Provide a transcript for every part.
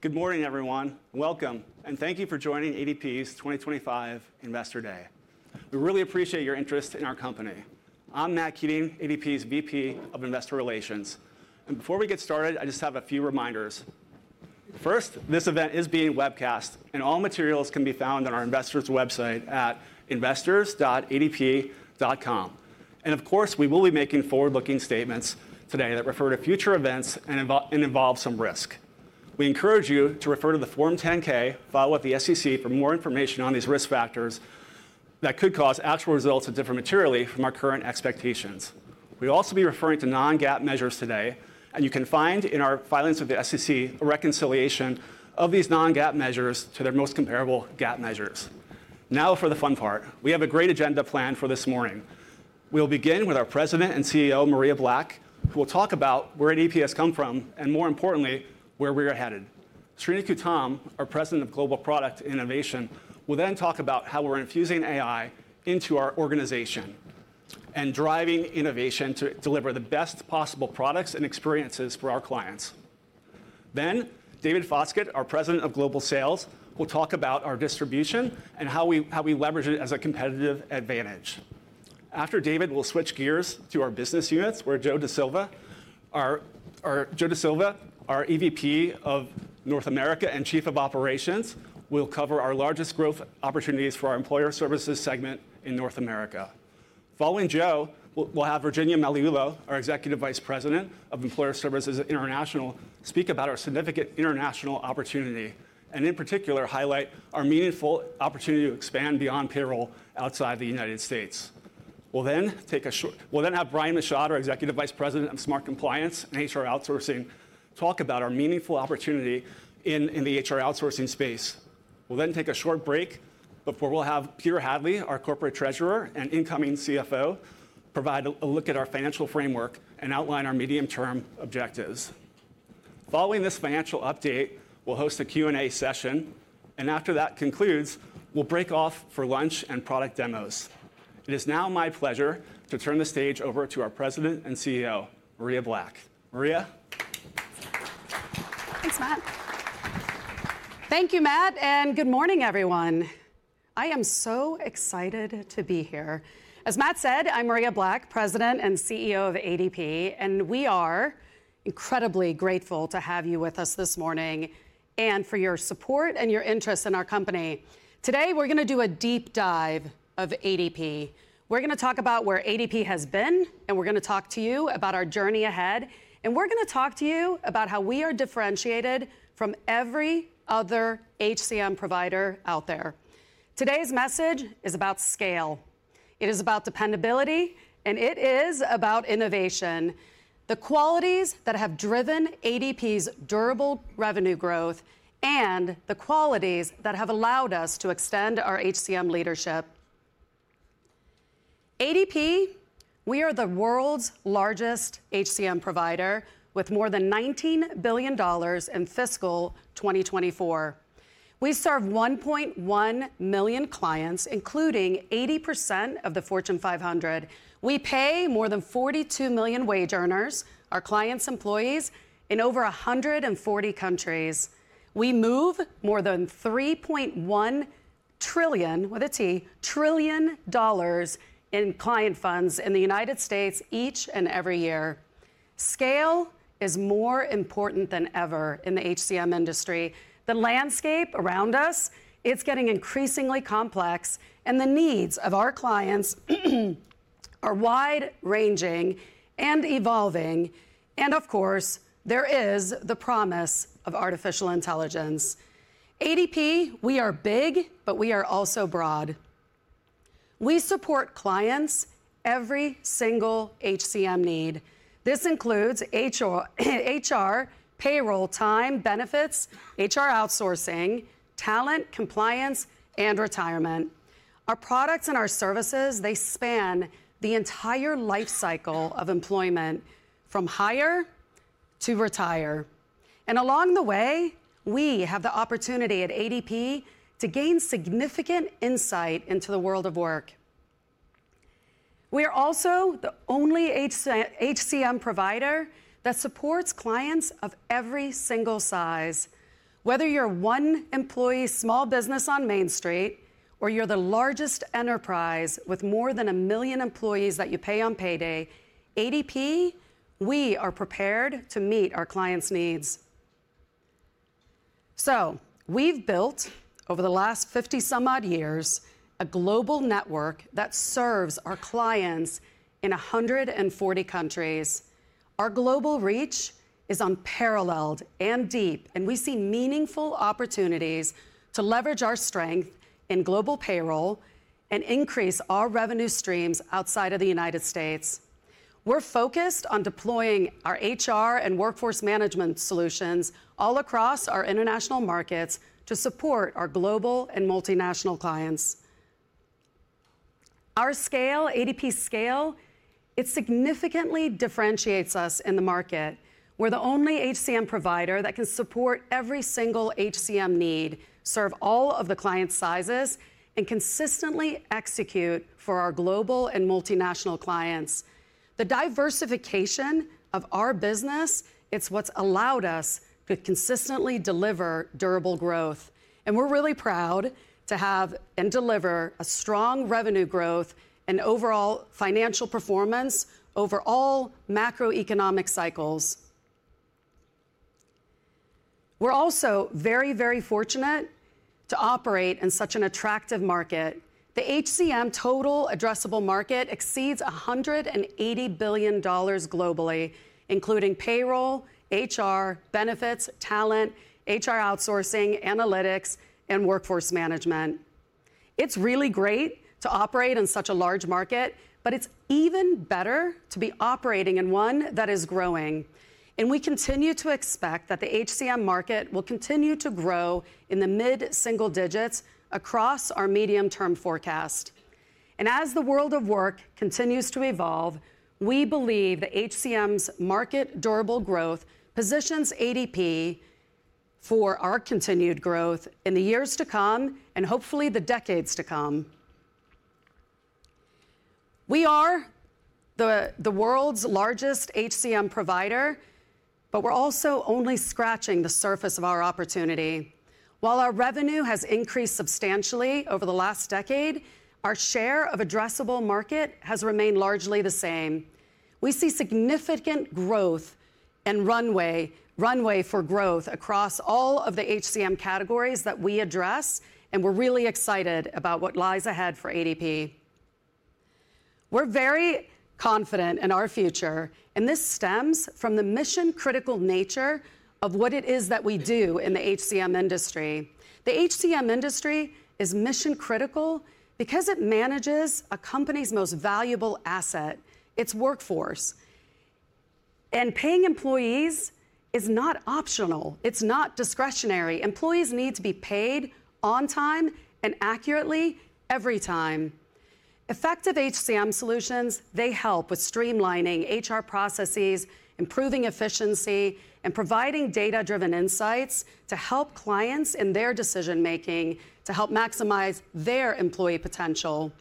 Good morning, everyone. Welcome, and thank you for joining ADP's 2025 Investor Day. We really appreciate your interest in our company. I'm Matt Keating, ADP's VP of Investor Relations. Before we get started, I just have a few reminders. First, this event is being webcast, and all materials can be found on our investors' website at investors.adp.com. Of course, we will be making forward-looking statements today that refer to future events and involve some risk. We encourage you to refer to the Form 10-K, follow up with the SEC for more information on these risk factors that could cause actual results that differ materially from our current expectations. We'll also be referring to non-GAAP measures today, and you can find in our filings with the SEC a reconciliation of these non-GAAP measures to their most comparable GAAP measures. Now for the fun part. We have a great agenda planned for this morning. We'll begin with our President and CEO, Maria Black, who will talk about where ADP has come from and, more importantly, where we are headed. Sreeni Kutam, our President of Global Product and Innovation, will then talk about how we're infusing AI into our organization and driving innovation to deliver the best possible products and experiences for our clients. Then, David Foskett, our President of Global Sales, will talk about our distribution and how we leverage it as a competitive advantage. After David, we'll switch gears to our business units, where Joe DeSilva, our EVP of North America and Chief of Operations, will cover our largest growth opportunities for our employer services segment in North America. Following Joe, we'll have Virginia Magliulo, our Executive Vice President of Employer Services International, speak about our significant international opportunity and, in particular, highlight our meaningful opportunity to expand beyond payroll outside the U.S. We'll then have Brian Michaud, our Executive Vice President of Smart Compliance and HR Outsourcing, talk about our meaningful opportunity in the HR Outsourcing space. We'll then take a short break before we'll have Peter Hadley, our Corporate Treasurer and incoming CFO, provide a look at our financial framework and outline our medium-term objectives. Following this financial update, we'll host a Q&A session, and after that concludes, we'll break off for lunch and product demos. It is now my pleasure to turn the stage over to our President and CEO, Maria Black. Maria? Thanks, Matt. Thank you, Matt, and good morning, everyone. I am so excited to be here. As Matt said, I'm Maria Black, President and CEO of ADP, and we are incredibly grateful to have you with us this morning and for your support and your interest in our company. Today, we're going to do a deep dive of ADP. We're going to talk about where ADP has been, and we're going to talk to you about our journey ahead, and we're going to talk to you about how we are differentiated from every other HCM provider out there. Today's message is about scale. It is about dependability, and it is about innovation, the qualities that have driven ADP's durable revenue growth, and the qualities that have allowed us to extend our HCM leadership. ADP, we are the world's largest HCM provider with more than $19 billion in fiscal 2024. We serve 1.1 million clients, including 80% of the Fortune 500. We pay more than 42 million wage earners, our clients' employees, in over 140 countries. We move more than $3.1 trillion in client funds in the United States each and every year. Scale is more important than ever in the HCM industry. The landscape around us, it's getting increasingly complex, and the needs of our clients are wide-ranging and evolving. Of course, there is the promise of artificial intelligence. ADP, we are big, but we are also broad. We support clients' every single HCM need. This includes HR, payroll, time, benefits, HR outsourcing, talent, compliance, and retirement. Our products and our services, they span the entire life cycle of employment from hire to retire. Along the way, we have the opportunity at ADP to gain significant insight into the world of work. We are also the only HCM provider that supports clients of every single size. Whether you're a one employee small business on Main Street or you're the largest enterprise with more than a million employees that you pay on payday, ADP, we are prepared to meet our clients' needs. We have built, over the last 50-some-odd years, a global network that serves our clients in 140 countries. Our global reach is unparalleled and deep, and we see meaningful opportunities to leverage our strength in global payroll and increase our revenue streams outside of the United States. We are focused on deploying our HR and workforce management solutions all across our international markets to support our global and multinational clients. Our scale, ADP scale, it significantly differentiates us in the market. We're the only HCM provider that can support every single HCM need, serve all of the client sizes, and consistently execute for our global and multinational clients. The diversification of our business, it's what's allowed us to consistently deliver durable growth. We're really proud to have and deliver a strong revenue growth and overall financial performance over all macroeconomic cycles. We're also very, very fortunate to operate in such an attractive market. The HCM total addressable market exceeds $180 billion globally, including payroll, HR, benefits, talent, HR outsourcing, analytics, and workforce management. It's really great to operate in such a large market, but it's even better to be operating in one that is growing. We continue to expect that the HCM market will continue to grow in the mid-single digits across our medium-term forecast. As the world of work continues to evolve, we believe that HCM's market durable growth positions ADP for our continued growth in the years to come and hopefully the decades to come. We are the world's largest HCM provider, but we're also only scratching the surface of our opportunity. While our revenue has increased substantially over the last decade, our share of addressable market has remained largely the same. We see significant growth and runway for growth across all of the HCM categories that we address, and we're really excited about what lies ahead for ADP. We're very confident in our future, and this stems from the mission-critical nature of what it is that we do in the HCM industry. The HCM industry is mission-critical because it manages a company's most valuable asset, its workforce. Paying employees is not optional. It's not discretionary. Employees need to be paid on time and accurately every time. Effective HCM solutions, they help with streamlining HR processes, improving efficiency, and providing data-driven insights to help clients in their decision-making to help maximize their employee potential.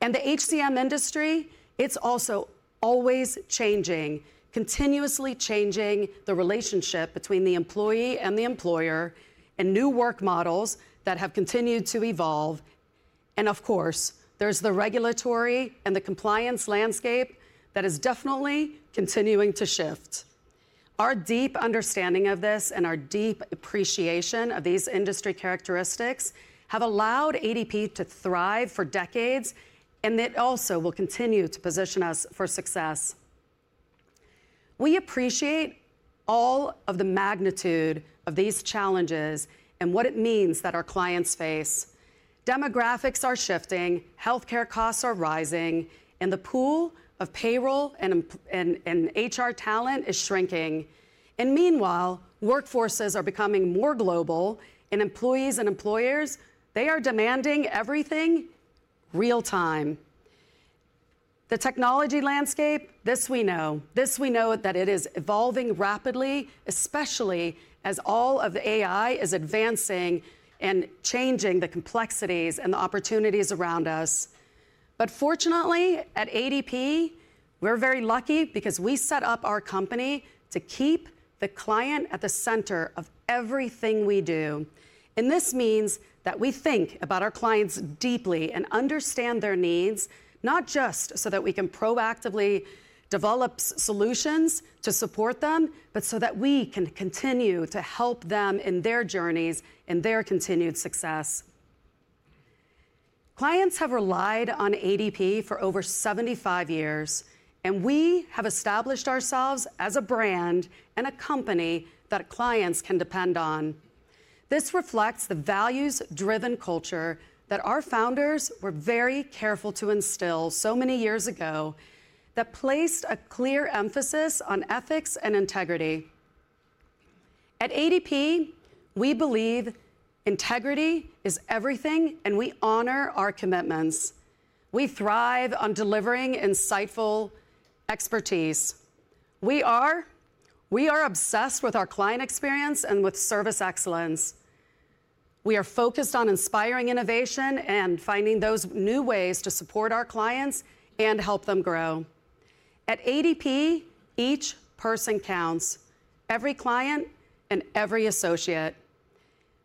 The HCM industry, it's also always changing, continuously changing the relationship between the employee and the employer and new work models that have continued to evolve. Of course, there's the regulatory and the compliance landscape that is definitely continuing to shift. Our deep understanding of this and our deep appreciation of these industry characteristics have allowed ADP to thrive for decades, and it also will continue to position us for success. We appreciate all of the magnitude of these challenges and what it means that our clients face. Demographics are shifting, healthcare costs are rising, and the pool of payroll and HR talent is shrinking. Meanwhile, workforces are becoming more global, and employees and employers, they are demanding everything real-time. The technology landscape, this we know. This we know that it is evolving rapidly, especially as all of the AI is advancing and changing the complexities and the opportunities around us. Fortunately, at ADP, we're very lucky because we set up our company to keep the client at the center of everything we do. This means that we think about our clients deeply and understand their needs, not just so that we can proactively develop solutions to support them, but so that we can continue to help them in their journeys and their continued success. Clients have relied on ADP for over 75 years, and we have established ourselves as a brand and a company that clients can depend on. This reflects the values-driven culture that our founders were very careful to instill so many years ago that placed a clear emphasis on ethics and integrity. At ADP, we believe integrity is everything, and we honor our commitments. We thrive on delivering insightful expertise. We are obsessed with our client experience and with service excellence. We are focused on inspiring innovation and finding those new ways to support our clients and help them grow. At ADP, each person counts, every client and every associate.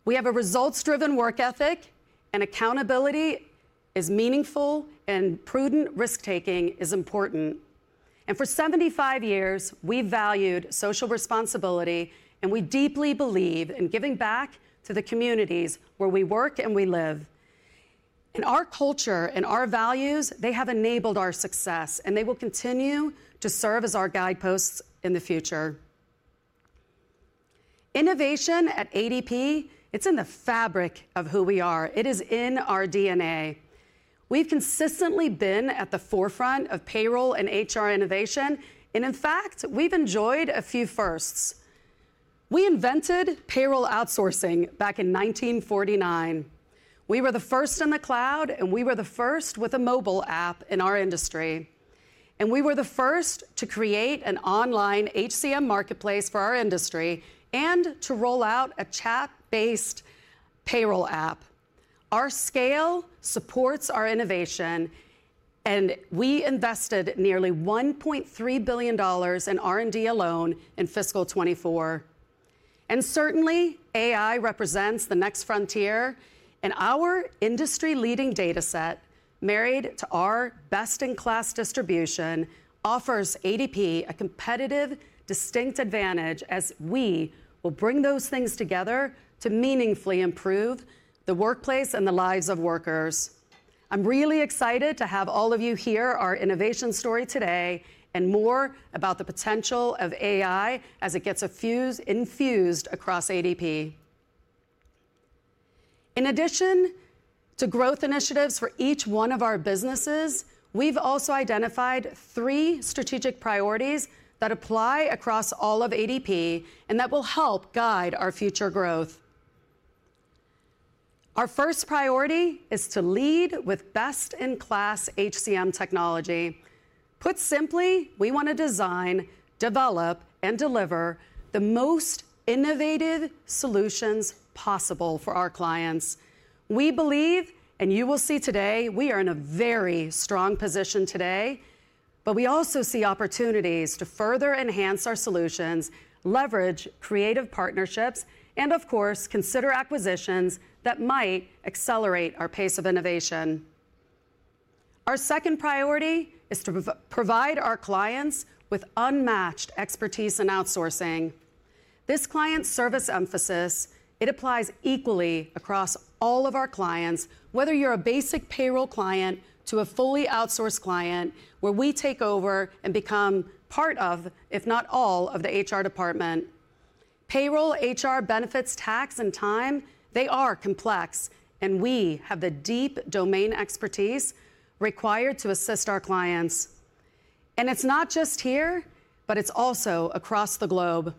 We have a results-driven work ethic, and accountability is meaningful, and prudent risk-taking is important. For 75 years, we've valued social responsibility, and we deeply believe in giving back to the communities where we work and we live. Our culture and our values, they have enabled our success, and they will continue to serve as our guideposts in the future. Innovation at ADP, it's in the fabric of who we are. It is in our DNA. We've consistently been at the forefront of payroll and HR innovation, and in fact, we've enjoyed a few firsts. We invented payroll outsourcing back in 1949. We were the first in the cloud, and we were the first with a mobile app in our industry. We were the first to create an online HCM marketplace for our industry and to roll out a chat-based payroll app. Our scale supports our innovation, and we invested nearly $1.3 billion in R&D alone in fiscal 2024. Certainly, AI represents the next frontier, and our industry-leading data set, married to our best-in-class distribution, offers ADP a competitive, distinct advantage as we will bring those things together to meaningfully improve the workplace and the lives of workers. I'm really excited to have all of you hear our innovation story today and more about the potential of AI as it gets infused across ADP. In addition to growth initiatives for each one of our businesses, we've also identified three strategic priorities that apply across all of ADP and that will help guide our future growth. Our first priority is to lead with best-in-class HCM technology. Put simply, we want to design, develop, and deliver the most innovative solutions possible for our clients. We believe, and you will see today, we are in a very strong position today, but we also see opportunities to further enhance our solutions, leverage creative partnerships, and of course, consider acquisitions that might accelerate our pace of innovation. Our second priority is to provide our clients with unmatched expertise in outsourcing. This client service emphasis, it applies equally across all of our clients, whether you're a basic payroll client to a fully outsourced client, where we take over and become part of, if not all, of the HR department. Payroll, HR, benefits, tax, and time, they are complex, and we have the deep domain expertise required to assist our clients. It is not just here, but it is also across the globe.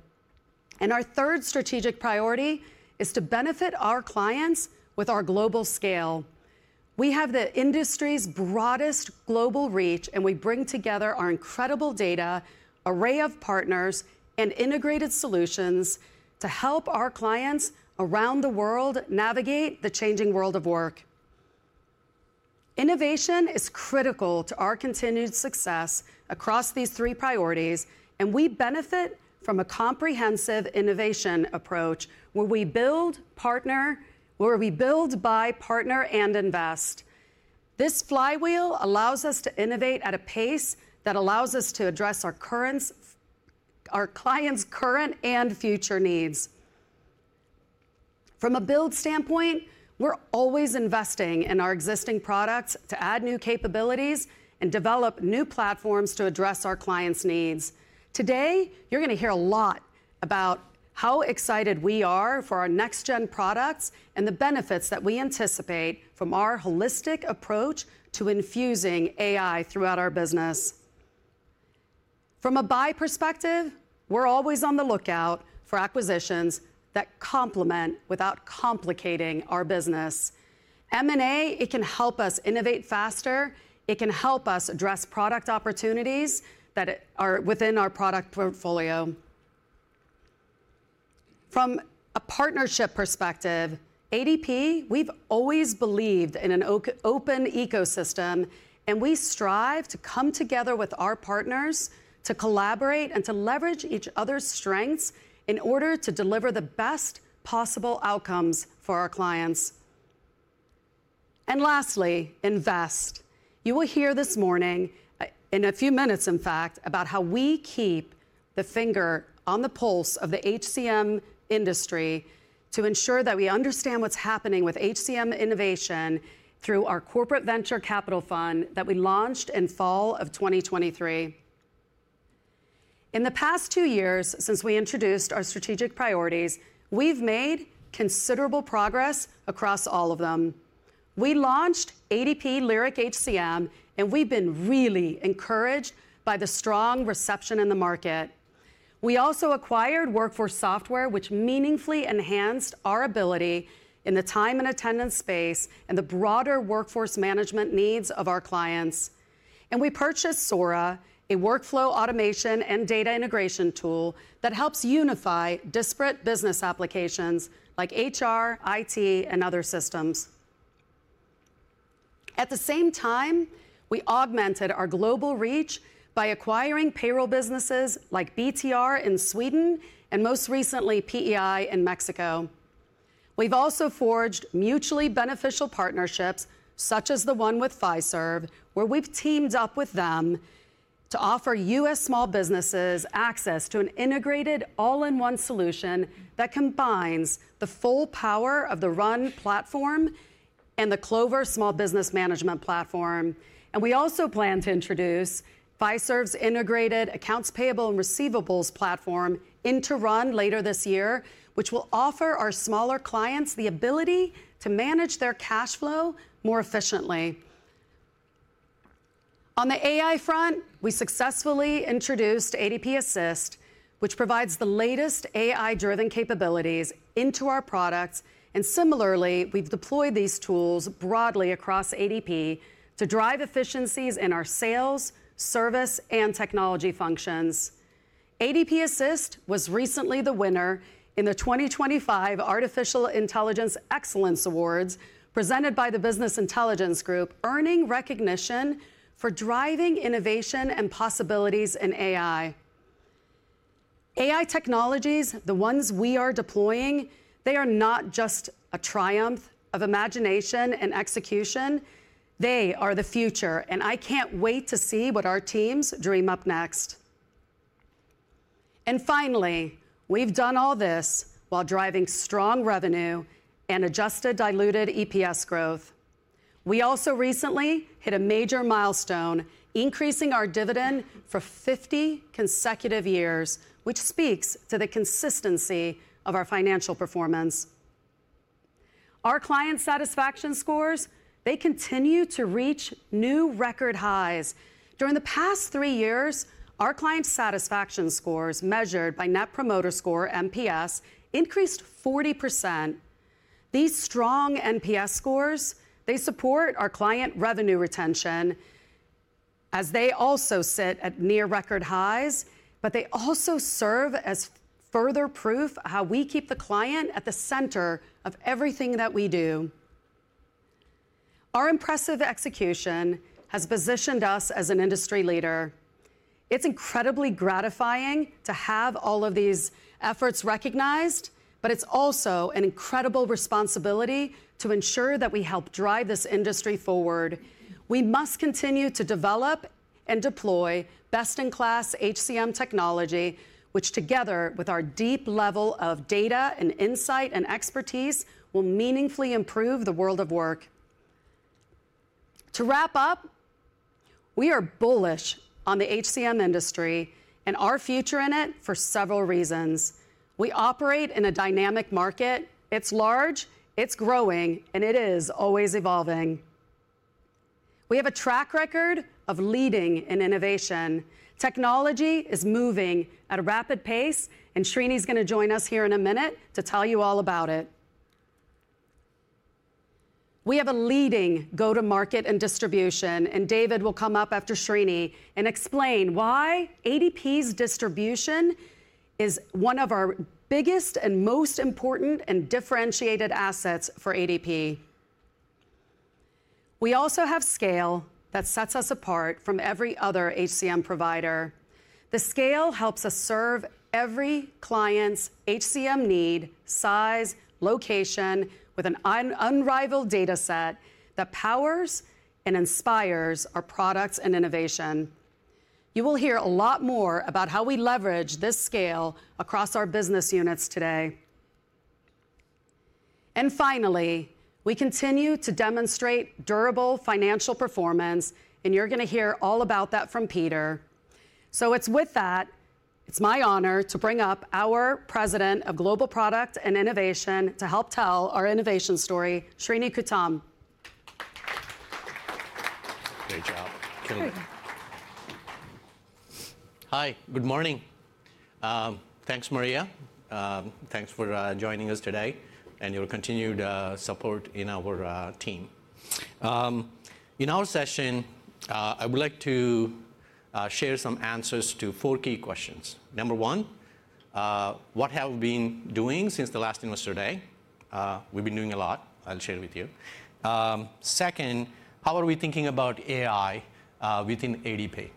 Our third strategic priority is to benefit our clients with our global scale. We have the industry's broadest global reach, and we bring together our incredible data, array of partners, and integrated solutions to help our clients around the world navigate the changing world of work. Innovation is critical to our continued success across these three priorities, and we benefit from a comprehensive innovation approach where we build, buy, partner, and invest. This flywheel allows us to innovate at a pace that allows us to address our clients' current and future needs. From a build standpoint, we're always investing in our existing products to add new capabilities and develop new platforms to address our clients' needs. Today, you're going to hear a lot about how excited we are for our next-gen products and the benefits that we anticipate from our holistic approach to infusing AI throughout our business. From a buy perspective, we're always on the lookout for acquisitions that complement without complicating our business. M&A, it can help us innovate faster. It can help us address product opportunities that are within our product portfolio. From a partnership perspective, ADP, we've always believed in an open ecosystem, and we strive to come together with our partners to collaborate and to leverage each other's strengths in order to deliver the best possible outcomes for our clients. Lastly, invest. You will hear this morning, in a few minutes, in fact, about how we keep the finger on the pulse of the HCM industry to ensure that we understand what's happening with HCM innovation through our corporate venture capital fund that we launched in fall of 2023. In the past two years since we introduced our strategic priorities, we've made considerable progress across all of them. We launched ADP Lyric HCM, and we've been really encouraged by the strong reception in the market. We also acquired WorkForce Software, which meaningfully enhanced our ability in the time and attendance space and the broader workforce management needs of our clients. We purchased Sora, a workflow automation and data integration tool that helps unify disparate business applications like HR, IT, and other systems. At the same time, we augmented our global reach by acquiring payroll businesses like BTR in Sweden and most recently PEI in Mexico. We have also forged mutually beneficial partnerships, such as the one with Fiserv, where we have teamed up with them to offer U.S. small businesses access to an integrated all-in-one solution that combines the full power of the Run platform and the Clover small business management platform. We also plan to introduce Fiserv's integrated accounts payable and receivables platform into Run later this year, which will offer our smaller clients the ability to manage their cash flow more efficiently. On the AI front, we successfully introduced ADP Assist, which provides the latest AI-driven capabilities into our products. Similarly, we've deployed these tools broadly across ADP to drive efficiencies in our sales, service, and technology functions. ADP Assist was recently the winner in the 2025 Artificial Intelligence Excellence Awards presented by the Business Intelligence Group, earning recognition for driving innovation and possibilities in AI. AI technologies, the ones we are deploying, they are not just a triumph of imagination and execution. They are the future, and I can't wait to see what our teams dream up next. Finally, we've done all this while driving strong revenue and adjusted diluted EPS growth. We also recently hit a major milestone, increasing our dividend for 50 consecutive years, which speaks to the consistency of our financial performance. Our client satisfaction scores, they continue to reach new record highs. During the past three years, our client satisfaction scores measured by Net Promoter Score NPS increased 40%. These strong NPS scores, they support our client revenue retention as they also sit at near record highs, but they also serve as further proof of how we keep the client at the center of everything that we do. Our impressive execution has positioned us as an industry leader. It's incredibly gratifying to have all of these efforts recognized, but it's also an incredible responsibility to ensure that we help drive this industry forward. We must continue to develop and deploy best-in-class HCM technology, which together with our deep level of data and insight and expertise will meaningfully improve the world of work. To wrap up, we are bullish on the HCM industry and our future in it for several reasons. We operate in a dynamic market. It's large, it's growing, and it is always evolving. We have a track record of leading in innovation. Technology is moving at a rapid pace, and Sreeni is going to join us here in a minute to tell you all about it. We have a leading go-to-market and distribution, and David will come up after Sreeni and explain why ADP's distribution is one of our biggest and most important and differentiated assets for ADP. We also have scale that sets us apart from every other HCM provider. The scale helps us serve every client's HCM need, size, location, with an unrivaled data set that powers and inspires our products and innovation. You will hear a lot more about how we leverage this scale across our business units today. Finally, we continue to demonstrate durable financial performance, and you're going to hear all about that from Peter. It's my honor to bring up our President of Global Product and Innovation to help tell our innovation story, Sreeni Kutam. Great job. Hi, good morning. Thanks, Maria. Thanks for joining us today and your continued support in our team. In our session, I would like to share some answers to four key questions. Number one, what have we been doing since the last investor day? We've been doing a lot. I'll share it with you. Second, how are we thinking about AI within ADP?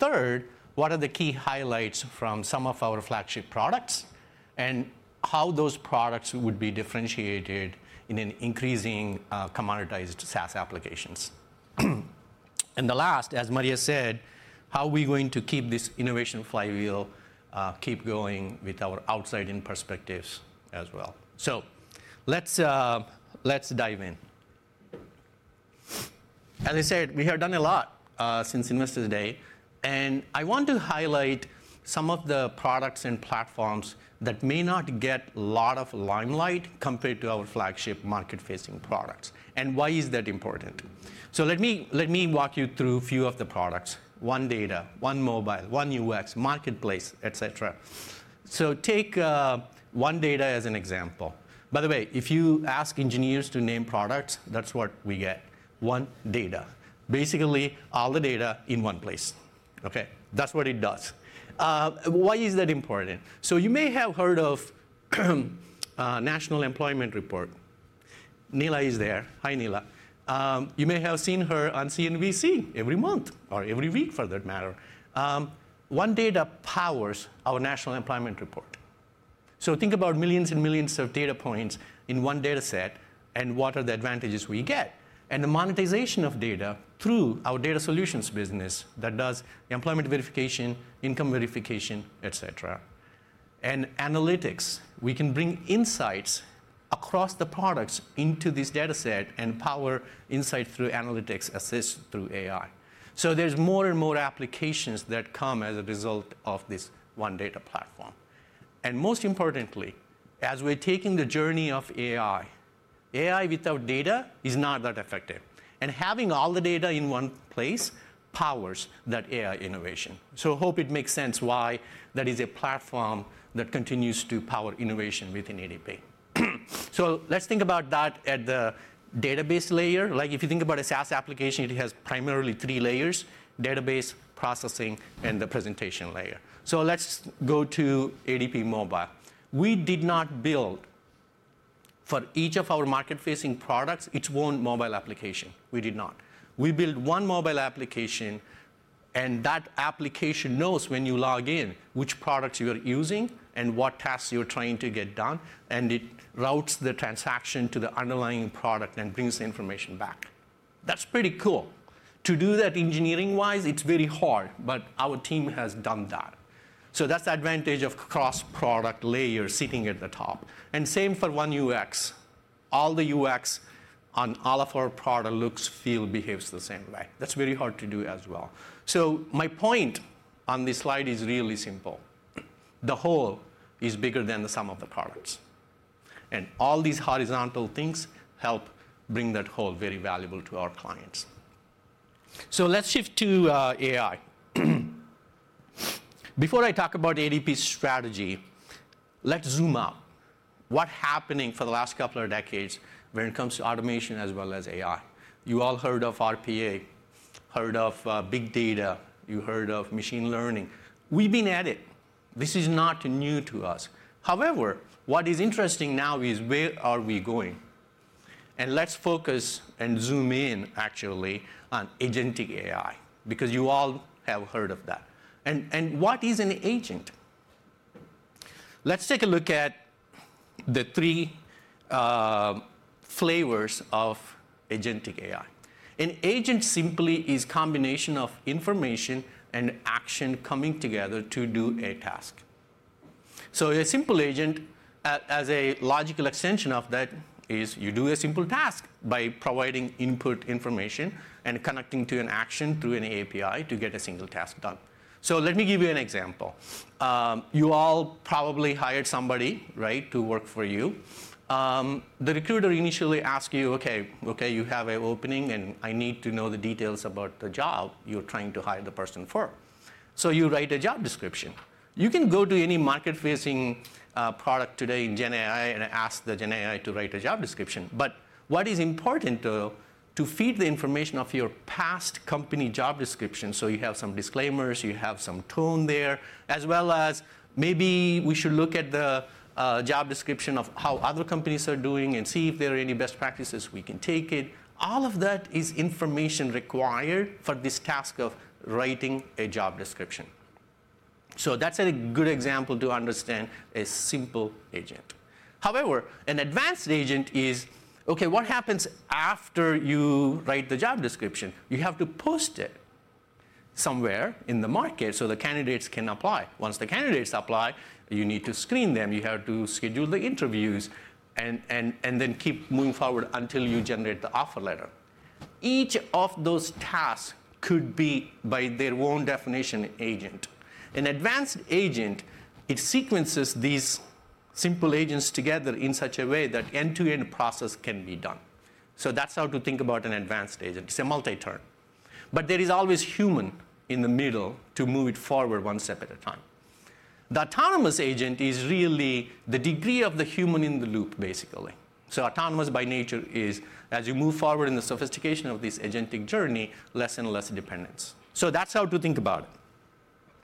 Third, what are the key highlights from some of our flagship products and how those products would be differentiated in an increasing commoditized SaaS applications? The last, as Maria said, how are we going to keep this innovation flywheel keep going with our outside-in perspectives as well? Let's dive in. As I said, we have done a lot since investor day, and I want to highlight some of the products and platforms that may not get a lot of limelight compared to our flagship market-facing products. Why is that important? Let me walk you through a few of the products: OneData, OneMobile, OneUX, Marketplace, et cetera. Take OneData as an example. By the way, if you ask engineers to name products, that's what we get: OneData. Basically, all the data in one place. Okay, that's what it does. Why is that important? You may have heard of the National Employment Report. Neela is there. Hi, Neela. You may have seen her on CNBC every month or every week, for that matter. OneData powers our National Employment Report. Think about millions and millions of data points in one data set and what are the advantages we get and the monetization of data through our data solutions business that does employment verification, income verification, et cetera. Analytics, we can bring insights across the products into this data set and power insight through analytics assist through AI. There are more and more applications that come as a result of this OneData platform. Most importantly, as we are taking the journey of AI, AI without data is not that effective. Having all the data in one place powers that AI innovation. I hope it makes sense why that is a platform that continues to power innovation within ADP. Think about that at the database layer. If you think about a SaaS application, it has primarily three layers: database, processing, and the presentation layer. Let's go to ADP Mobile. We did not build for each of our market-facing products its own mobile application. We did not. We built one mobile application, and that application knows when you log in which products you are using and what tasks you're trying to get done. It routes the transaction to the underlying product and brings the information back. That's pretty cool. To do that engineering-wise, it's very hard, but our team has done that. That's the advantage of cross-product layers sitting at the top. Same for OneUX. All the UX on all of our product looks, feels, behaves the same way. That's very hard to do as well. My point on this slide is really simple. The whole is bigger than the sum of the products. All these horizontal things help bring that whole very valuable to our clients. Let's shift to AI. Before I talk about ADP's strategy, let's zoom out. What's happening for the last couple of decades when it comes to automation as well as AI? You all heard of RPA, heard of big data, you heard of machine learning. We've been at it. This is not new to us. However, what is interesting now is where are we going? Let's focus and zoom in actually on agentic AI because you all have heard of that. What is an agent? Let's take a look at the three flavors of agentic AI. An agent simply is a combination of information and action coming together to do a task. A simple agent, as a logical extension of that, is you do a simple task by providing input information and connecting to an action through an API to get a single task done. Let me give you an example. You all probably hired somebody to work for you. The recruiter initially asks you, "Okay, you have an opening and I need to know the details about the job you're trying to hire the person for." You write a job description. You can go to any market-facing product today in GenAI and ask GenAI to write a job description. What is important is to feed the information of your past company job description. You have some disclaimers, you have some tone there, as well as maybe we should look at the job description of how other companies are doing and see if there are any best practices we can take. All of that is information required for this task of writing a job description. That's a good example to understand a simple agent. However, an advanced agent is, "Okay, what happens after you write the job description?" You have to post it somewhere in the market so the candidates can apply. Once the candidates apply, you need to screen them. You have to schedule the interviews and then keep moving forward until you generate the offer letter. Each of those tasks could be, by their own definition, an agent. An advanced agent, it sequences these simple agents together in such a way that end-to-end process can be done. That is how to think about an advanced agent. It is a multi-term. There is always a human in the middle to move it forward one step at a time. The autonomous agent is really the degree of the human in the loop, basically. Autonomous by nature is, as you move forward in the sophistication of this agentic journey, less and less dependence. That's how to think about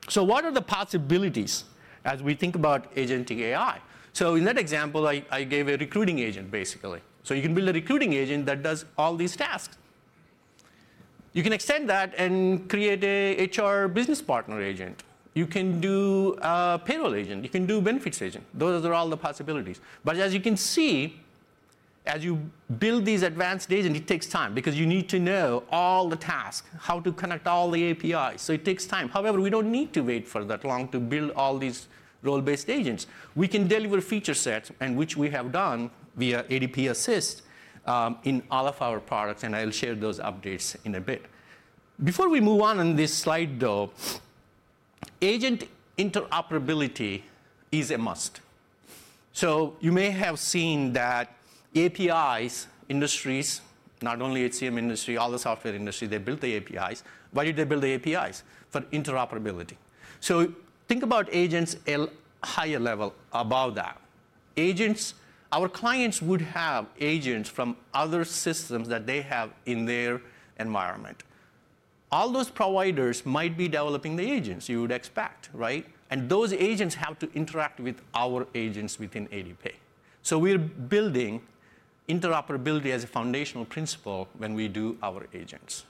it. What are the possibilities as we think about agentic AI? In that example, I gave a recruiting agent, basically. You can build a recruiting agent that does all these tasks. You can extend that and create an HR business partner agent. You can do a payroll agent. You can do a benefits agent. Those are all the possibilities. As you can see, as you build these advanced agents, it takes time because you need to know all the tasks, how to connect all the APIs. It takes time. However, we don't need to wait for that long to build all these role-based agents. We can deliver feature sets, which we have done via ADP Assist in all of our products, and I'll share those updates in a bit. Before we move on on this slide, though, agent interoperability is a must. You may have seen that APIs, industries, not only HCM industry, all the software industry, they built the APIs. Why did they build the APIs? For interoperability. Think about agents at a higher level above that. Our clients would have agents from other systems that they have in their environment. All those providers might be developing the agents, you would expect, right? Those agents have to interact with our agents within ADP. We are building interoperability as a foundational principle when we do our agents.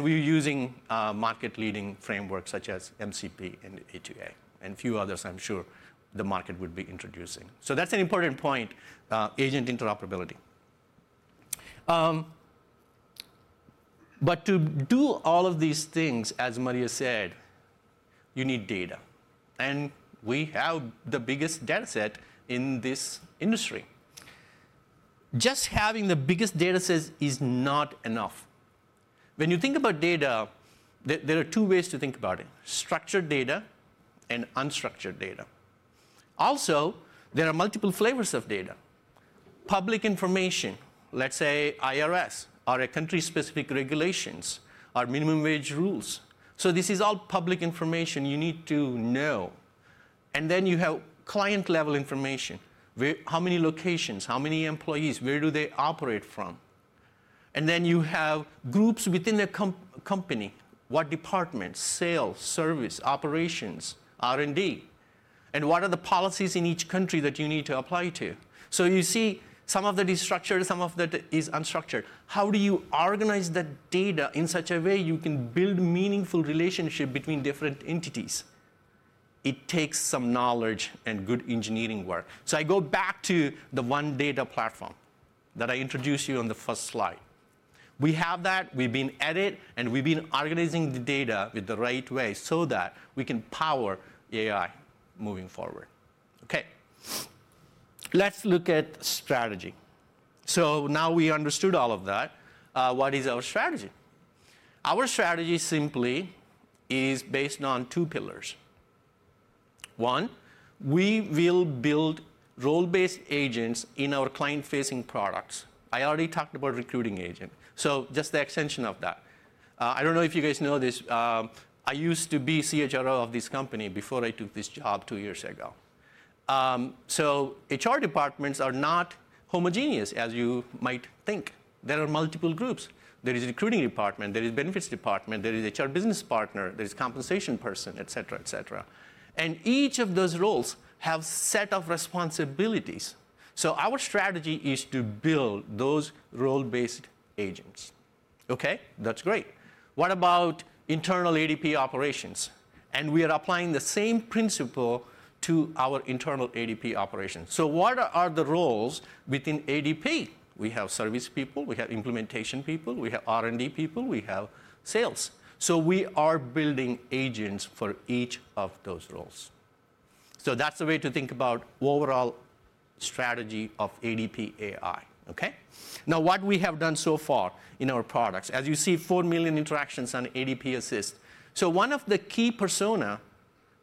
We are using market-leading frameworks such as MCP and A2A and a few others I am sure the market would be introducing. That is an important point, agent interoperability. To do all of these things, as Maria said, you need data. We have the biggest data set in this industry. Just having the biggest data sets is not enough. When you think about data, there are two ways to think about it: structured data and unstructured data. Also, there are multiple flavors of data. Public information, let's say IRS or country-specific regulations or minimum wage rules. This is all public information you need to know. You have client-level information. How many locations? How many employees? Where do they operate from? You have groups within the company. What departments? Sales, service, operations, R&D. What are the policies in each country that you need to apply to? You see some of that is structured, some of that is unstructured. How do you organize that data in such a way you can build meaningful relationships between different entities? It takes some knowledge and good engineering work. I go back to the OneData platform that I introduced to you on the first slide. We have that. We've been at it, and we've been organizing the data in the right way so that we can power AI moving forward. Okay, let's look at strategy. Now we understood all of that. What is our strategy? Our strategy simply is based on two pillars. One, we will build role-based agents in our client-facing products. I already talked about recruiting agents. Just the extension of that. I do not know if you guys know this. I used to be CHRO of this company before I took this job two years ago. HR departments are not homogeneous, as you might think. There are multiple groups. There is a recruiting department. There is a benefits department. There is an HR business partner. There is a compensation person, et cetera, et cetera. Each of those roles has a set of responsibilities. Our strategy is to build those role-based agents. Okay, that's great. What about internal ADP operations? We are applying the same principle to our internal ADP operations. What are the roles within ADP? We have service people. We have implementation people. We have R&D people. We have sales. We are building agents for each of those roles. That is the way to think about the overall strategy of ADP AI. What we have done so far in our products, as you see, 4 million interactions on ADP Assist. One of the key personas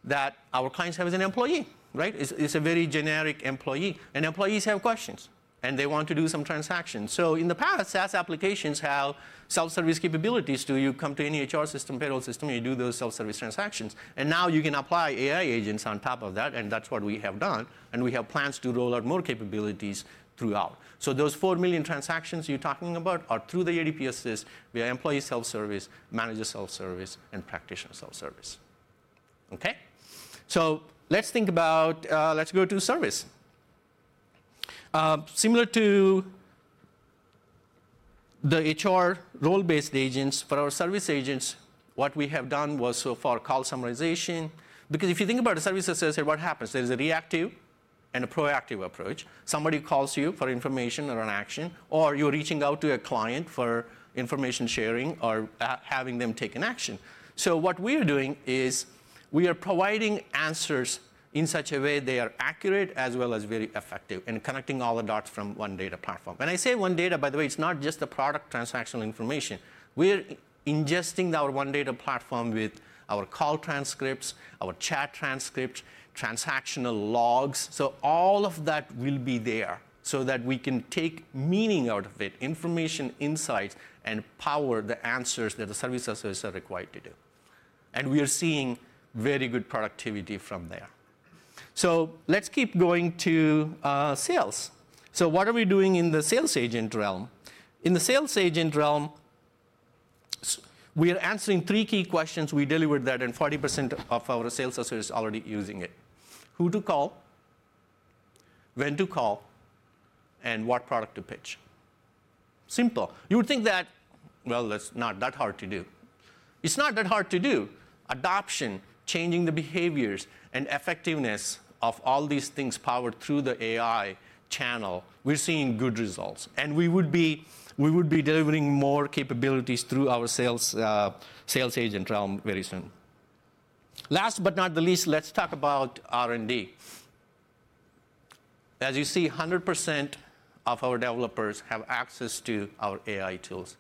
that our clients have is an employee. It is a very generic employee. Employees have questions, and they want to do some transactions. In the past, SaaS applications had self-service capabilities. You come to any HR system, payroll system, you do those self-service transactions. Now you can apply AI agents on top of that, and that's what we have done. We have plans to roll out more capabilities throughout. Those 4 million transactions you're talking about are through the ADP Assist via employee self-service, manager self-service, and practitioner self-service. Okay, let's think about, let's go to service. Similar to the HR role-based agents, for our service agents, what we have done was so far call summarization. Because if you think about a service associate, what happens? There's a reactive and a proactive approach. Somebody calls you for information or an action, or you're reaching out to a client for information sharing or having them take an action. What we are doing is we are providing answers in such a way they are accurate as well as very effective and connecting all the dots from OneData platform. When I say OneData, by the way, it's not just the product transactional information. We're ingesting our OneData platform with our call transcripts, our chat transcripts, transactional logs. All of that will be there so that we can take meaning out of it, information, insights, and power the answers that the service associates are required to do. We are seeing very good productivity from there. Let's keep going to sales. What are we doing in the sales agent realm? In the sales agent realm, we are answering three key questions. We delivered that, and 40% of our sales associates are already using it: who to call, when to call, and what product to pitch. Simple. You would think that, well, that's not that hard to do. It's not that hard to do. Adoption, changing the behaviors, and effectiveness of all these things powered through the AI channel, we're seeing good results. We would be delivering more capabilities through our sales agent realm very soon. Last but not the least, let's talk about R&D. As you see, 100% of our developers have access to our AI tools.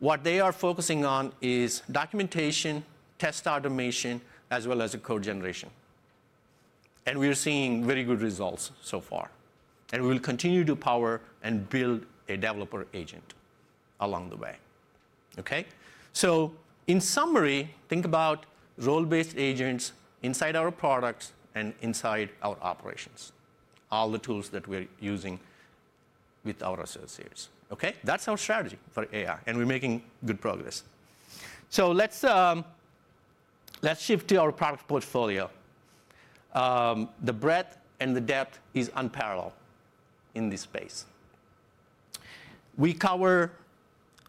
What they are focusing on is documentation, test automation, as well as code generation. We're seeing very good results so far. We will continue to power and build a developer agent along the way. Okay, in summary, think about role-based agents inside our products and inside our operations, all the tools that we're using with our associates. Okay, that's our strategy for AI, and we're making good progress. Let's shift to our product portfolio. The breadth and the depth are unparalleled in this space. We cover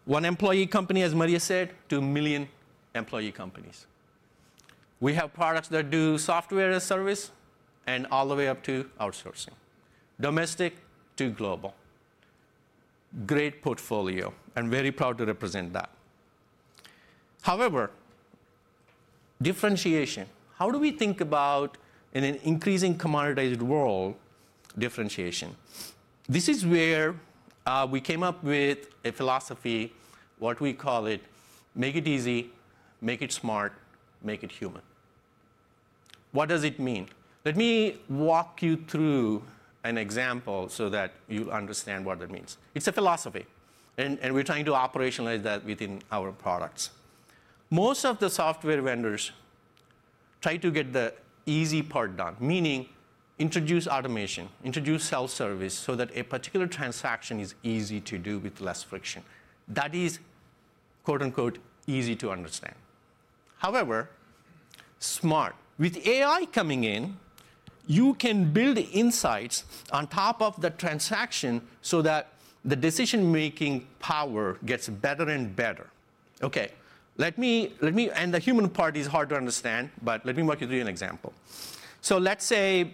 one employee company, as Maria said, to a million employee companies. We have products that do software as a service and all the way up to outsourcing, domestic to global. Great portfolio, and very proud to represent that. However, differentiation. How do we think about, in an increasing commoditized world, differentiation? This is where we came up with a philosophy, what we call it, make it easy, make it smart, make it human. What does it mean? Let me walk you through an example so that you understand what that means. It's a philosophy, and we're trying to operationalize that within our products. Most of the software vendors try to get the easy part done, meaning introduce automation, introduce self-service so that a particular transaction is easy to do with less friction. That is, quote-unquote, "easy to understand." However, smart. With AI coming in, you can build insights on top of the transaction so that the decision-making power gets better and better. Okay, and the human part is hard to understand, but let me walk you through an example. Let's say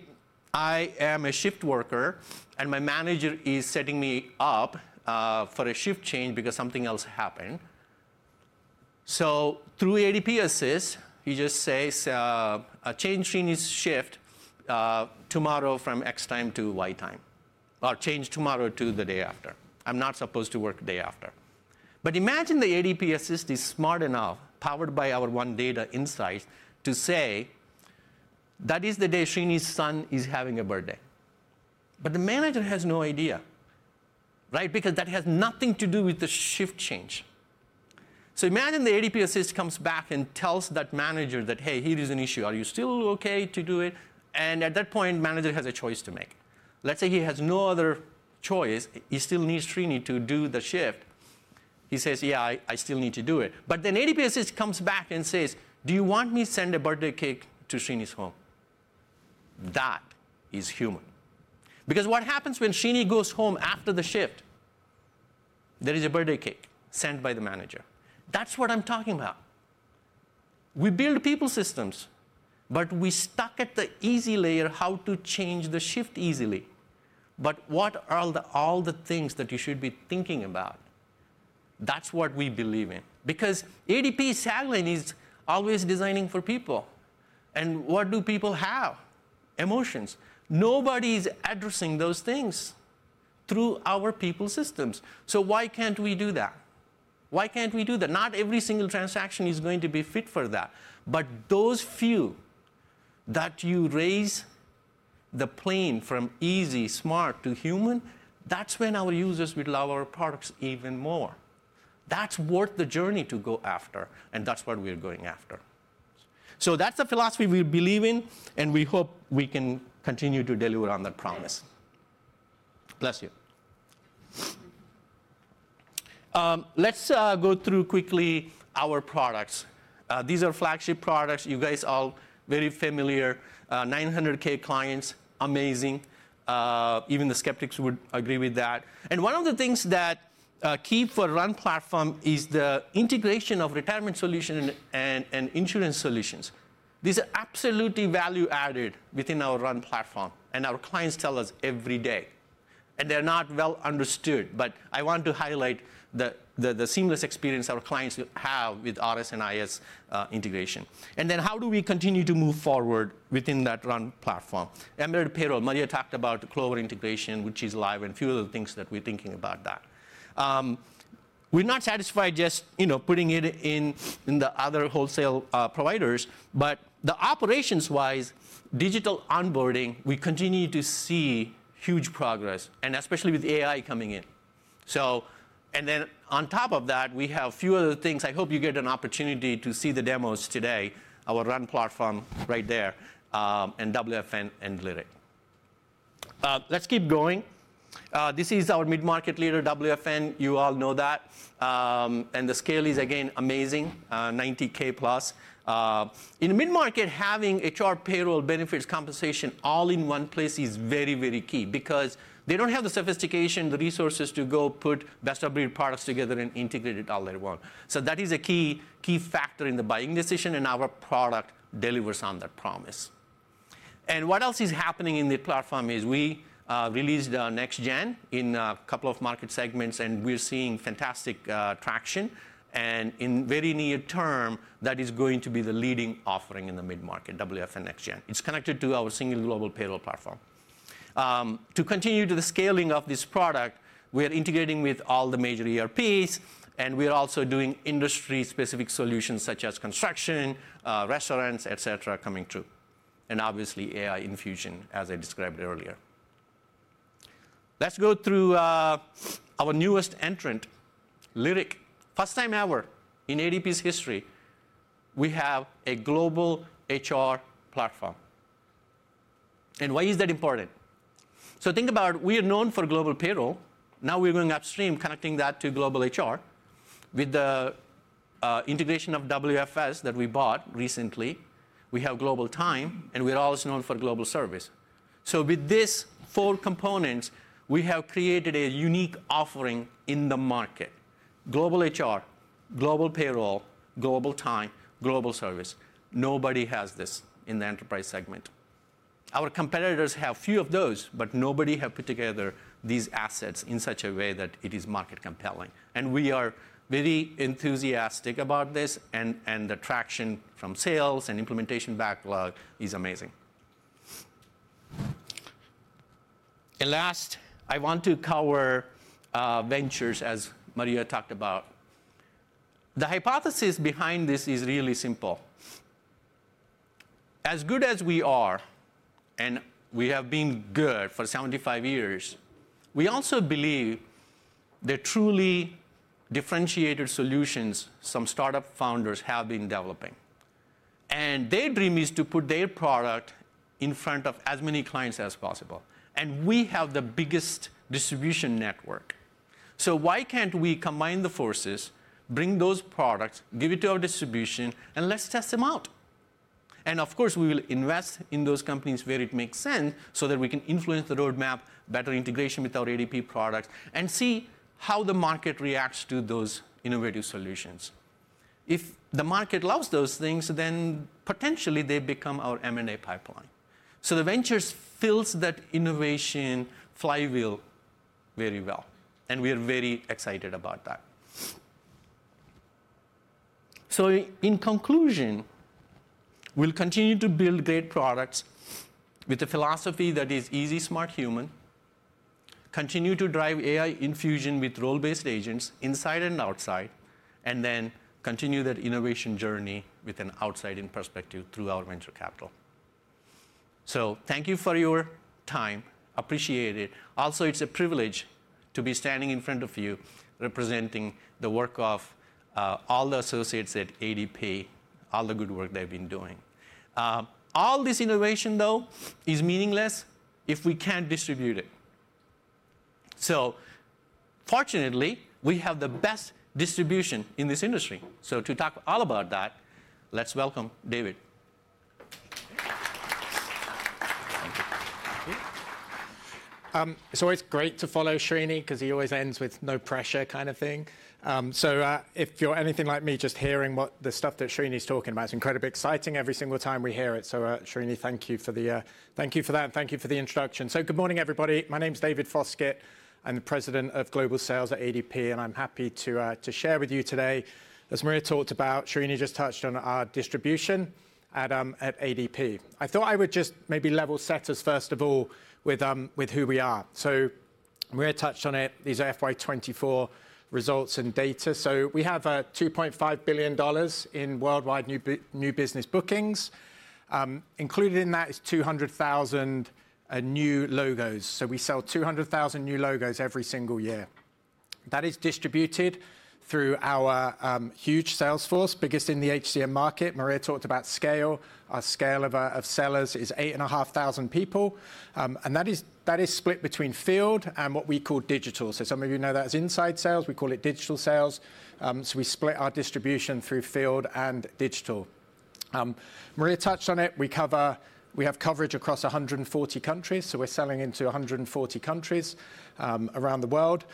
I am a shift worker, and my manager is setting me up for a shift change because something else happened. Through ADP Assist, you just say, "Change screen is shift tomorrow from X time to Y time," or, "Change tomorrow to the day after." I'm not supposed to work the day after. Imagine the ADP Assist is smart enough, powered by our OneData insights, to say, "That is the day Sreeni's son is having a birthday." The manager has no idea, right? Because that has nothing to do with the shift change. Imagine the ADP Assist comes back and tells that manager, "Hey, here is an issue. Are you still OK to do it?" At that point, the manager has a choice to make. Let's say he has no other choice. He still needs Sreeni to do the shift. He says, "Yeah, I still need to do it." Then ADP Assist comes back and says, "Do you want me to send a birthday cake to Sreeni's home?" That is human. Because what happens when Sreeni goes home after the shift? There is a birthday cake sent by the manager. That is what I'm talking about. We build people systems, but we're stuck at the easy layer, how to change the shift easily. What are all the things that you should be thinking about? That's what we believe in. Because ADP is always designing for people. And what do people have? Emotions. Nobody is addressing those things through our people systems. Why can't we do that? Not every single transaction is going to be fit for that. But those few that you raise the plane from easy, smart, to human, that's when our users will love our products even more. That's worth the journey to go after, and that's what we're going after. That's the philosophy we believe in, and we hope we can continue to deliver on that promise. Bless you. Let's go through quickly our products. These are flagship products. You guys are all very familiar. 900,000 clients, amazing. Even the skeptics would agree with that. One of the things that are key for the Run platform is the integration of retirement solutions and insurance solutions. These are absolutely value-added within our Run platform, and our clients tell us every day. They're not well understood, but I want to highlight the seamless experience our clients have with RS and IS integration. How do we continue to move forward within that Run platform? Embedded payroll. Maria talked about the Clover integration, which is live, and a few other things that we're thinking about that. We're not satisfied just putting it in the other wholesale providers. Operations-wise, digital onboarding, we continue to see huge progress, especially with AI coming in. On top of that, we have a few other things. I hope you get an opportunity to see the demos today, our Run platform right there, and WFN and Lyric. Let's keep going. This is our mid-market leader, WFN. You all know that. The scale is, again, amazing, 90,000+. In mid-market, having HR payroll benefits compensation all in one place is very, very key because they don't have the sophistication, the resources to go put best-of-breed products together and integrate it all at once. That is a key factor in the buying decision, and our product delivers on that promise. What else is happening in the platform is we released NextGen in a couple of market segments, and we're seeing fantastic traction. In very near term, that is going to be the leading offering in the mid-market, WFN NextGen. It's connected to our single global payroll platform. To continue to the scaling of this product, we are integrating with all the major ERPs, and we are also doing industry-specific solutions such as construction, restaurants, et cetera, coming through. Obviously, AI infusion, as I described earlier. Let's go through our newest entrant, Lyric. First time ever in ADP's history, we have a global HR platform. Why is that important? Think about it. We are known for global payroll. Now we're going upstream, connecting that to global HR with the integration of WFS that we bought recently. We have global time, and we're also known for global service. With these four components, we have created a unique offering in the market: global HR, global payroll, global time, global service. Nobody has this in the enterprise segment. Our competitors have a few of those, but nobody has put together these assets in such a way that it is market compelling. We are very enthusiastic about this, and the traction from sales and implementation backlog is amazing. Last, I want to cover ventures, as Maria talked about. The hypothesis behind this is really simple. As good as we are, and we have been good for 75 years, we also believe there are truly differentiated solutions some startup founders have been developing. Their dream is to put their product in front of as many clients as possible. We have the biggest distribution network. Why cannot we combine the forces, bring those products, give it to our distribution, and let's test them out? Of course, we will invest in those companies where it makes sense so that we can influence the roadmap, better integration with our ADP products, and see how the market reacts to those innovative solutions. If the market loves those things, then potentially they become our M&A pipeline. The ventures fill that innovation flywheel very well, and we are very excited about that. In conclusion, we will continue to build great products with a philosophy that is easy, smart, human, continue to drive AI infusion with role-based agents inside and outside, and then continue that innovation journey with an outside-in perspective through our venture capital. Thank you for your time. Appreciate it. Also, it is a privilege to be standing in front of you representing the work of all the associates at ADP, all the good work they have been doing. All this innovation, though, is meaningless if we can't distribute it. Fortunately, we have the best distribution in this industry. To talk all about that, let's welcome David. It's always great to follow Sreeni because he always ends with no pressure kind of thing. If you're anything like me, just hearing what the stuff that Sreeni is talking about is incredibly exciting every single time we hear it. Sreeni, thank you for that, and thank you for the introduction. Good morning, everybody. My name is David Foskett. I'm the President of Global Sales at ADP, and I'm happy to share with you today, as Maria talked about, Sreeni just touched on our distribution at ADP. I thought I would just maybe level set us, first of all, with who we are. Maria touched on it. These are FY 2024 results and data. We have $2.5 billion in worldwide new business bookings. Included in that is 200,000 new logos. We sell 200,000 new logos every single year. That is distributed through our huge sales force, biggest in the HCM market. Maria talked about scale. Our scale of sellers is 8,500 people. That is split between field and what we call digital. Some of you know that as inside sales. We call it digital sales. We split our distribution through field and digital. Maria touched on it. We have coverage across 140 countries. We are selling into 140 countries around the world.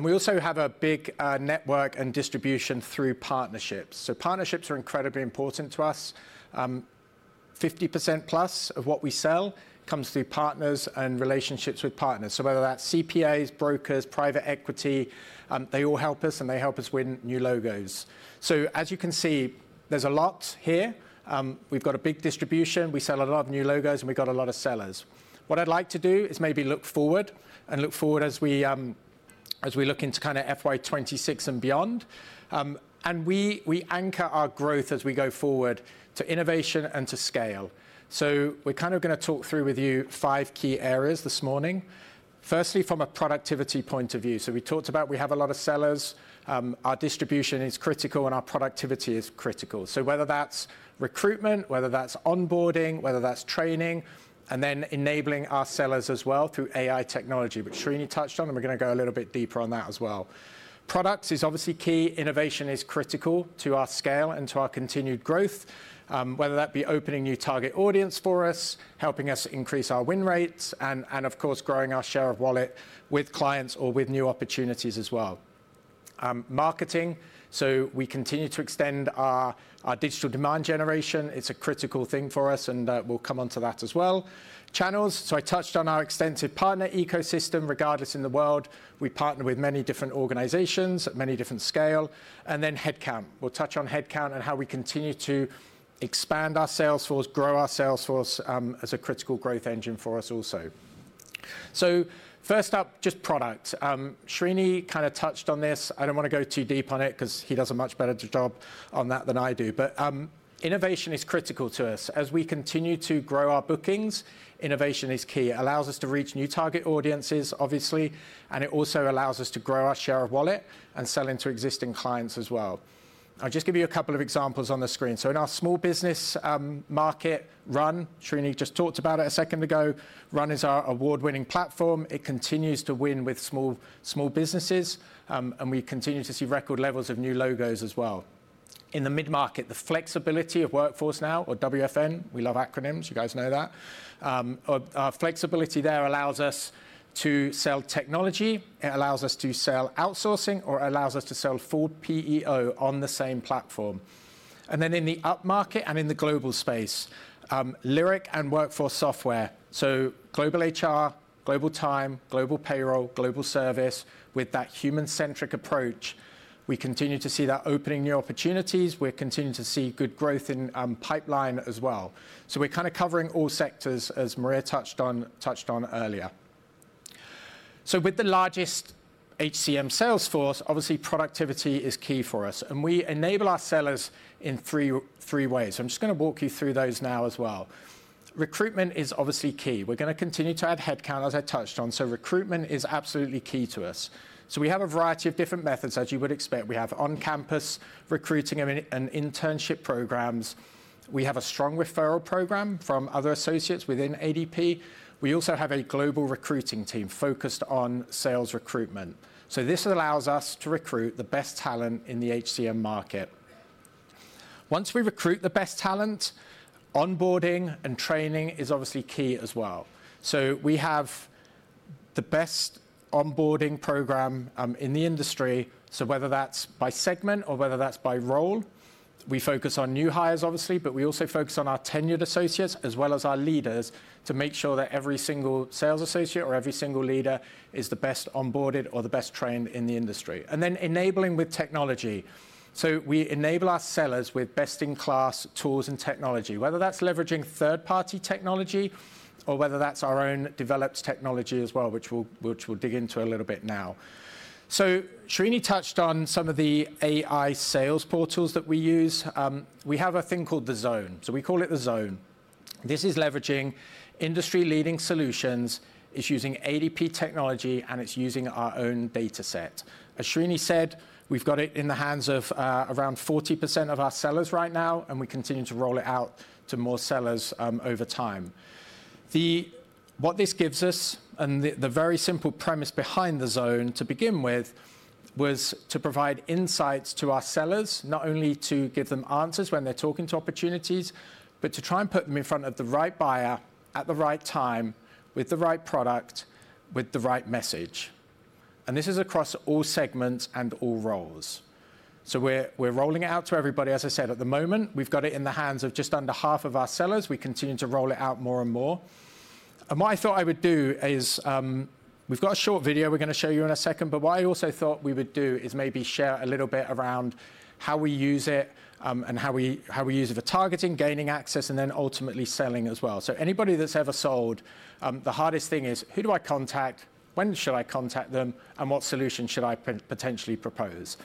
We also have a big network and distribution through partnerships. Partnerships are incredibly important to us. 50%+ of what we sell comes through partners and relationships with partners. Whether that's CPAs, brokers, private equity, they all help us, and they help us win new logos. As you can see, there's a lot here. We've got a big distribution. We sell a lot of new logos, and we've got a lot of sellers. What I'd like to do is maybe look forward and look forward as we look into kind of FY 2026 and beyond. We anchor our growth as we go forward to innovation and to scale. We're kind of going to talk through with you five key areas this morning. Firstly, from a productivity point of view. We talked about we have a lot of sellers. Our distribution is critical, and our productivity is critical. Whether that's recruitment, whether that's onboarding, whether that's training, and then enabling our sellers as well through AI technology, which Sreeni touched on, and we're going to go a little bit deeper on that as well. Products is obviously key. Innovation is critical to our scale and to our continued growth, whether that be opening new target audience for us, helping us increase our win rates, and of course, growing our share of wallet with clients or with new opportunities as well. Marketing. We continue to extend our digital demand generation. It's a critical thing for us, and we'll come on to that as well. Channels. I touched on our extensive partner ecosystem. Regardless in the world, we partner with many different organizations at many different scales. And then headcount. We'll touch on headcount and how we continue to expand our sales force, grow our sales force as a critical growth engine for us also. First up, just products. Sreeni kind of touched on this. I do not want to go too deep on it because he does a much better job on that than I do. Innovation is critical to us. As we continue to grow our bookings, innovation is key. It allows us to reach new target audiences, obviously, and it also allows us to grow our share of wallet and sell into existing clients as well. I'll just give you a couple of examples on the screen. In our small business market, Run, Sreeni just talked about it a second ago. Run is our award-winning platform. It continues to win with small businesses, and we continue to see record levels of new logos as well. In the mid-market, the flexibility of WorkforceNow, or WFN, we love acronyms. You guys know that. Our flexibility there allows us to sell technology. It allows us to sell outsourcing, or it allows us to sell full PEO on the same platform. In the upmarket and in the global space, Lyric and WorkForce Software. Global HR, global time, global payroll, global service with that human-centric approach. We continue to see that opening new opportunities. We continue to see good growth in pipeline as well. We're kind of covering all sectors, as Maria touched on earlier. With the largest HCM sales force, obviously, productivity is key for us. We enable our sellers in three ways. I'm just going to walk you through those now as well. Recruitment is obviously key. We're going to continue to add headcount, as I touched on. Recruitment is absolutely key to us. We have a variety of different methods, as you would expect. We have on-campus recruiting and internship programs. We have a strong referral program from other associates within ADP. We also have a global recruiting team focused on sales recruitment. This allows us to recruit the best talent in the HCM market. Once we recruit the best talent, onboarding and training is obviously key as well. We have the best onboarding program in the industry. Whether that is by segment or whether that is by role, we focus on new hires, obviously, but we also focus on our tenured associates as well as our leaders to make sure that every single sales associate or every single leader is the best onboarded or the best trained in the industry. Then enabling with technology. We enable our sellers with best-in-class tools and technology, whether that's leveraging third-party technology or whether that's our own developed technology as well, which we'll dig into a little bit now. Sreeni touched on some of the AI sales portals that we use. We have a thing called The Zone. We call it The Zone. This is leveraging industry-leading solutions. It's using ADP technology, and it's using our own data set. As Sreeni said, we've got it in the hands of around 40% of our sellers right now, and we continue to roll it out to more sellers over time. What this gives us and the very simple premise behind The Zone to begin with was to provide insights to our sellers, not only to give them answers when they're talking to opportunities, but to try and put them in front of the right buyer at the right time with the right product, with the right message. This is across all segments and all roles. We are rolling it out to everybody. As I said, at the moment, we've got it in the hands of just under half of our sellers. We continue to roll it out more and more. What I thought I would do is we've got a short video we're going to show you in a second. What I also thought we would do is maybe share a little bit around how we use it and how we use it for targeting, gaining access, and then ultimately selling as well. Anybody that's ever sold, the hardest thing is, who do I contact? When should I contact them? And what solution should I potentially propose?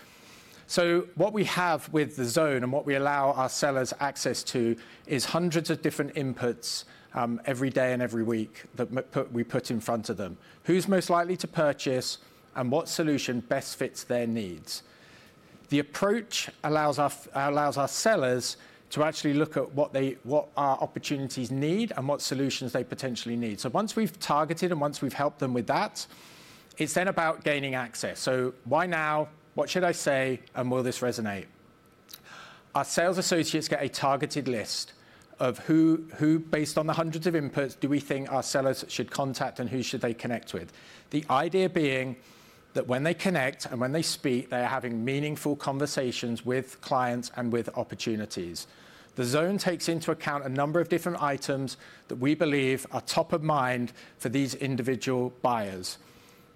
What we have with The Zone and what we allow our sellers access to is hundreds of different inputs every day and every week that we put in front of them. Who's most likely to purchase and what solution best fits their needs? The approach allows our sellers to actually look at what our opportunities need and what solutions they potentially need. Once we've targeted and once we've helped them with that, it's then about gaining access. Why now? What should I say? And will this resonate? Our sales associates get a targeted list of who, based on the hundreds of inputs, do we think our sellers should contact and who should they connect with? The idea being that when they connect and when they speak, they are having meaningful conversations with clients and with opportunities. The Zone takes into account a number of different items that we believe are top of mind for these individual buyers.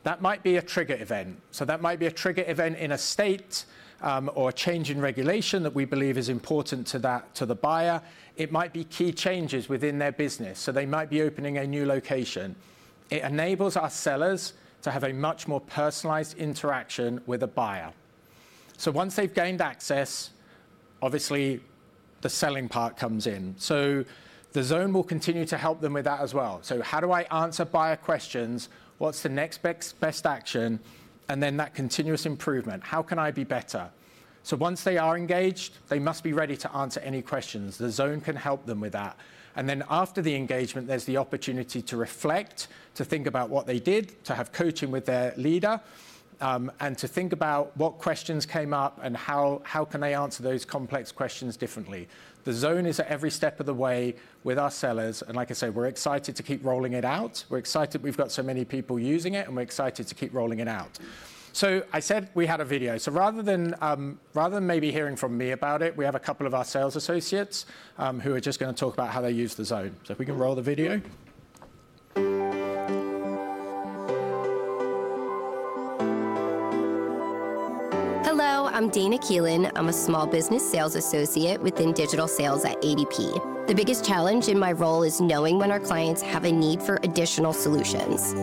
That might be a trigger event. That might be a trigger event in a state or a change in regulation that we believe is important to the buyer. It might be key changes within their business. They might be opening a new location. It enables our sellers to have a much more personalized interaction with a buyer. Once they've gained access, obviously, the selling part comes in. The Zone will continue to help them with that as well. How do I answer buyer questions? What's the next best action? And then that continuous improvement. How can I be better? Once they are engaged, they must be ready to answer any questions. The Zone can help them with that. After the engagement, there's the opportunity to reflect, to think about what they did, to have coaching with their leader, and to think about what questions came up and how can they answer those complex questions differently. The Zone is at every step of the way with our sellers. Like I say, we're excited to keep rolling it out. We're excited we've got so many people using it, and we're excited to keep rolling it out. I said we had a video. Rather than maybe hearing from me about it, we have a couple of our sales associates who are just going to talk about how they use The Zone. If we can roll the video. Hello, I'm Dana Keelan. I'm a small business sales associate within digital sales at ADP. The biggest challenge in my role is knowing when our clients have a need for additional solutions.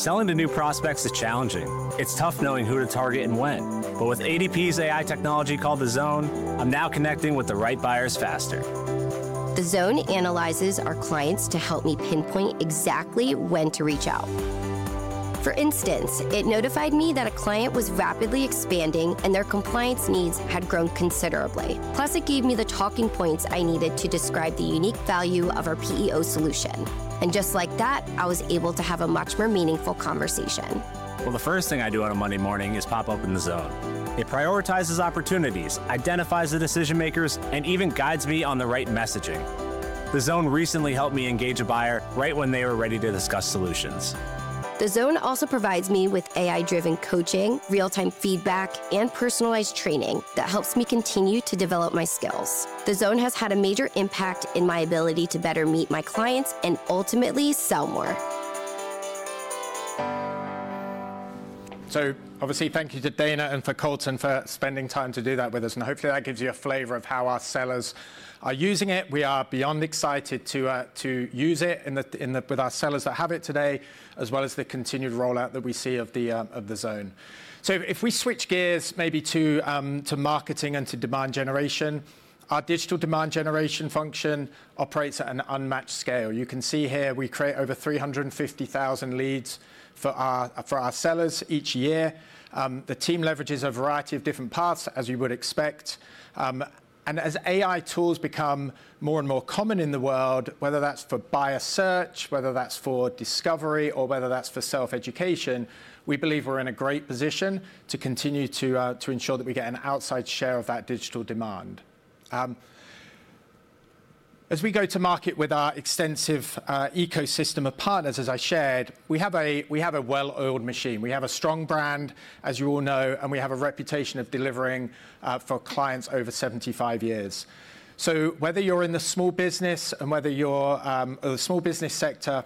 Selling to new prospects is challenging. It's tough knowing who to target and when. With ADP's AI technology called The Zone, I'm now connecting with the right buyers faster. The Zone analyzes our clients to help me pinpoint exactly when to reach out. For instance, it notified me that a client was rapidly expanding and their compliance needs had grown considerably. Plus, it gave me the talking points I needed to describe the unique value of our PEO solution. Just like that, I was able to have a much more meaningful conversation. The first thing I do on a Monday morning is pop open the Zone. It prioritizes opportunities, identifies the decision-makers, and even guides me on the right messaging. The Zone recently helped me engage a buyer right when they were ready to discuss solutions. The Zone also provides me with AI-driven coaching, real-time feedback, and personalized training that helps me continue to develop my skills. The Zone has had a major impact in my ability to better meet my clients and ultimately sell more. Obviously, thank you to Dana and to Colton for spending time to do that with us. Hopefully, that gives you a flavor of how our sellers are using it. We are beyond excited to use it with our sellers that have it today, as well as the continued rollout that we see of The Zone. If we switch gears maybe to marketing and to demand generation, our digital demand generation function operates at an unmatched scale. You can see here we create over 350,000 leads for our sellers each year. The team leverages a variety of different paths, as you would expect. As AI tools become more and more common in the world, whether that's for buyer search, whether that's for discovery, or whether that's for self-education, we believe we're in a great position to continue to ensure that we get an outside share of that digital demand. As we go to market with our extensive ecosystem of partners, as I shared, we have a well-oiled machine. We have a strong brand, as you all know, and we have a reputation of delivering for clients over 75 years. Whether you're in the small business sector,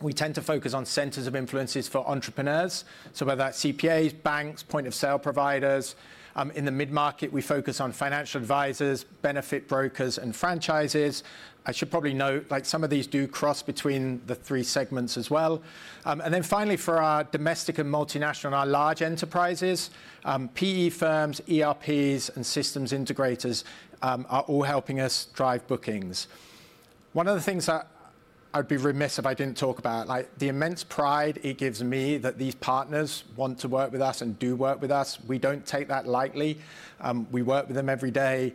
we tend to focus on centers of influence for entrepreneurs, whether that's CPAs, banks, point-of-sale providers. In the mid-market, we focus on financial advisors, benefit brokers, and franchises. I should probably note some of these do cross between the three segments as well. Finally, for our domestic and multinational and our large enterprises, PE firms, ERPs, and systems integrators are all helping us drive bookings. One of the things that I would be remiss if I did not talk about is the immense pride it gives me that these partners want to work with us and do work with us. We do not take that lightly. We work with them every day.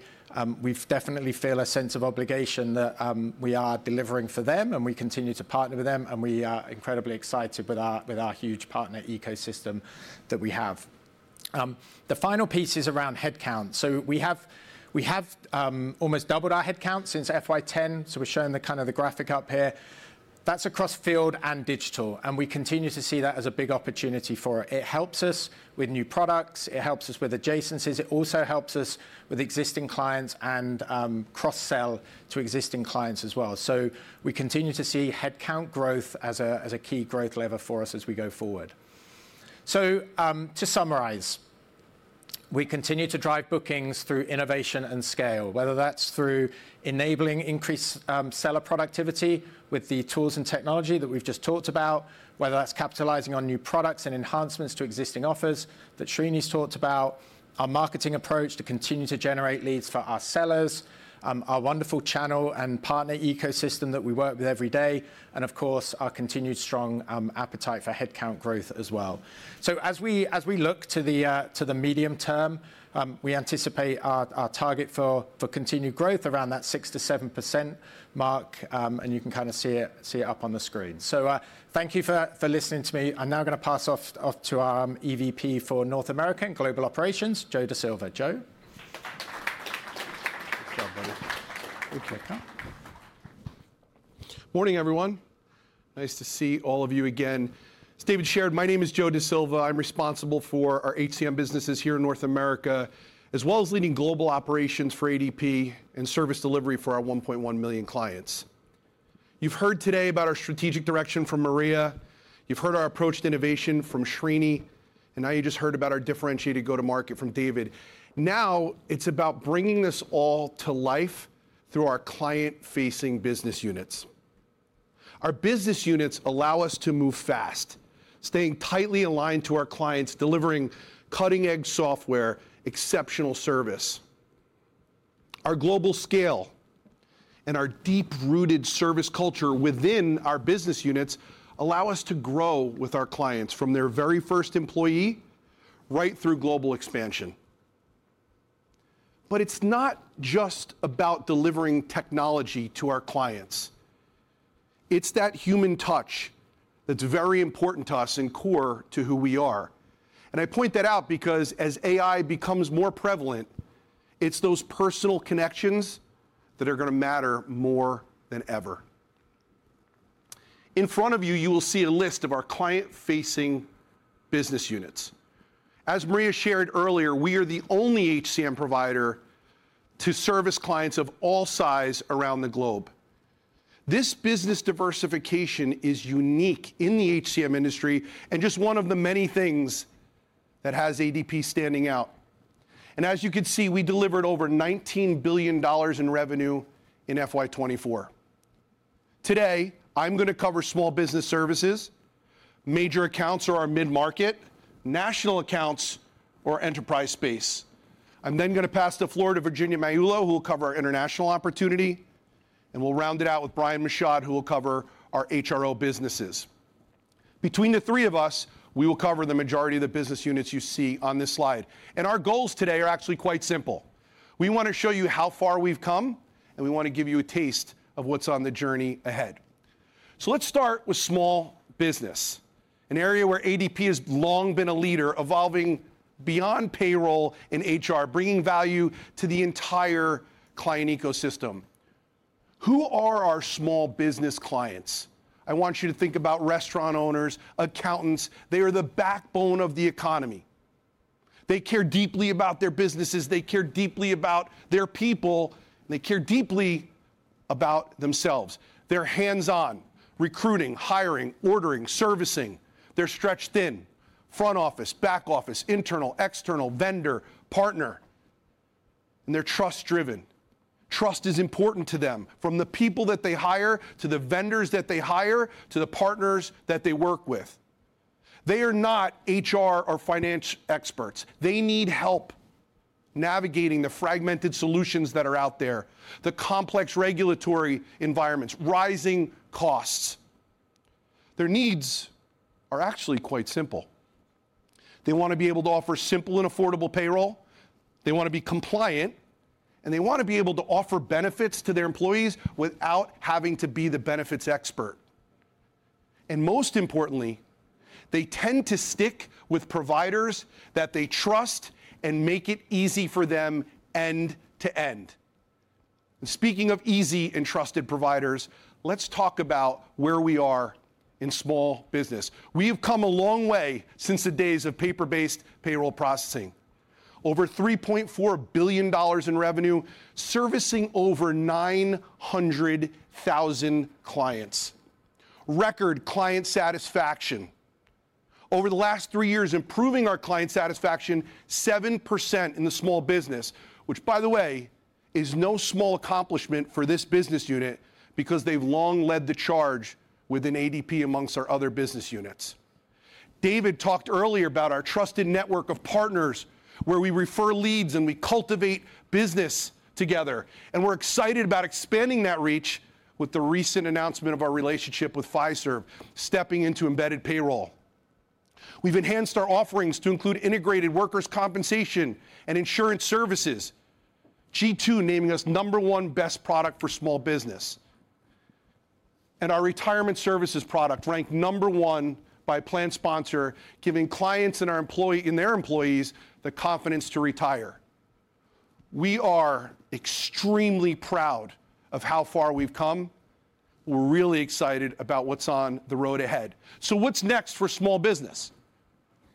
We definitely feel a sense of obligation that we are delivering for them, and we continue to partner with them, and we are incredibly excited with our huge partner ecosystem that we have. The final piece is around headcount. We have almost doubled our headcount since FY 2010. We are showing the graphic up here. That is across field and digital. We continue to see that as a big opportunity for us. It helps us with new products. It helps us with adjacencies. It also helps us with existing clients and cross-sell to existing clients as well. We continue to see headcount growth as a key growth lever for us as we go forward. To summarize, we continue to drive bookings through innovation and scale, whether that's through enabling increased seller productivity with the tools and technology that we've just talked about, whether that's capitalizing on new products and enhancements to existing offers that Sreeni's talked about, our marketing approach to continue to generate leads for our sellers, our wonderful channel and partner ecosystem that we work with every day, and of course, our continued strong appetite for headcount growth as well. As we look to the medium term, we anticipate our target for continued growth around that 6%-7% mark, and you can kind of see it up on the screen. Thank you for listening to me. I'm now going to pass off to our EVP for North America and Global Operations, Joe DeSilva. Joe. Good morning, everyone. Nice to see all of you again. As David shared, my name is Joe DeSilva. I'm responsible for our HCM businesses here in North America, as well as leading global operations for ADP and service delivery for our 1.1 million clients. You've heard today about our strategic direction from Maria. You've heard our approach to innovation from Sreeni. Now you just heard about our differentiated go-to-market from David. Now it's about bringing this all to life through our client-facing business units. Our business units allow us to move fast, staying tightly aligned to our clients, delivering cutting-edge software, exceptional service. Our global scale and our deep-rooted service culture within our business units allow us to grow with our clients from their very first employee right through global expansion. It's not just about delivering technology to our clients. It's that human touch that's very important to us and core to who we are. I point that out because as AI becomes more prevalent, it's those personal connections that are going to matter more than ever. In front of you, you will see a list of our client-facing business units. As Maria shared earlier, we are the only HCM provider to service clients of all size around the globe. This business diversification is unique in the HCM industry and just one of the many things that has ADP standing out. As you can see, we delivered over $19 billion in revenue in FY 2024. Today, I'm going to cover small business services, major accounts or our mid-market, national accounts or enterprise space. I'm then going to pass the floor to Virginia Magliulo, who will cover our international opportunity, and we'll round it out with Brian Michaud, who will cover our HRO businesses. Between the three of us, we will cover the majority of the business units you see on this slide. Our goals today are actually quite simple. We want to show you how far we've come, and we want to give you a taste of what's on the journey ahead. Let's start with small business, an area where ADP has long been a leader, evolving beyond payroll and HR, bringing value to the entire client ecosystem. Who are our small business clients? I want you to think about restaurant owners, accountants. They are the backbone of the economy. They care deeply about their businesses. They care deeply about their people. They care deeply about themselves. They're hands-on, recruiting, hiring, ordering, servicing. They're stretched thin, front office, back office, internal, external, vendor, partner. They're trust-driven. Trust is important to them, from the people that they hire to the vendors that they hire to the partners that they work with. They are not HR or finance experts. They need help navigating the fragmented solutions that are out there, the complex regulatory environments, rising costs. Their needs are actually quite simple. They want to be able to offer simple and affordable payroll. They want to be compliant, and they want to be able to offer benefits to their employees without having to be the benefits expert. Most importantly, they tend to stick with providers that they trust and make it easy for them end to end. Speaking of easy and trusted providers, let's talk about where we are in small business. We have come a long way since the days of paper-based payroll processing, over $3.4 billion in revenue, servicing over 900,000 clients, record client satisfaction. Over the last three years, improving our client satisfaction 7% in the small business, which, by the way, is no small accomplishment for this business unit because they've long led the charge within ADP amongst our other business units. David talked earlier about our trusted network of partners where we refer leads and we cultivate business together. We are excited about expanding that reach with the recent announcement of our relationship with Fiserv, stepping into embedded payroll. We have enhanced our offerings to include integrated workers' compensation and insurance services, G2 naming us number one best product for small business. Our retirement services product ranked number one by PLANSPONSOR, giving clients and our employees the confidence to retire. We are extremely proud of how far we've come. We're really excited about what's on the road ahead. What's next for small business?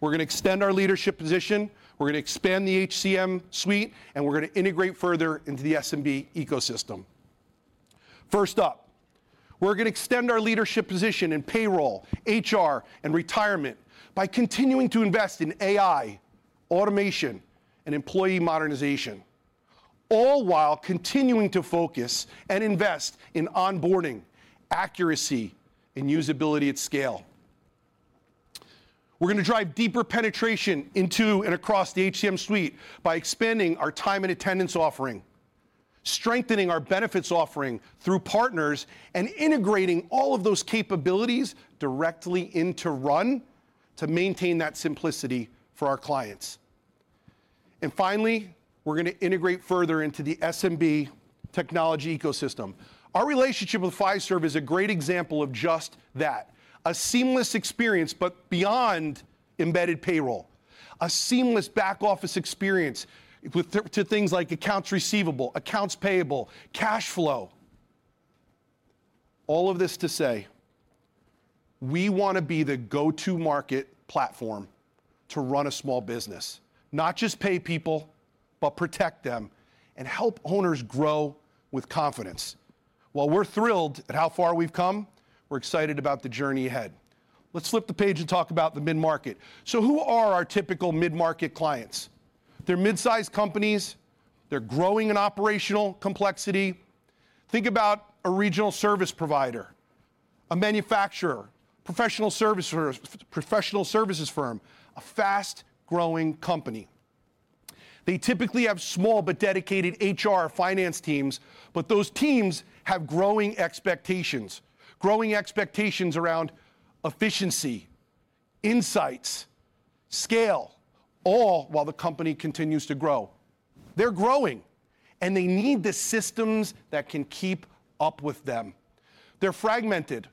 We're going to extend our leadership position. We're going to expand the HCM suite, and we're going to integrate further into the SMB ecosystem. First up, we're going to extend our leadership position in payroll, HR, and retirement by continuing to invest in AI, automation, and employee modernization, all while continuing to focus and invest in onboarding, accuracy, and usability at scale. We're going to drive deeper penetration into and across the HCM suite by expanding our time and attendance offering, strengthening our benefits offering through partners, and integrating all of those capabilities directly into Run to maintain that simplicity for our clients. Finally, we're going to integrate further into the SMB technology ecosystem. Our relationship with Fiserv is a great example of just that: a seamless experience, but beyond embedded payroll, a seamless back office experience to things like accounts receivable, accounts payable, cash flow. All of this to say, we want to be the go-to-market platform to run a small business, not just pay people, but protect them and help owners grow with confidence. While we're thrilled at how far we've come, we're excited about the journey ahead. Let's flip the page and talk about the mid-market. Who are our typical mid-market clients? They're mid-sized companies. They're growing in operational complexity. Think about a regional service provider, a manufacturer, professional services firm, a fast-growing company. They typically have small but dedicated HR finance teams, but those teams have growing expectations, growing expectations around efficiency, insights, scale, all while the company continues to grow. They're growing, and they need the systems that can keep up with them. They're fragmented,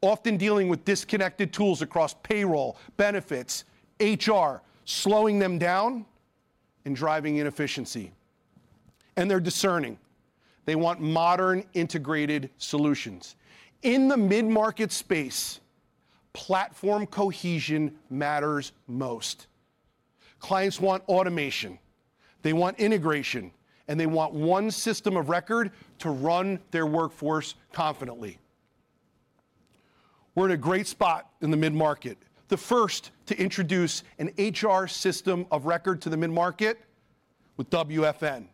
often dealing with disconnected tools across payroll, benefits, HR, slowing them down and driving inefficiency. They're discerning. They want modern integrated solutions. In the mid-market space, platform cohesion matters most. Clients want automation. They want integration, and they want one system of record to run their workforce confidently. We're in a great spot in the mid-market, the first to introduce an HR system of record to the mid-market with WFN,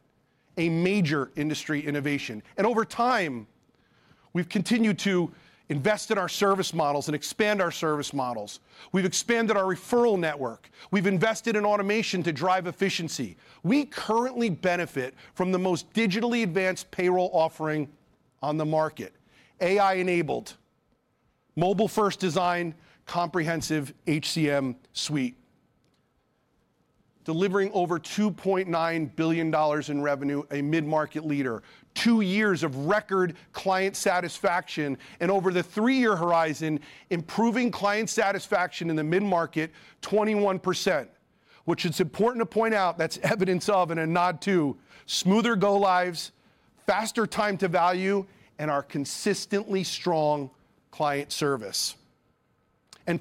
a major industry innovation. Over time, we've continued to invest in our service models and expand our service models. We've expanded our referral network. We've invested in automation to drive efficiency. We currently benefit from the most digitally advanced payroll offering on the market, AI-enabled, mobile-first design, comprehensive HCM suite, delivering over $2.9 billion in revenue, a mid-market leader, two years of record client satisfaction, and over the three-year horizon, improving client satisfaction in the mid-market 21%, which it's important to point out. That's evidence of, and a nod to, smoother go-lives, faster time to value, and our consistently strong client service.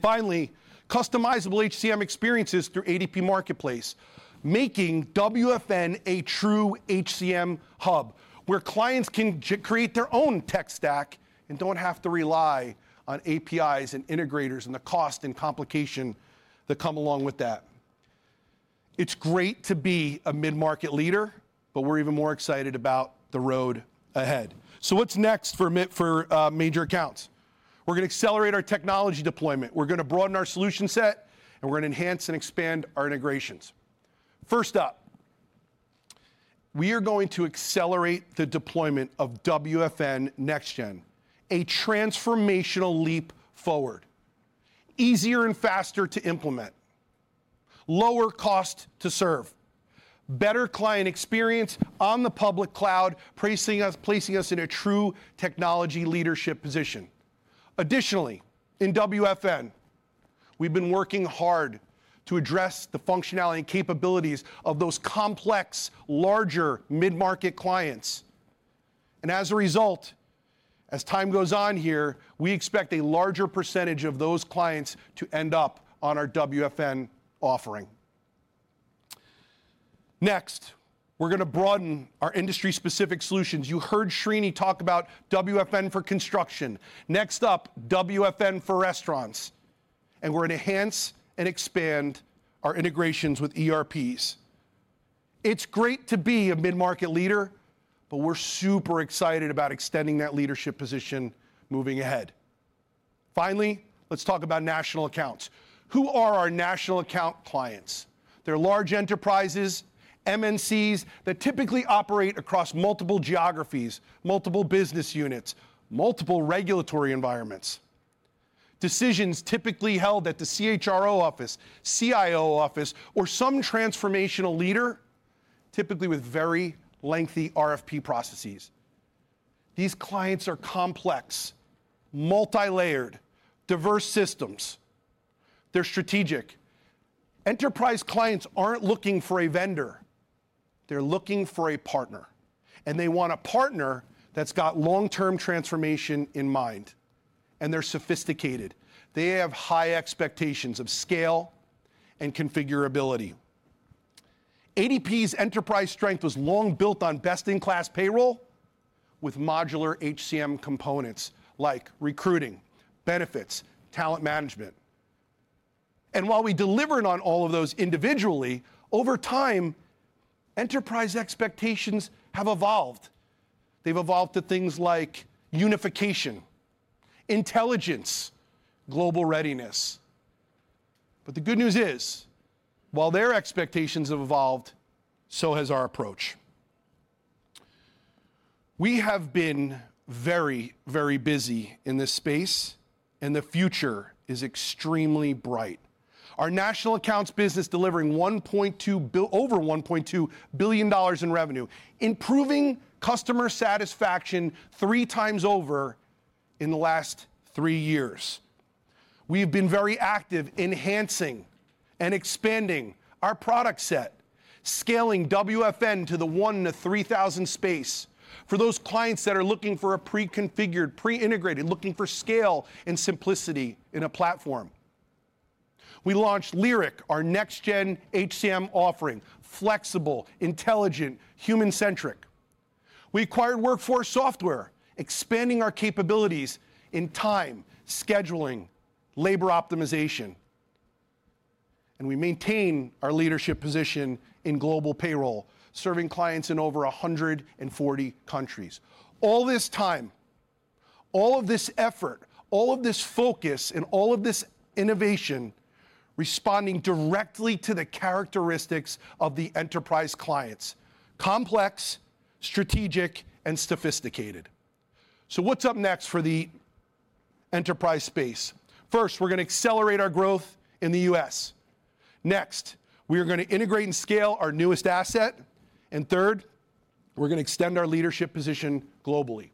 Finally, customizable HCM experiences through ADP Marketplace, making WFN a true HCM hub where clients can create their own tech stack and don't have to rely on APIs and integrators and the cost and complication that come along with that. It's great to be a mid-market leader, but we're even more excited about the road ahead. What's next for major accounts? We're going to accelerate our technology deployment. We're going to broaden our solution set, and we're going to enhance and expand our integrations. First up, we are going to accelerate the deployment of WFN NextGen, a transformational leap forward, easier and faster to implement, lower cost to serve, better client experience on the public cloud, placing us in a true technology leadership position. Additionally, in WFN, we've been working hard to address the functionality and capabilities of those complex, larger mid-market clients. As a result, as time goes on here, we expect a larger percentage of those clients to end up on our WFN offering. Next, we're going to broaden our industry-specific solutions. You heard Sreeni talk about WFN for construction. Next up, WFN for restaurants. We're going to enhance and expand our integrations with ERPs. It's great to be a mid-market leader, but we're super excited about extending that leadership position moving ahead. Finally, let's talk about national accounts. Who are our national account clients? They're large enterprises, MNCs that typically operate across multiple geographies, multiple business units, multiple regulatory environments, decisions typically held at the CHRO office, CIO office, or some transformational leader, typically with very lengthy RFP processes. These clients are complex, multi-layered, diverse systems. They're strategic. Enterprise clients aren't looking for a vendor. They're looking for a partner. They want a partner that's got long-term transformation in mind. They're sophisticated. They have high expectations of scale and configurability. ADP's enterprise strength was long built on best-in-class payroll with modular HCM components like recruiting, benefits, talent management. While we delivered on all of those individually, over time, enterprise expectations have evolved. They've evolved to things like unification, intelligence, global readiness. The good news is, while their expectations have evolved, so has our approach. We have been very, very busy in this space, and the future is extremely bright. Our national accounts business is delivering over $1.2 billion in revenue, improving customer satisfaction three times over in the last three years. We have been very active in enhancing and expanding our product set, scaling WFN to the 1-3,000 space for those clients that are looking for a pre-configured, pre-integrated, looking for scale and simplicity in a platform. We launched Lyric, our next-gen HCM offering, flexible, intelligent, human-centric. We acquired WorkForce Software, expanding our capabilities in time, scheduling, labor optimization. We maintain our leadership position in global payroll, serving clients in over 140 countries. All this time, all of this effort, all of this focus, and all of this innovation responding directly to the characteristics of the enterprise clients: complex, strategic, and sophisticated. What is up next for the enterprise space? First, we're going to accelerate our growth in the U.S. Next, we are going to integrate and scale our newest asset. Third, we're going to extend our leadership position globally.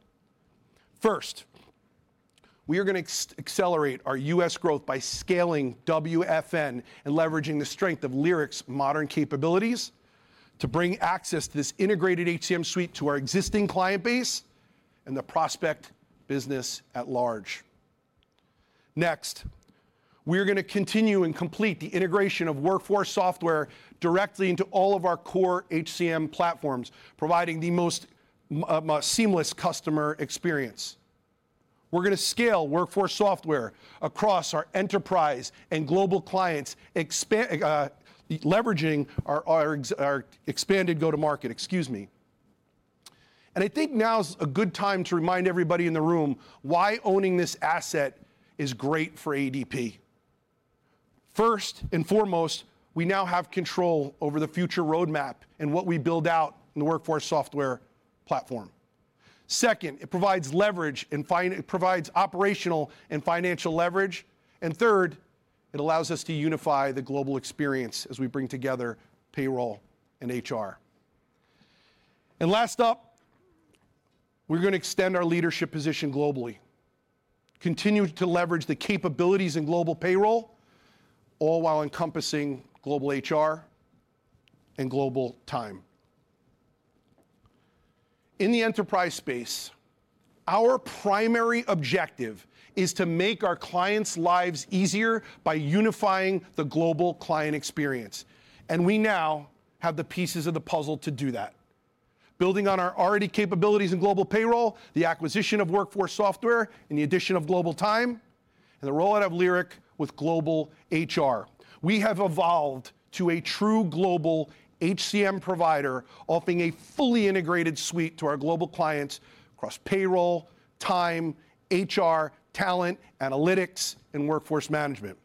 First, we are going to accelerate our U.S. growth by scaling WFN and leveraging the strength of Lyric's modern capabilities to bring access to this integrated HCM suite to our existing client base and the prospect business at large. Next, we are going to continue and complete the integration of WorkForce Software directly into all of our core HCM platforms, providing the most seamless customer experience. We're going to scale WorkForce Software across our enterprise and global clients, leveraging our expanded go-to-market, excuse me. I think now is a good time to remind everybody in the room why owning this asset is great for ADP. First and foremost, we now have control over the future roadmap and what we build out in the WorkForce Software platform. Second, it provides leverage and it provides operational and financial leverage. Third, it allows us to unify the global experience as we bring together payroll and HR. Last up, we're going to extend our leadership position globally, continue to leverage the capabilities in global payroll, all while encompassing global HR and global time. In the enterprise space, our primary objective is to make our clients' lives easier by unifying the global client experience. We now have the pieces of the puzzle to do that, building on our already capabilities in global payroll, the acquisition of WorkForce Software, and the addition of global time, and the rollout of Lyric with global HR. We have evolved to a true global HCM provider, offering a fully integrated suite to our global clients across payroll, time, HR, talent, analytics, and workforce management.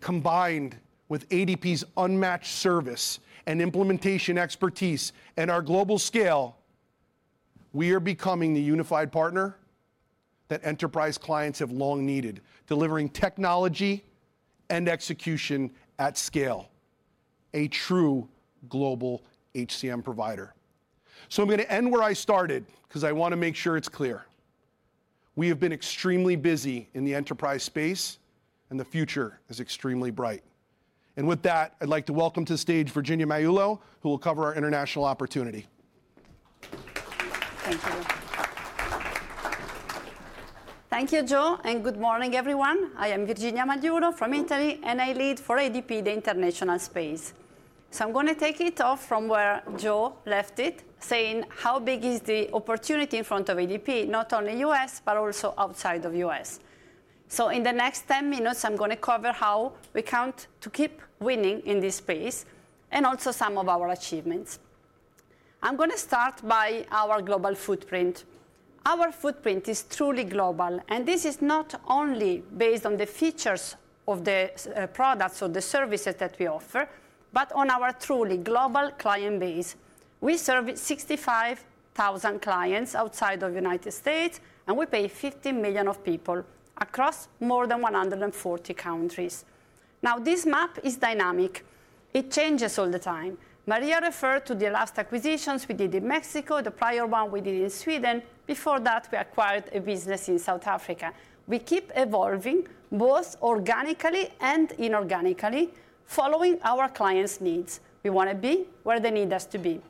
Combined with ADP's unmatched service and implementation expertise and our global scale, we are becoming the unified partner that enterprise clients have long needed, delivering technology and execution at scale, a true global HCM provider. I'm going to end where I started because I want to make sure it's clear. We have been extremely busy in the enterprise space, and the future is extremely bright. With that, I'd like to welcome to the stage Virginia Magliulo, who will cover our international opportunity. Thank you. Thank you, Joe, and good morning, everyone. I am Virginia Magliulo from Italy, and I lead for ADP the international space. I'm going to take it off from where Joe left it, saying how big is the opportunity in front of ADP, not only U.S., but also outside of U.S. In the next 10 minutes, I'm going to cover how we count to keep winning in this space and also some of our achievements. I'm going to start by our global footprint. Our footprint is truly global, and this is not only based on the features of the products or the services that we offer, but on our truly global client base. We serve 65,000 clients outside of the United States, and we pay 50 million people across more than 140 countries. Now, this map is dynamic. It changes all the time. Maria referred to the last acquisitions we did in Mexico, the prior one we did in Sweden. Before that, we acquired a business in South Africa. We keep evolving both organically and inorganically, following our clients' needs. We want to be where they need us to be.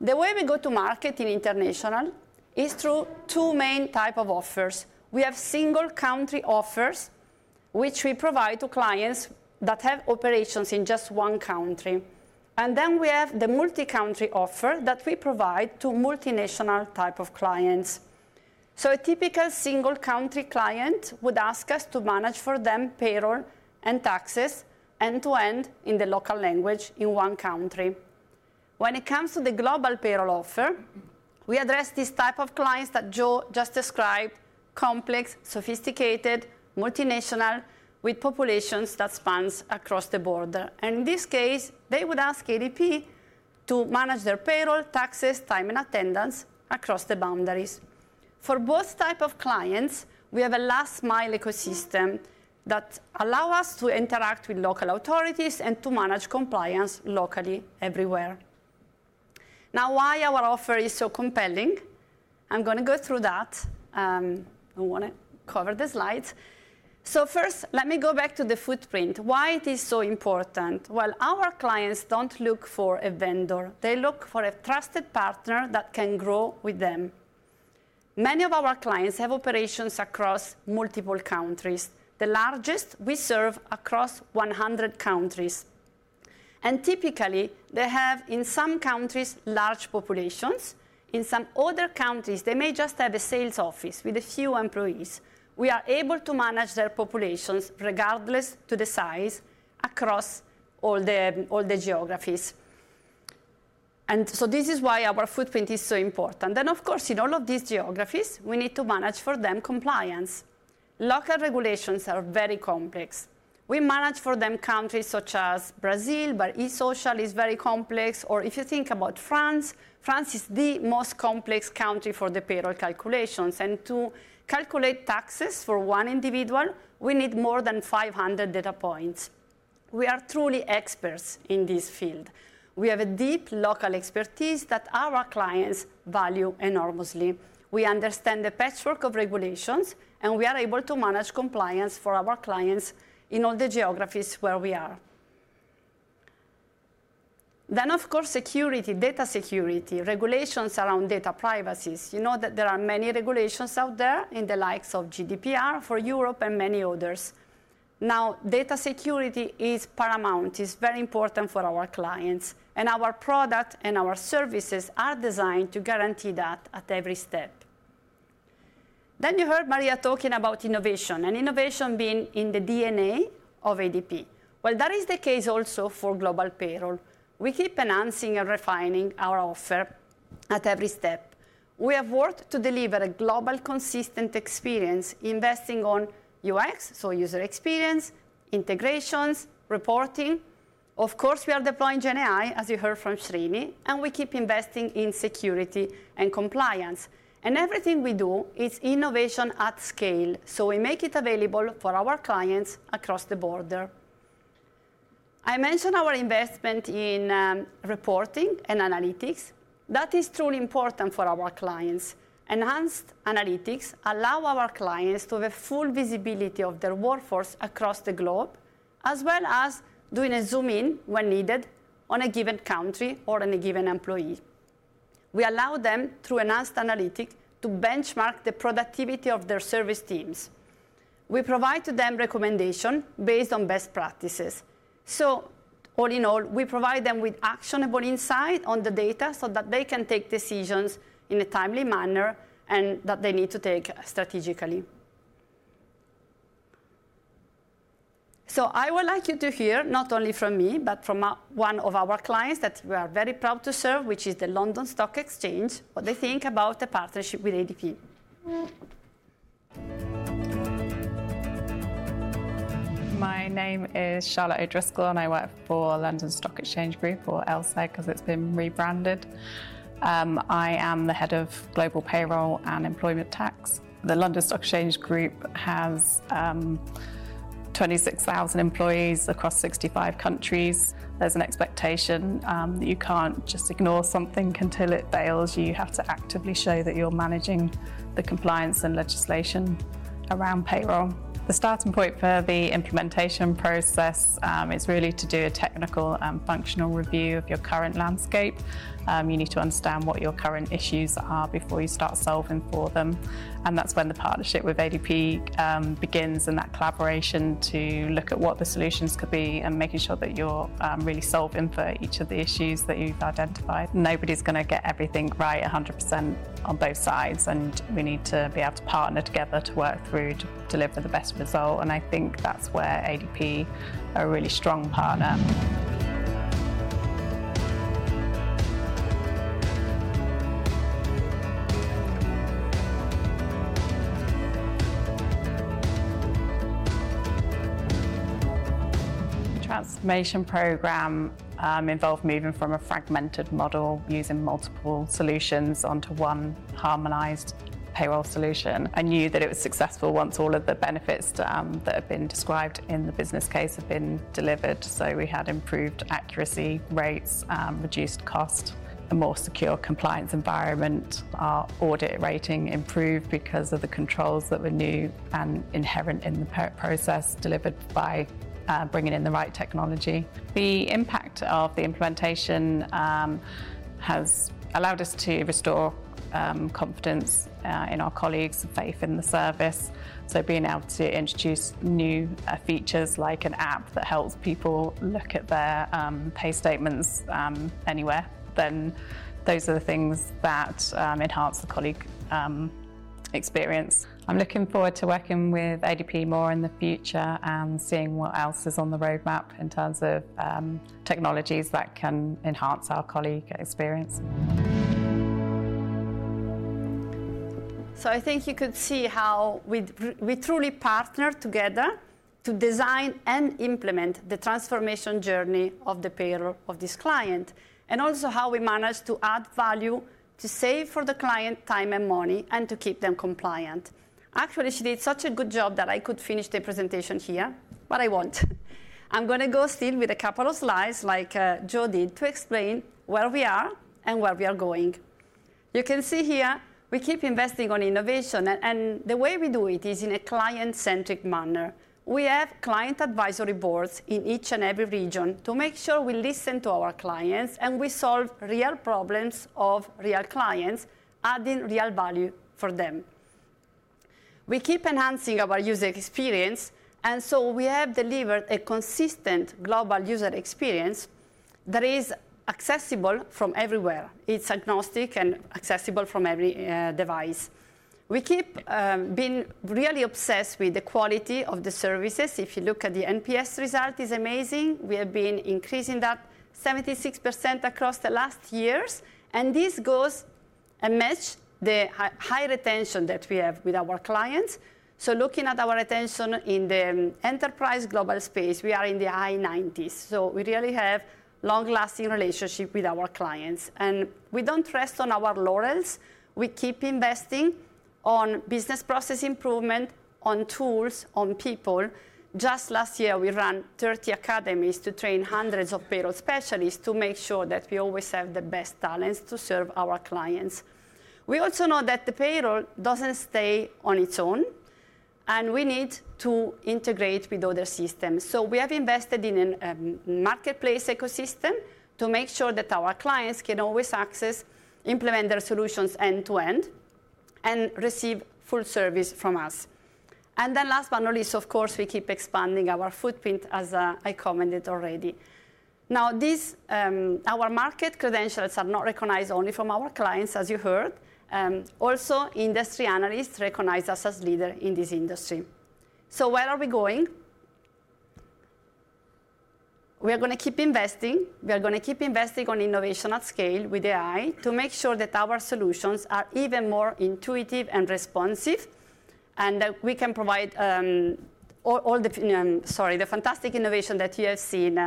The way we go to market in international is through two main types of offers. We have single-country offers, which we provide to clients that have operations in just one country. We have the multi-country offer that we provide to multinational types of clients. A typical single-country client would ask us to manage for them payroll and taxes end-to-end in the local language in one country. When it comes to the global payroll offer, we address these types of clients that Joe just described: complex, sophisticated, multinational, with populations that span across the border. In this case, they would ask ADP to manage their payroll, taxes, time, and attendance across the boundaries. For both types of clients, we have a last-mile ecosystem that allows us to interact with local authorities and to manage compliance locally everywhere. Now, why is our offer so compelling? I'm going to go through that. I want to cover the slides. First, let me go back to the footprint. Why is it so important? Our clients do not look for a vendor. They look for a trusted partner that can grow with them. Many of our clients have operations across multiple countries. The largest, we serve across 100 countries. Typically, they have in some countries large populations. In some other countries, they may just have a sales office with a few employees. We are able to manage their populations regardless of the size across all the geographies. This is why our footprint is so important. Of course, in all of these geographies, we need to manage for them compliance. Local regulations are very complex. We manage for them countries such as Brazil, but e-social is very complex. If you think about France, France is the most complex country for the payroll calculations. To calculate taxes for one individual, we need more than 500 data points. We are truly experts in this field. We have a deep local expertise that our clients value enormously. We understand the patchwork of regulations, and we are able to manage compliance for our clients in all the geographies where we are. Of course, security, data security, regulations around data privacy. You know that there are many regulations out there in the likes of GDPR for Europe and many others. Now, data security is paramount. It's very important for our clients. Our product and our services are designed to guarantee that at every step. You heard Maria talking about innovation and innovation being in the DNA of ADP. That is the case also for global payroll. We keep enhancing and refining our offer at every step. We have worked to deliver a global consistent experience, investing on UX, so user experience, integrations, reporting. Of course, we are deploying GenAI, as you heard from Sreeni, and we keep investing in security and compliance. Everything we do is innovation at scale. We make it available for our clients across the border. I mentioned our investment in reporting and analytics. That is truly important for our clients. Enhanced analytics allow our clients to have full visibility of their workforce across the globe, as well as doing a zoom-in when needed on a given country or on a given employee. We allow them, through enhanced analytics, to benchmark the productivity of their service teams. We provide to them recommendations based on best practices. All in all, we provide them with actionable insight on the data so that they can take decisions in a timely manner and that they need to take strategically. I would like you to hear not only from me, but from one of our clients that we are very proud to serve, which is the London Stock Exchange, what they think about the partnership with ADP. My name is Charlotte O'Driscoll, and I work for London Stock Exchange Group or LSEG because it's been rebranded. I am the Head of Global Payroll and Employment Tax. The London Stock Exchange Group has 26,000 employees across 65 countries. There's an expectation that you can't just ignore something until it fails. You have to actively show that you're managing the compliance and legislation around payroll. The starting point for the implementation process is really to do a technical and functional review of your current landscape. You need to understand what your current issues are before you start solving for them. That is when the partnership with ADP begins and that collaboration to look at what the solutions could be and making sure that you're really solving for each of the issues that you've identified. Nobody's going to get everything right 100% on both sides, and we need to be able to partner together to work through to deliver the best result. I think that's where ADP is a really strong partner. The transformation program involved moving from a fragmented model using multiple solutions onto one harmonized payroll solution. I knew that it was successful once all of the benefits that have been described in the business case had been delivered. We had improved accuracy rates, reduced costs, a more secure compliance environment. Our audit rating improved because of the controls that were new and inherent in the process delivered by bringing in the right technology. The impact of the implementation has allowed us to restore confidence in our colleagues and faith in the service. Being able to introduce new features like an app that helps people look at their pay statements anywhere, those are the things that enhance the colleague experience. I'm looking forward to working with ADP more in the future and seeing what else is on the roadmap in terms of technologies that can enhance our colleague experience. I think you could see how we truly partnered together to design and implement the transformation journey of the payroll of this client and also how we managed to add value to save for the client time and money and to keep them compliant. Actually, she did such a good job that I could finish the presentation here, but I won't. I'm going to go still with a couple of slides like Joe did to explain where we are and where we are going. You can see here we keep investing on innovation, and the way we do it is in a client-centric manner. We have client advisory boards in each and every region to make sure we listen to our clients and we solve real problems of real clients, adding real value for them. We keep enhancing our user experience, and so we have delivered a consistent global user experience that is accessible from everywhere. It's agnostic and accessible from every device. We keep being really obsessed with the quality of the services. If you look at the NPS result, it's amazing. We have been increasing that 76% across the last years, and this goes and matches the high retention that we have with our clients. Looking at our retention in the enterprise global space, we are in the high 90s. We really have a long-lasting relationship with our clients. We don't rest on our laurels. We keep investing in business process improvement, in tools, in people. Just last year, we ran 30 academies to train hundreds of payroll specialists to make sure that we always have the best talents to serve our clients. We also know that the payroll does not stay on its own, and we need to integrate with other systems. We have invested in a marketplace ecosystem to make sure that our clients can always access, implement their solutions end-to-end, and receive full service from us. Last but not least, of course, we keep expanding our footprint, as I commented already. Our market credentials are not recognized only from our clients, as you heard. Industry analysts also recognize us as leaders in this industry. Where are we going? We are going to keep investing. We are going to keep investing in innovation at scale with AI to make sure that our solutions are even more intuitive and responsive and that we can provide all the fantastic innovation that you have seen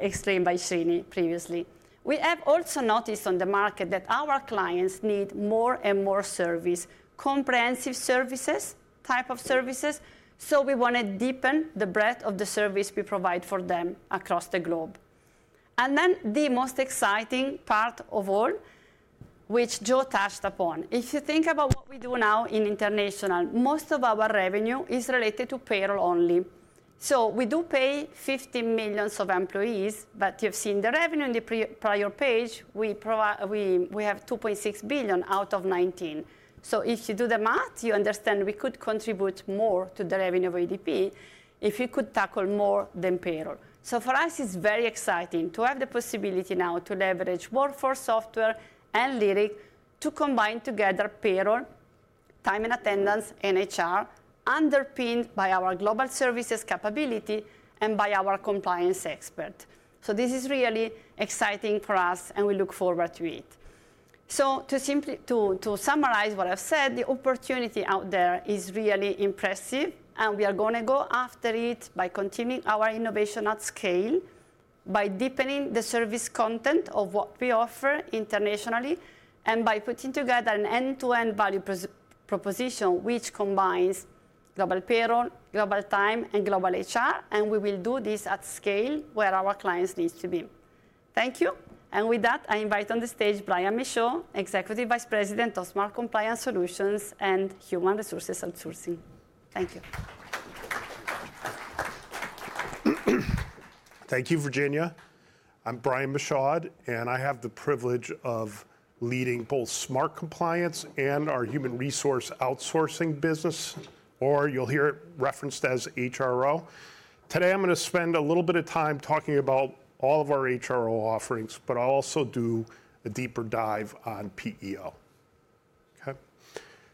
explained by Sreeni previously. We have also noticed on the market that our clients need more and more service, comprehensive services, types of services. We want to deepen the breadth of the service we provide for them across the globe. The most exciting part of all, which Joe touched upon, if you think about what we do now in international, most of our revenue is related to payroll only. We do pay 50 million employees, but you've seen the revenue in the prior page. We have $2.6 billion out of $19 billion. If you do the math, you understand we could contribute more to the revenue of ADP if we could tackle more than payroll. For us, it's very exciting to have the possibility now to leverage WorkForce Software and Lyric to combine together payroll, time and attendance, and HR, underpinned by our global services capability and by our compliance expert. This is really exciting for us, and we look forward to it. To summarize what I've said, the opportunity out there is really impressive, and we are going to go after it by continuing our innovation at scale, by deepening the service content of what we offer internationally, and by putting together an end-to-end value proposition which combines global payroll, global time, and global HR. We will do this at scale where our clients need to be. Thank you. With that, I invite on the stage Brian Michaud, Executive Vice President of Smart Compliance Solutions and Human Resources Outsourcing. Thank you. Thank you, Virginia. I'm Brian Michaud, and I have the privilege of leading both Smart Compliance and our Human Resource Outsourcing business, or you'll hear it referenced as HRO. Today, I'm going to spend a little bit of time talking about all of our HRO offerings, but I'll also do a deeper dive on PEO. Okay.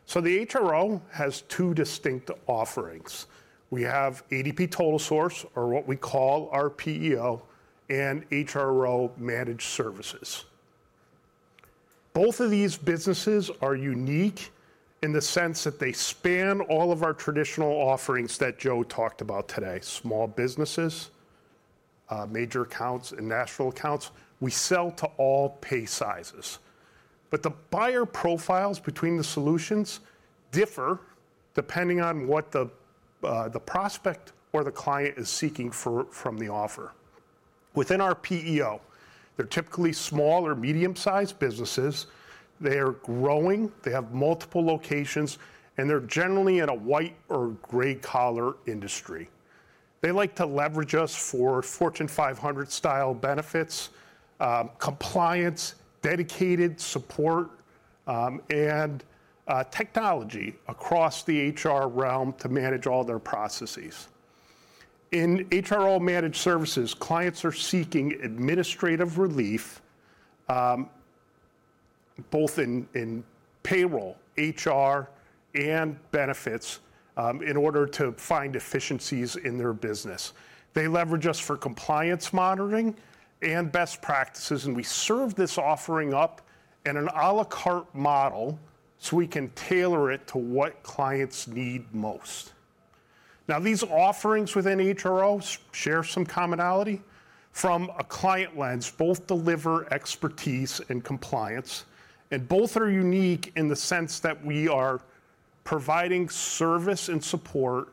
The HRO has two distinct offerings. We have ADP TotalSource, or what we call our PEO, and HRO Managed Services. Both of these businesses are unique in the sense that they span all of our traditional offerings that Joe talked about today: small businesses, major accounts, and national accounts. We sell to all pay sizes. The buyer profiles between the solutions differ depending on what the prospect or the client is seeking from the offer. Within our PEO, they're typically small or medium-sized businesses. They are growing. They have multiple locations, and they're generally in a white or gray-collar industry. They like to leverage us for Fortune 500-style benefits, compliance, dedicated support, and technology across the HR realm to manage all their processes. In HRO Managed Services, clients are seeking administrative relief, both in payroll, HR, and benefits in order to find efficiencies in their business. They leverage us for compliance monitoring and best practices, and we serve this offering up in an à la carte model so we can tailor it to what clients need most. Now, these offerings within HRO share some commonality. From a client lens, both deliver expertise and compliance, and both are unique in the sense that we are providing service and support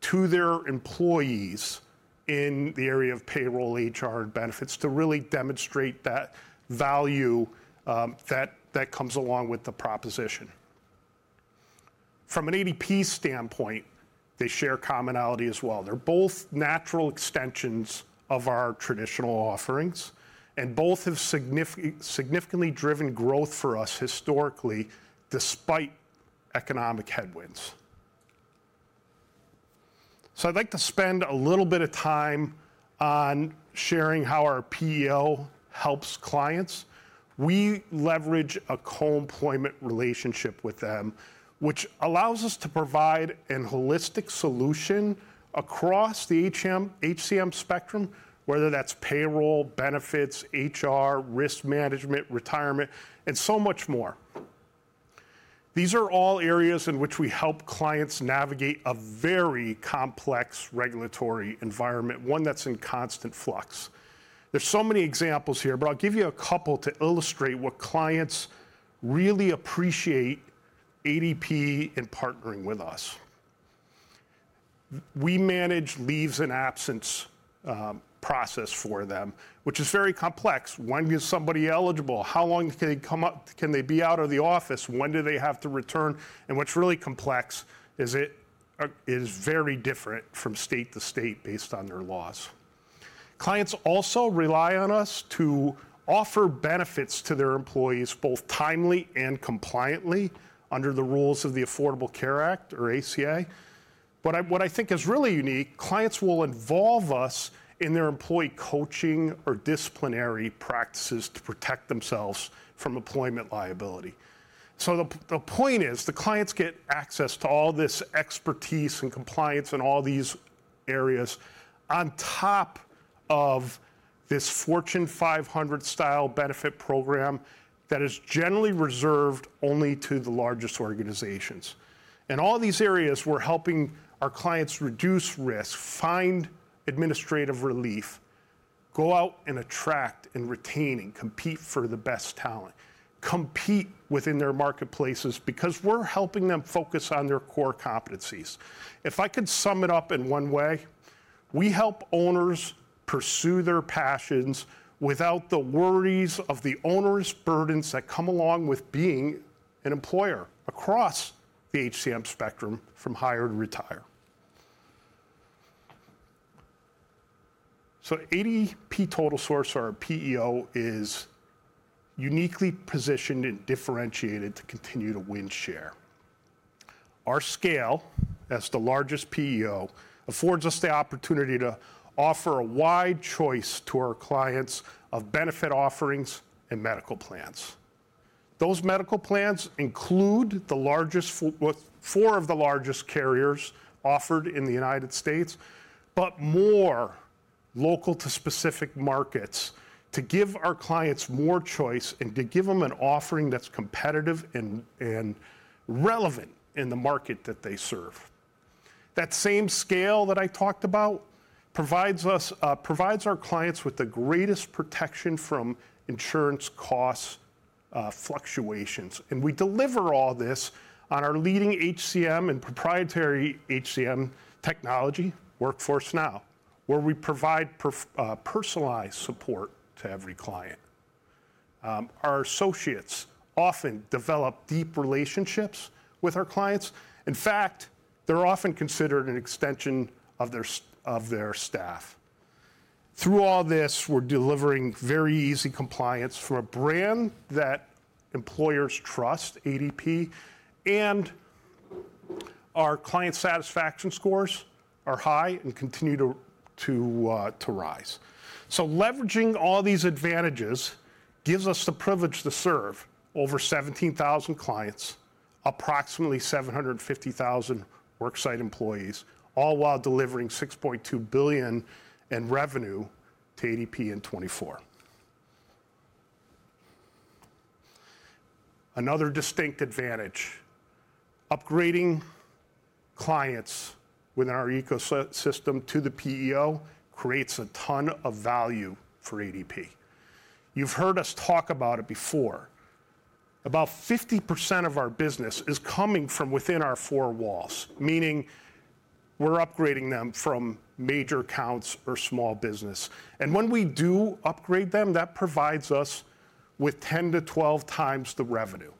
to their employees in the area of payroll, HR, and benefits to really demonstrate that value that comes along with the proposition. From an ADP standpoint, they share commonality as well. They're both natural extensions of our traditional offerings, and both have significantly driven growth for us historically despite economic headwinds. I would like to spend a little bit of time on sharing how our PEO helps clients. We leverage a co-employment relationship with them, which allows us to provide a holistic solution across the HCM spectrum, whether that's payroll, benefits, HR, risk management, retirement, and so much more. These are all areas in which we help clients navigate a very complex regulatory environment, one that's in constant flux. There are so many examples here, but I'll give you a couple to illustrate what clients really appreciate about ADP and partnering with us. We manage leaves and absence processes for them, which is very complex. When is somebody eligible? How long can they be out of the office? When do they have to return? What's really complex is it is very different from state to state based on their laws. Clients also rely on us to offer benefits to their employees both timely and compliantly under the rules of the Affordable Care Act, or ACA. What I think is really unique, clients will involve us in their employee coaching or disciplinary practices to protect themselves from employment liability. The point is the clients get access to all this expertise and compliance in all these areas on top of this Fortune 500-style benefit program that is generally reserved only to the largest organizations. In all these areas, we're helping our clients reduce risk, find administrative relief, go out and attract and retain and compete for the best talent, compete within their marketplaces because we're helping them focus on their core competencies. If I could sum it up in one way, we help owners pursue their passions without the worries of the onerous burdens that come along with being an employer across the HCM spectrum from hire to retire. ADP TotalSource, or PEO, is uniquely positioned and differentiated to continue to win share. Our scale, as the largest PEO, affords us the opportunity to offer a wide choice to our clients of benefit offerings and medical plans. Those medical plans include four of the largest carriers offered in the United States, but more local to specific markets to give our clients more choice and to give them an offering that's competitive and relevant in the market that they serve. That same scale that I talked about provides our clients with the greatest protection from insurance cost fluctuations. We deliver all this on our leading HCM and proprietary HCM technology, Workforce Now, where we provide personalized support to every client. Our associates often develop deep relationships with our clients. In fact, they're often considered an extension of their staff. Through all this, we're delivering very easy compliance for a brand that employers trust, ADP, and our client satisfaction scores are high and continue to rise. Leveraging all these advantages gives us the privilege to serve over 17,000 clients, approximately 750,000 worksite employees, all while delivering $6.2 billion in revenue to ADP in 2024. Another distinct advantage, upgrading clients within our ecosystem to the PEO creates a ton of value for ADP. You've heard us talk about it before. About 50% of our business is coming from within our four walls, meaning we're upgrading them from major accounts or small business. When we do upgrade them, that provides us with 10x-12x the revenue.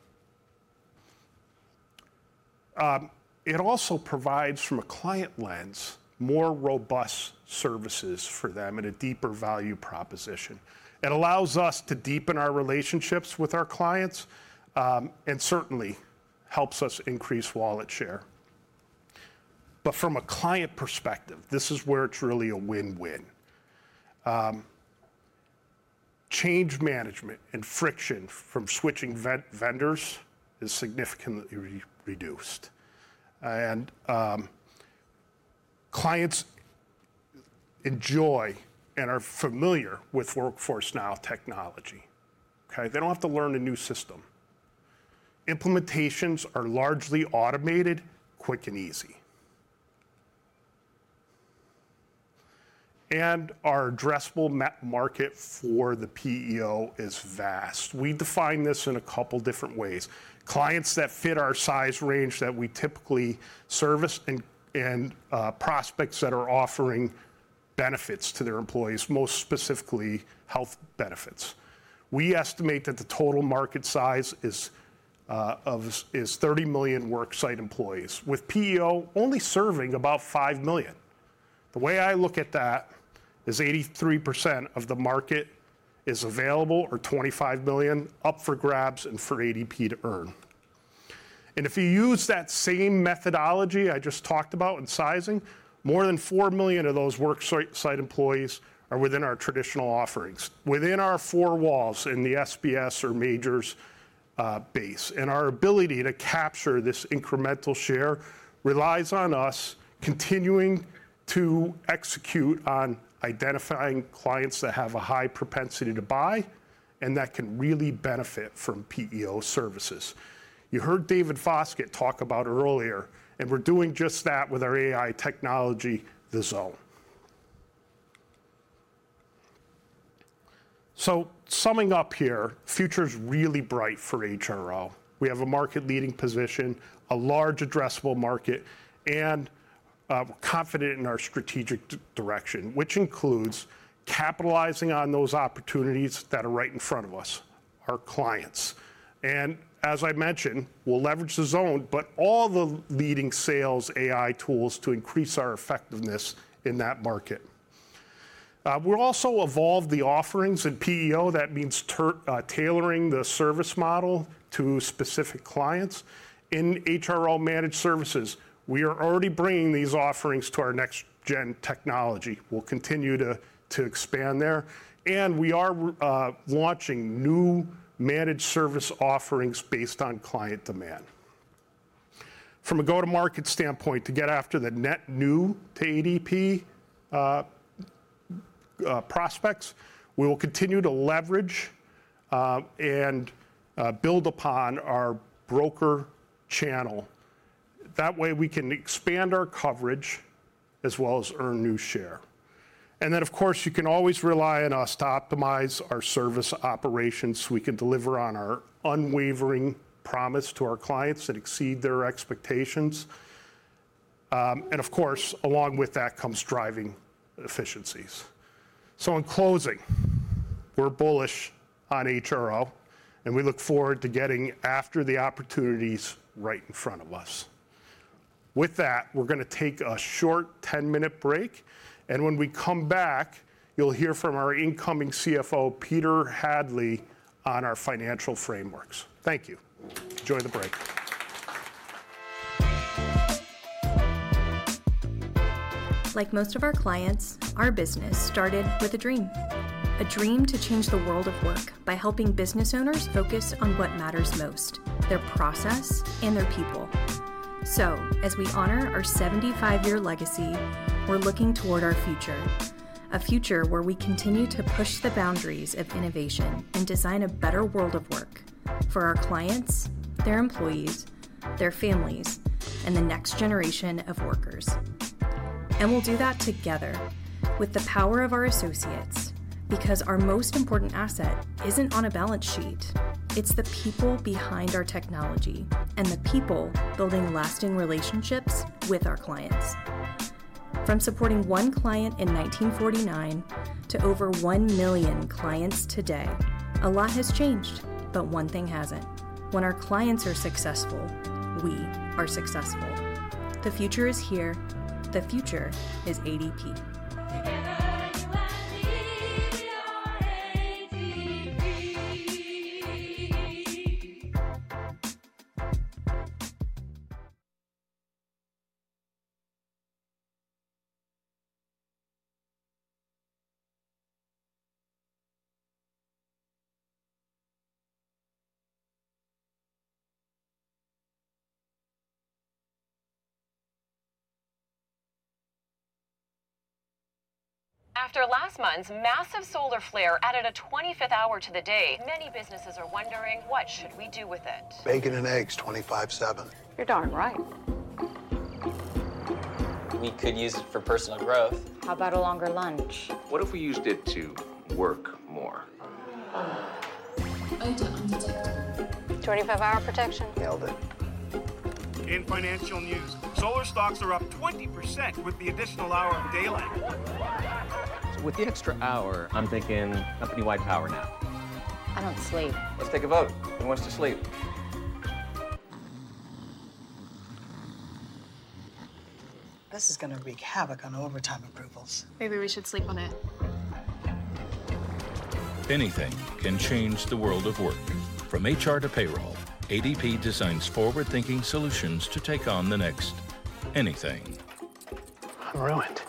It also provides, from a client lens, more robust services for them and a deeper value proposition. It allows us to deepen our relationships with our clients and certainly helps us increase wallet share. From a client perspective, this is where it's really a win-win. Change management and friction from switching vendors is significantly reduced. Clients enjoy and are familiar with Workforce Now technology. They don't have to learn a new system. Implementations are largely automated, quick, and easy. Our addressable market for the PEO is vast. We define this in a couple of different ways. Clients that fit our size range that we typically service and prospects that are offering benefits to their employees, most specifically health benefits. We estimate that the total market size is 30 million worksite employees, with PEO only serving about 5 million. The way I look at that is 83% of the market is available or 25 million up for grabs and for ADP to earn. If you use that same methodology I just talked about in sizing, more than 4 million of those worksite employees are within our traditional offerings, within our four walls in the SBS or majors base. Our ability to capture this incremental share relies on us continuing to execute on identifying clients that have a high propensity to buy and that can really benefit from PEO services. You heard David Foskett talk about it earlier, and we're doing just that with our AI technology, The Zone. Summing up here, the future is really bright for HRO. We have a market-leading position, a large addressable market, and we're confident in our strategic direction, which includes capitalizing on those opportunities that are right in front of us, our clients. As I mentioned, we'll leverage The Zone, but all the leading sales AI tools to increase our effectiveness in that market. We've also evolved the offerings in PEO. That means tailoring the service model to specific clients. In HRO Managed Services, we are already bringing these offerings to our next-gen technology. We'll continue to expand there. We are launching new managed service offerings based on client demand. From a go-to-market standpoint, to get after the net new to ADP prospects, we will continue to leverage and build upon our broker channel. That way, we can expand our coverage as well as earn new share. You can always rely on us to optimize our service operations so we can deliver on our unwavering promise to our clients and exceed their expectations. Of course, along with that comes driving efficiencies. In closing, we're bullish on HRO, and we look forward to getting after the opportunities right in front of us. With that, we're going to take a short 10-minute break. When we come back, you'll hear from our incoming CFO, Peter Hadley, on our financial frameworks. Thank you. Enjoy the break. Like most of our clients, our business started with a dream, a dream to change the world of work by helping business owners focus on what matters most: their process and their people. As we honor our 75-year legacy, we're looking toward our future, a future where we continue to push the boundaries of innovation and design a better world of work for our clients, their employees, their families, and the next generation of workers. We'll do that together with the power of our associates because our most important asset isn't on a balance sheet. It's the people behind our technology and the people building lasting relationships with our clients. From supporting one client in 1949 to over 1 million clients today, a lot has changed, but one thing hasn't. When our clients are successful, we are successful. The future is here. The future is ADP. Together, you and me, we are ADP. After last month's massive solar flare added a 25th hour to the day, many businesses are wondering, what should we do with it? Bacon and eggs 25/7. You're darn right. We could use it for personal growth. How about a longer lunch? What if we used it to work more? 25-hour protection. Nailed it. In financial news, solar stocks are up 20% with the additional hour of daylight. With the extra hour, I'm thinking company-wide power now. I don't sleep. Let's take a vote. Who wants to sleep? This is going to wreak havoc on overtime approvals. Maybe we should sleep on it. Anything can change the world of work. From HR to payroll, ADP designs forward-thinking solutions to take on the next anything. I'm ruined.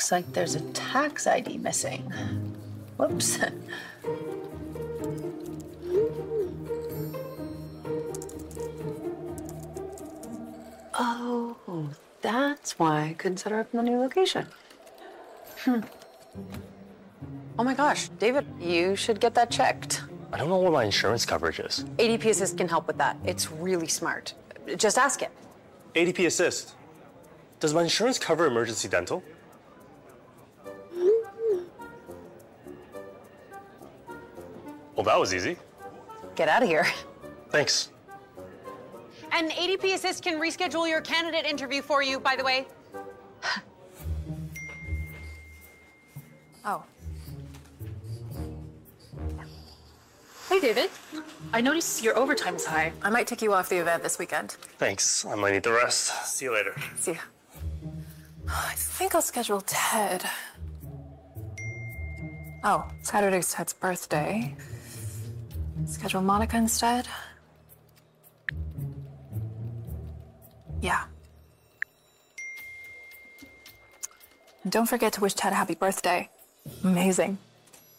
Looks like there's a tax ID missing. Whoops. Oh, that's why. Consider opening a new location. Oh my gosh, David, you should get that checked. I don't know where my insurance coverage is. ADP Assist can help with that. It's really smart. Just ask it. ADP Assist. Does my insurance cover emergency dental? That was easy. Get out of here. Thanks. ADP Assist can reschedule your candidate interview for you, by the way. Oh. Hey, David. I noticed your overtime is high. I might take you off the event this weekend. Thanks. I might need to rest. See you later. See you. I think I'll schedule Ted. Saturday is Ted's birthday. Schedule Monica instead. Yeah. Do not forget to wish Ted a happy birthday. Amazing.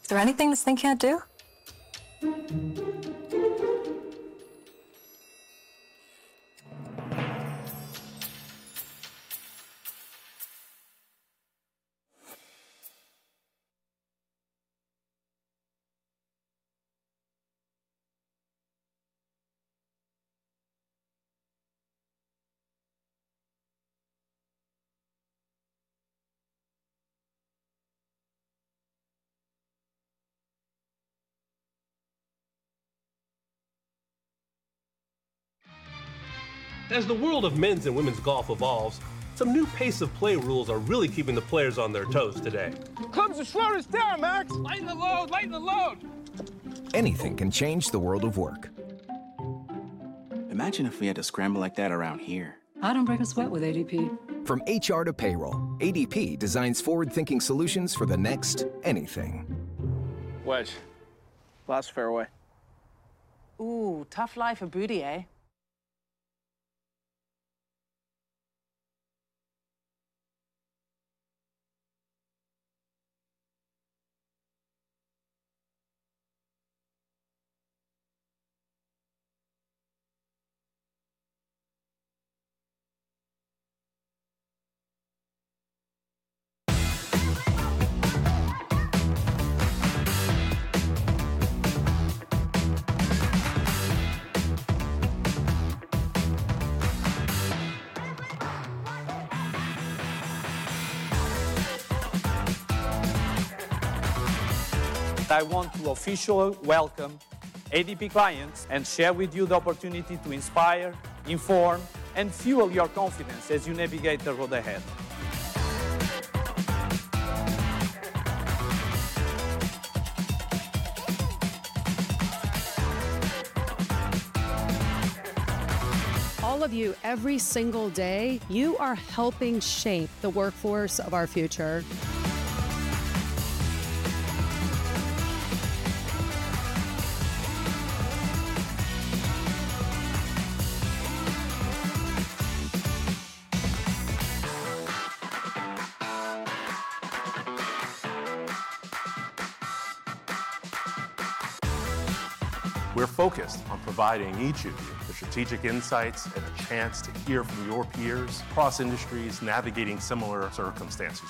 Is there anything this thing cannot do? As the world of men's and women's golf evolves, some new pace of play rules are really keeping the players on their toes today. Come to shore this time, Max. Lighten the load. Lighten the load. Anything can change the world of work. Imagine if we had to scramble like that around here. I do not break a sweat with ADP. From HR to payroll, ADP designs forward-thinking solutions for the next anything. Wedge. Lost fairway. Ooh, tough life of booty, I want to officially welcome ADP clients and share with you the opportunity to inspire, inform, and fuel your confidence as you navigate the road ahead. All of you, every single day, you are helping shape the workforce of our future. We're focused on providing each of you with strategic insights and a chance to hear from your peers across industries navigating similar circumstances.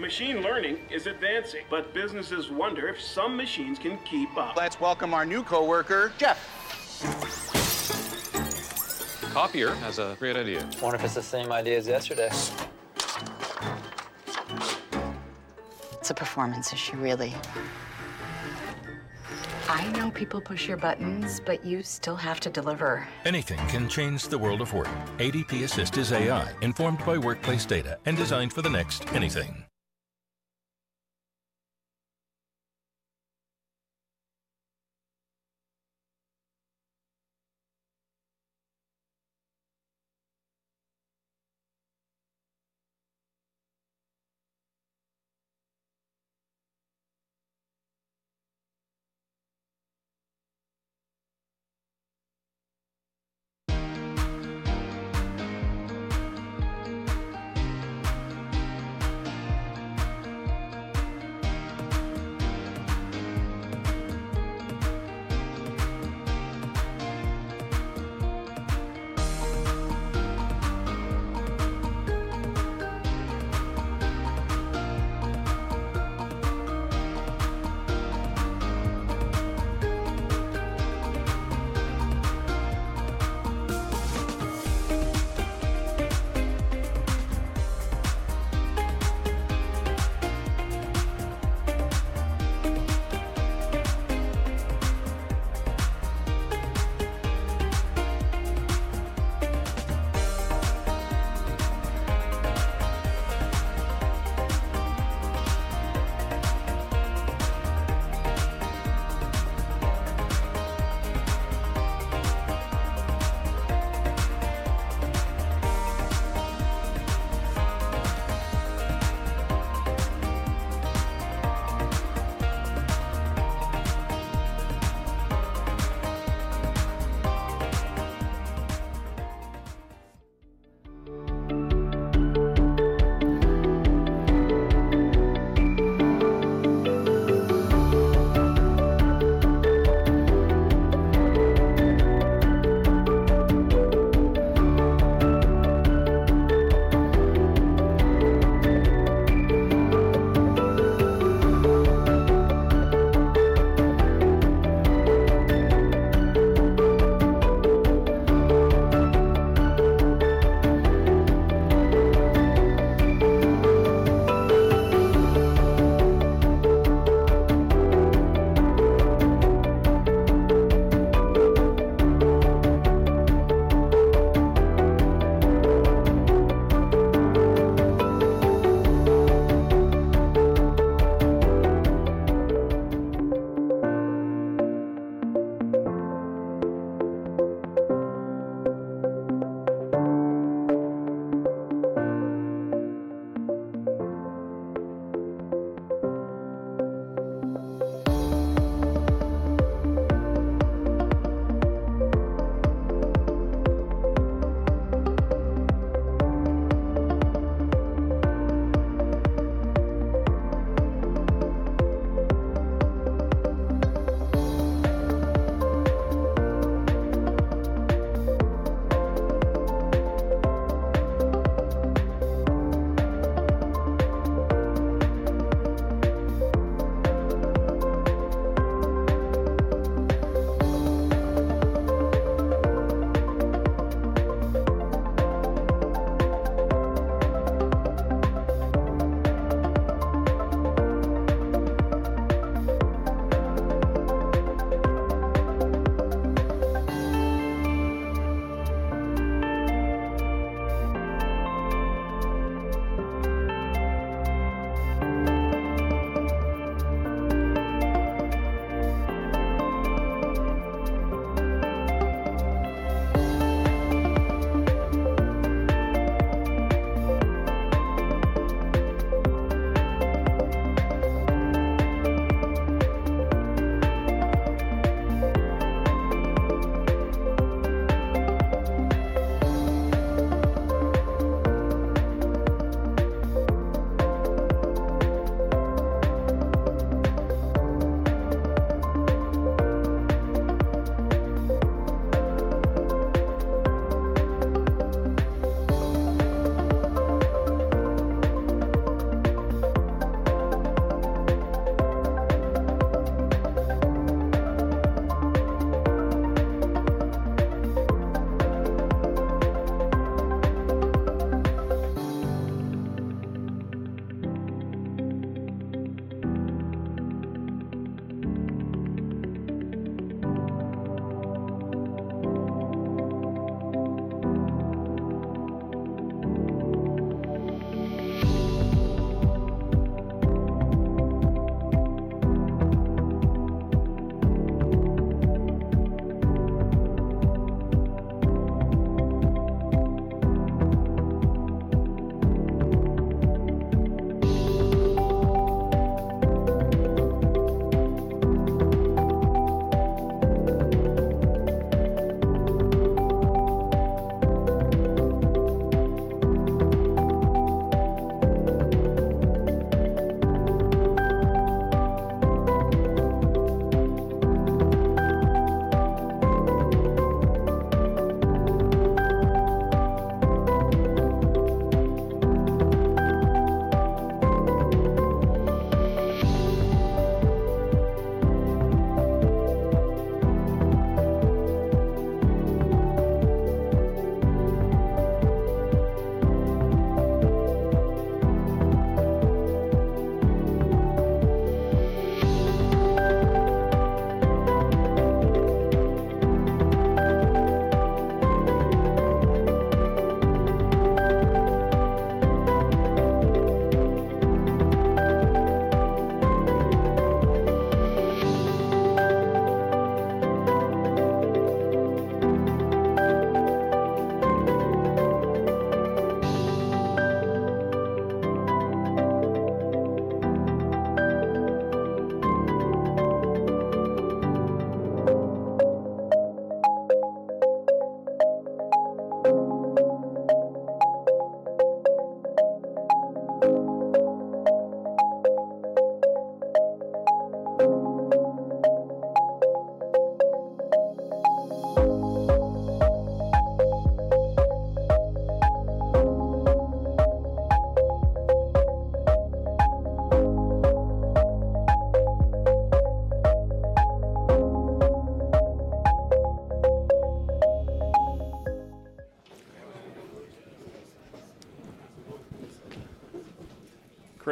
Machine learning is advancing, but businesses wonder if some machines can keep up. Let's welcome our new coworker, Jeff. Copier has a great idea. I wonder if it's the same idea as yesterday. It's a performance issue, really. I know people push your buttons, but you still have to deliver. Anything can change the world of work. ADP Assist is AI informed by workplace data and designed for the next anything.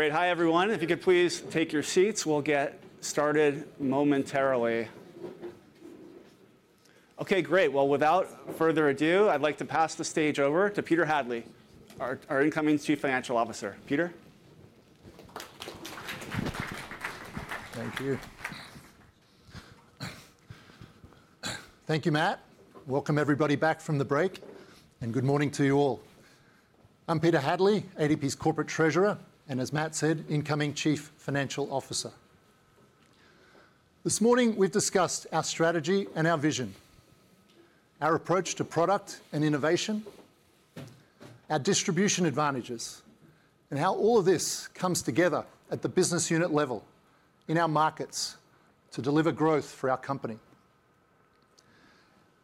Great. Hi, everyone. If you could please take your seats, we'll get started momentarily. Okay, great. Without further ado, I'd like to pass the stage over to Peter Hadley, our incoming Chief Financial Officer. Peter? Thank you. Thank you, Matt. Welcome, everybody, back from the break. Good morning to you all. I'm Peter Hadley, ADP's Corporate Treasurer, and as Matt said, incoming Chief Financial Officer. This morning, we've discussed our strategy and our vision, our approach to product and innovation, our distribution advantages, and how all of this comes together at the business unit level in our markets to deliver growth for our company.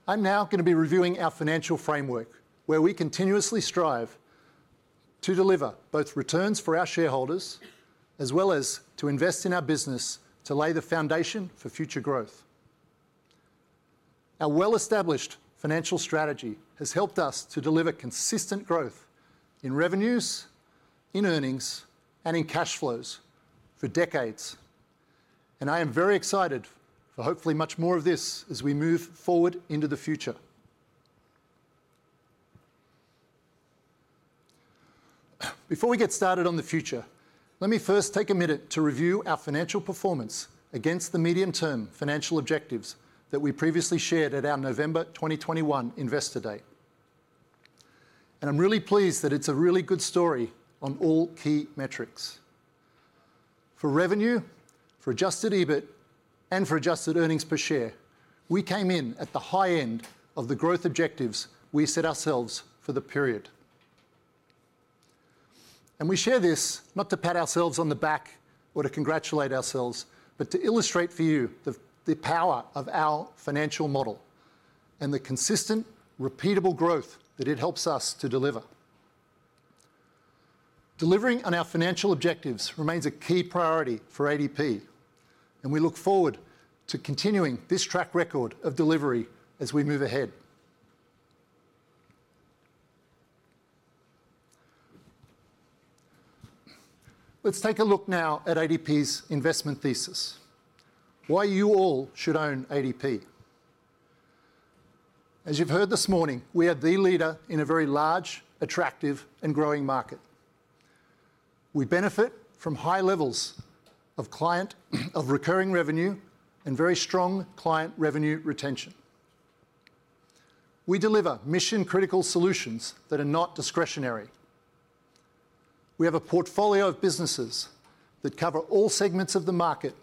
I'm now going to be reviewing our financial framework, where we continuously strive to deliver both returns for our shareholders as well as to invest in our business to lay the foundation for future growth. Our well-established financial strategy has helped us to deliver consistent growth in revenues, in earnings, and in cash flows for decades. I am very excited for hopefully much more of this as we move forward into the future. Before we get started on the future, let me first take a minute to review our financial performance against the medium-term financial objectives that we previously shared at our November 2021 investor date. I'm really pleased that it's a really good story on all key metrics. For revenue, for adjusted EBIT, and for adjusted earnings per share, we came in at the high end of the growth objectives we set ourselves for the period. We share this not to pat ourselves on the back or to congratulate ourselves, but to illustrate for you the power of our financial model and the consistent, repeatable growth that it helps us to deliver. Delivering on our financial objectives remains a key priority for ADP, and we look forward to continuing this track record of delivery as we move ahead. Let's take a look now at ADP's investment thesis. Why you all should own ADP. As you've heard this morning, we are the leader in a very large, attractive, and growing market. We benefit from high levels of client, of recurring revenue, and very strong client revenue retention. We deliver mission-critical solutions that are not discretionary. We have a portfolio of businesses that cover all segments of the market,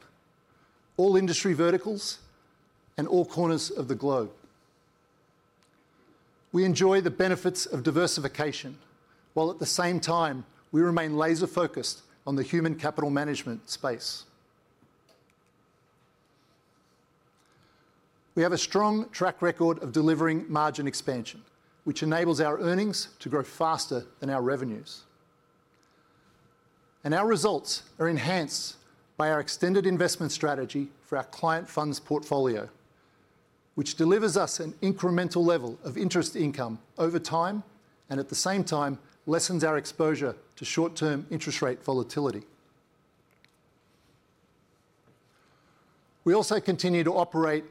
all industry verticals, and all corners of the globe. We enjoy the benefits of diversification while, at the same time, we remain laser-focused on the human capital management space. We have a strong track record of delivering margin expansion, which enables our earnings to grow faster than our revenues. Our results are enhanced by our extended investment strategy for our client funds portfolio, which delivers us an incremental level of interest income over time and, at the same time, lessens our exposure to short-term interest rate volatility. We also continue to operate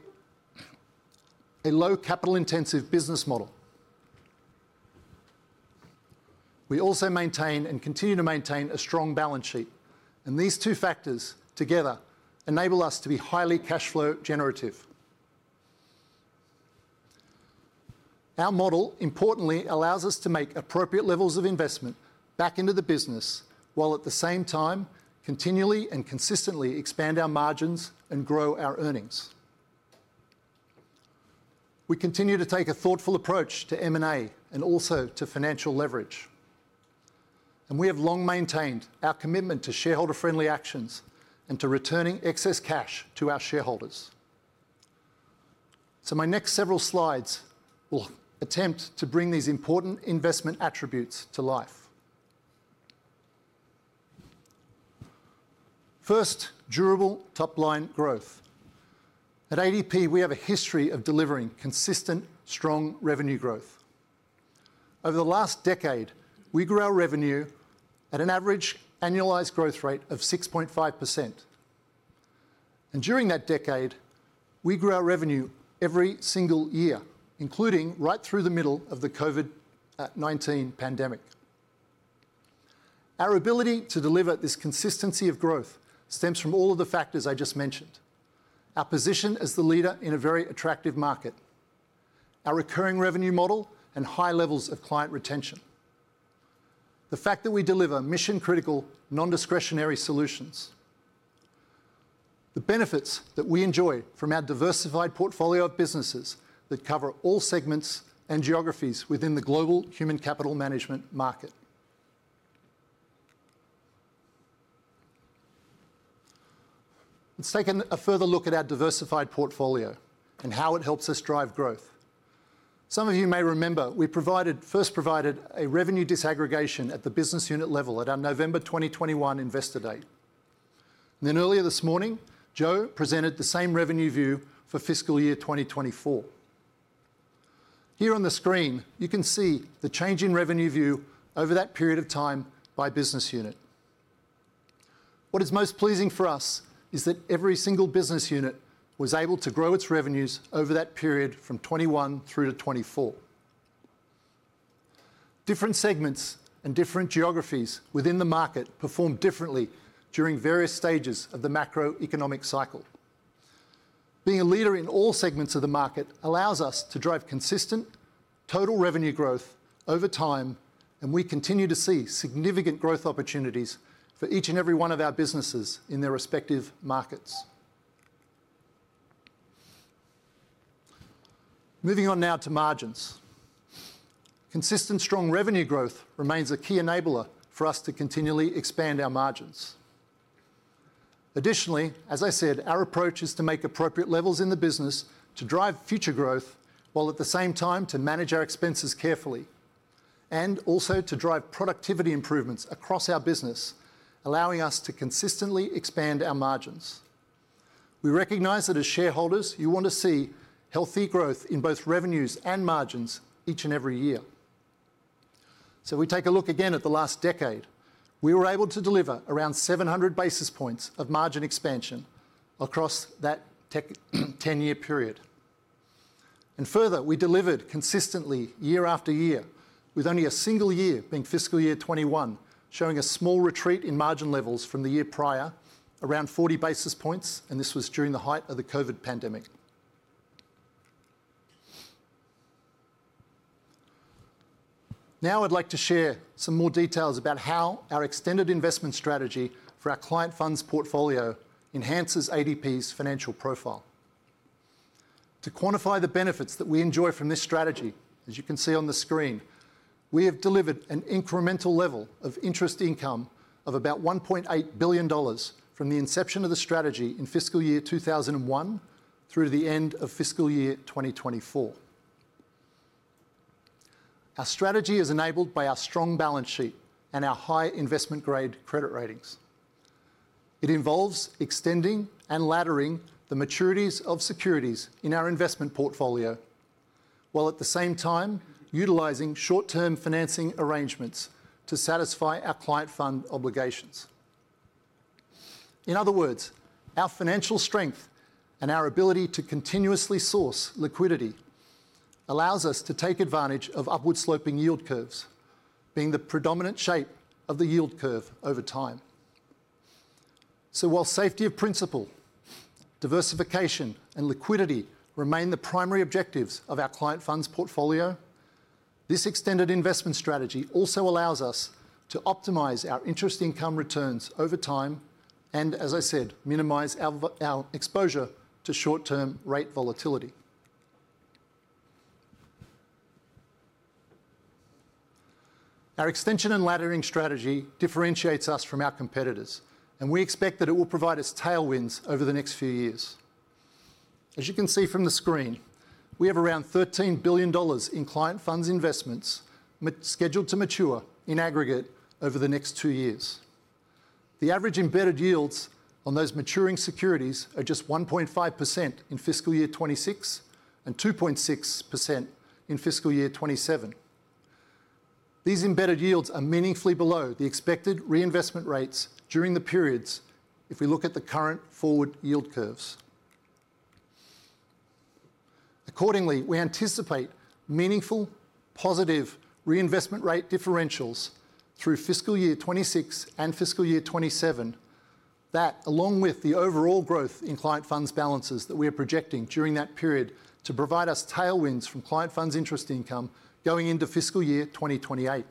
a low-capital-intensive business model. We also maintain and continue to maintain a strong balance sheet. These two factors together enable us to be highly cash flow generative. Our model, importantly, allows us to make appropriate levels of investment back into the business while, at the same time, continually and consistently expand our margins and grow our earnings. We continue to take a thoughtful approach to M&A and also to financial leverage. We have long maintained our commitment to shareholder-friendly actions and to returning excess cash to our shareholders. My next several slides will attempt to bring these important investment attributes to life. First, durable top-line growth. At ADP, we have a history of delivering consistent, strong revenue growth. Over the last decade, we grew our revenue at an average annualized growth rate of 6.5%. During that decade, we grew our revenue every single year, including right through the middle of the COVID-19 pandemic. Our ability to deliver this consistency of growth stems from all of the factors I just mentioned: our position as the leader in a very attractive market, our recurring revenue model, and high levels of client retention, the fact that we deliver mission-critical, non-discretionary solutions, the benefits that we enjoy from our diversified portfolio of businesses that cover all segments and geographies within the global human capital management market. Let's take a further look at our diversified portfolio and how it helps us drive growth. Some of you may remember we first provided a revenue disaggregation at the business unit level at our November 2021 investor date. And then earlier this morning, Joe presented the same revenue view for fiscal year 2024. Here on the screen, you can see the change in revenue view over that period of time by business unit. What is most pleasing for us is that every single business unit was able to grow its revenues over that period from 2021 through to 2024. Different segments and different geographies within the market performed differently during various stages of the macroeconomic cycle. Being a leader in all segments of the market allows us to drive consistent total revenue growth over time, and we continue to see significant growth opportunities for each and every one of our businesses in their respective markets. Moving on now to margins. Consistent, strong revenue growth remains a key enabler for us to continually expand our margins. Additionally, as I said, our approach is to make appropriate levels in the business to drive future growth while, at the same time, to manage our expenses carefully and also to drive productivity improvements across our business, allowing us to consistently expand our margins. We recognize that, as shareholders, you want to see healthy growth in both revenues and margins each and every year. If we take a look again at the last decade, we were able to deliver around 700 basis points of margin expansion across that 10-year period. Further, we delivered consistently year after year, with only a single year being fiscal year 2021, showing a small retreat in margin levels from the year prior, around 40 basis points, and this was during the height of the COVID pandemic. Now I'd like to share some more details about how our extended investment strategy for our client funds portfolio enhances ADP's financial profile. To quantify the benefits that we enjoy from this strategy, as you can see on the screen, we have delivered an incremental level of interest income of about $1.8 billion from the inception of the strategy in fiscal year 2001 through to the end of fiscal year 2024. Our strategy is enabled by our strong balance sheet and our high investment-grade credit ratings. It involves extending and laddering the maturities of securities in our investment portfolio while, at the same time, utilizing short-term financing arrangements to satisfy our client fund obligations. In other words, our financial strength and our ability to continuously source liquidity allows us to take advantage of upward-sloping yield curves, being the predominant shape of the yield curve over time. While safety of principal, diversification, and liquidity remain the primary objectives of our client funds portfolio, this extended investment strategy also allows us to optimize our interest income returns over time and, as I said, minimize our exposure to short-term rate volatility. Our extension and laddering strategy differentiates us from our competitors, and we expect that it will provide us tailwinds over the next few years. As you can see from the screen, we have around $13 billion in client funds investments scheduled to mature in aggregate over the next two years. The average embedded yields on those maturing securities are just 1.5% in fiscal year 2026 and 2.6% in fiscal year 2027. These embedded yields are meaningfully below the expected reinvestment rates during the periods if we look at the current forward yield curves. Accordingly, we anticipate meaningful, positive reinvestment rate differentials through fiscal year 2026 and fiscal year 2027 that, along with the overall growth in client funds balances that we are projecting during that period, to provide us tailwinds from client funds interest income going into fiscal year 2028.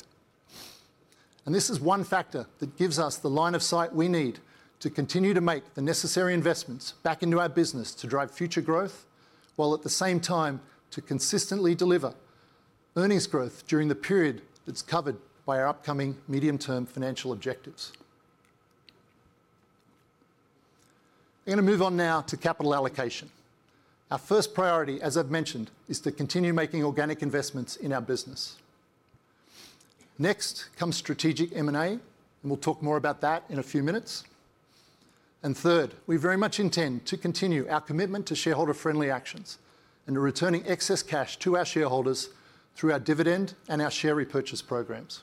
This is one factor that gives us the line of sight we need to continue to make the necessary investments back into our business to drive future growth while, at the same time, to consistently deliver earnings growth during the period that is covered by our upcoming medium-term financial objectives. I'm going to move on now to capital allocation. Our first priority, as I've mentioned, is to continue making organic investments in our business. Next comes strategic M&A, and we'll talk more about that in a few minutes. Third, we very much intend to continue our commitment to shareholder-friendly actions and to returning excess cash to our shareholders through our dividend and our share repurchase programs.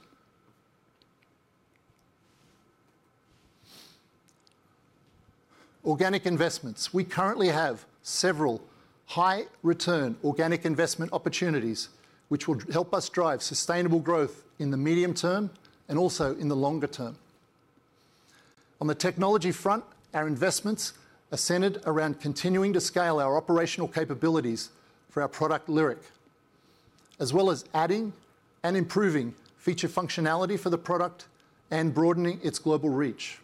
Organic investments. We currently have several high-return organic investment opportunities which will help us drive sustainable growth in the medium term and also in the longer term. On the technology front, our investments are centered around continuing to scale our operational capabilities for our product, Lyric, as well as adding and improving feature functionality for the product and broadening its global reach.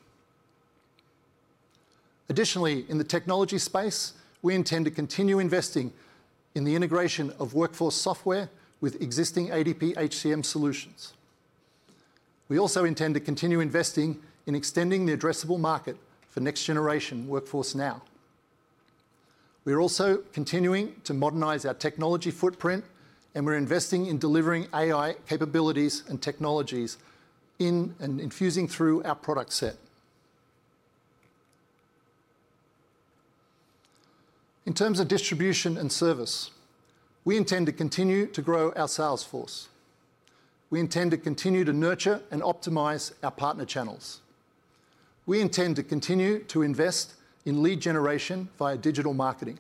Additionally, in the technology space, we intend to continue investing in the integration of WorkForce Software with existing ADP HCM solutions. We also intend to continue investing in extending the addressable market for next-generation Workforce Now. We are also continuing to modernize our technology footprint, and we're investing in delivering AI capabilities and technologies in and infusing through our product set. In terms of distribution and service, we intend to continue to grow our sales force. We intend to continue to nurture and optimize our partner channels. We intend to continue to invest in lead generation via digital marketing.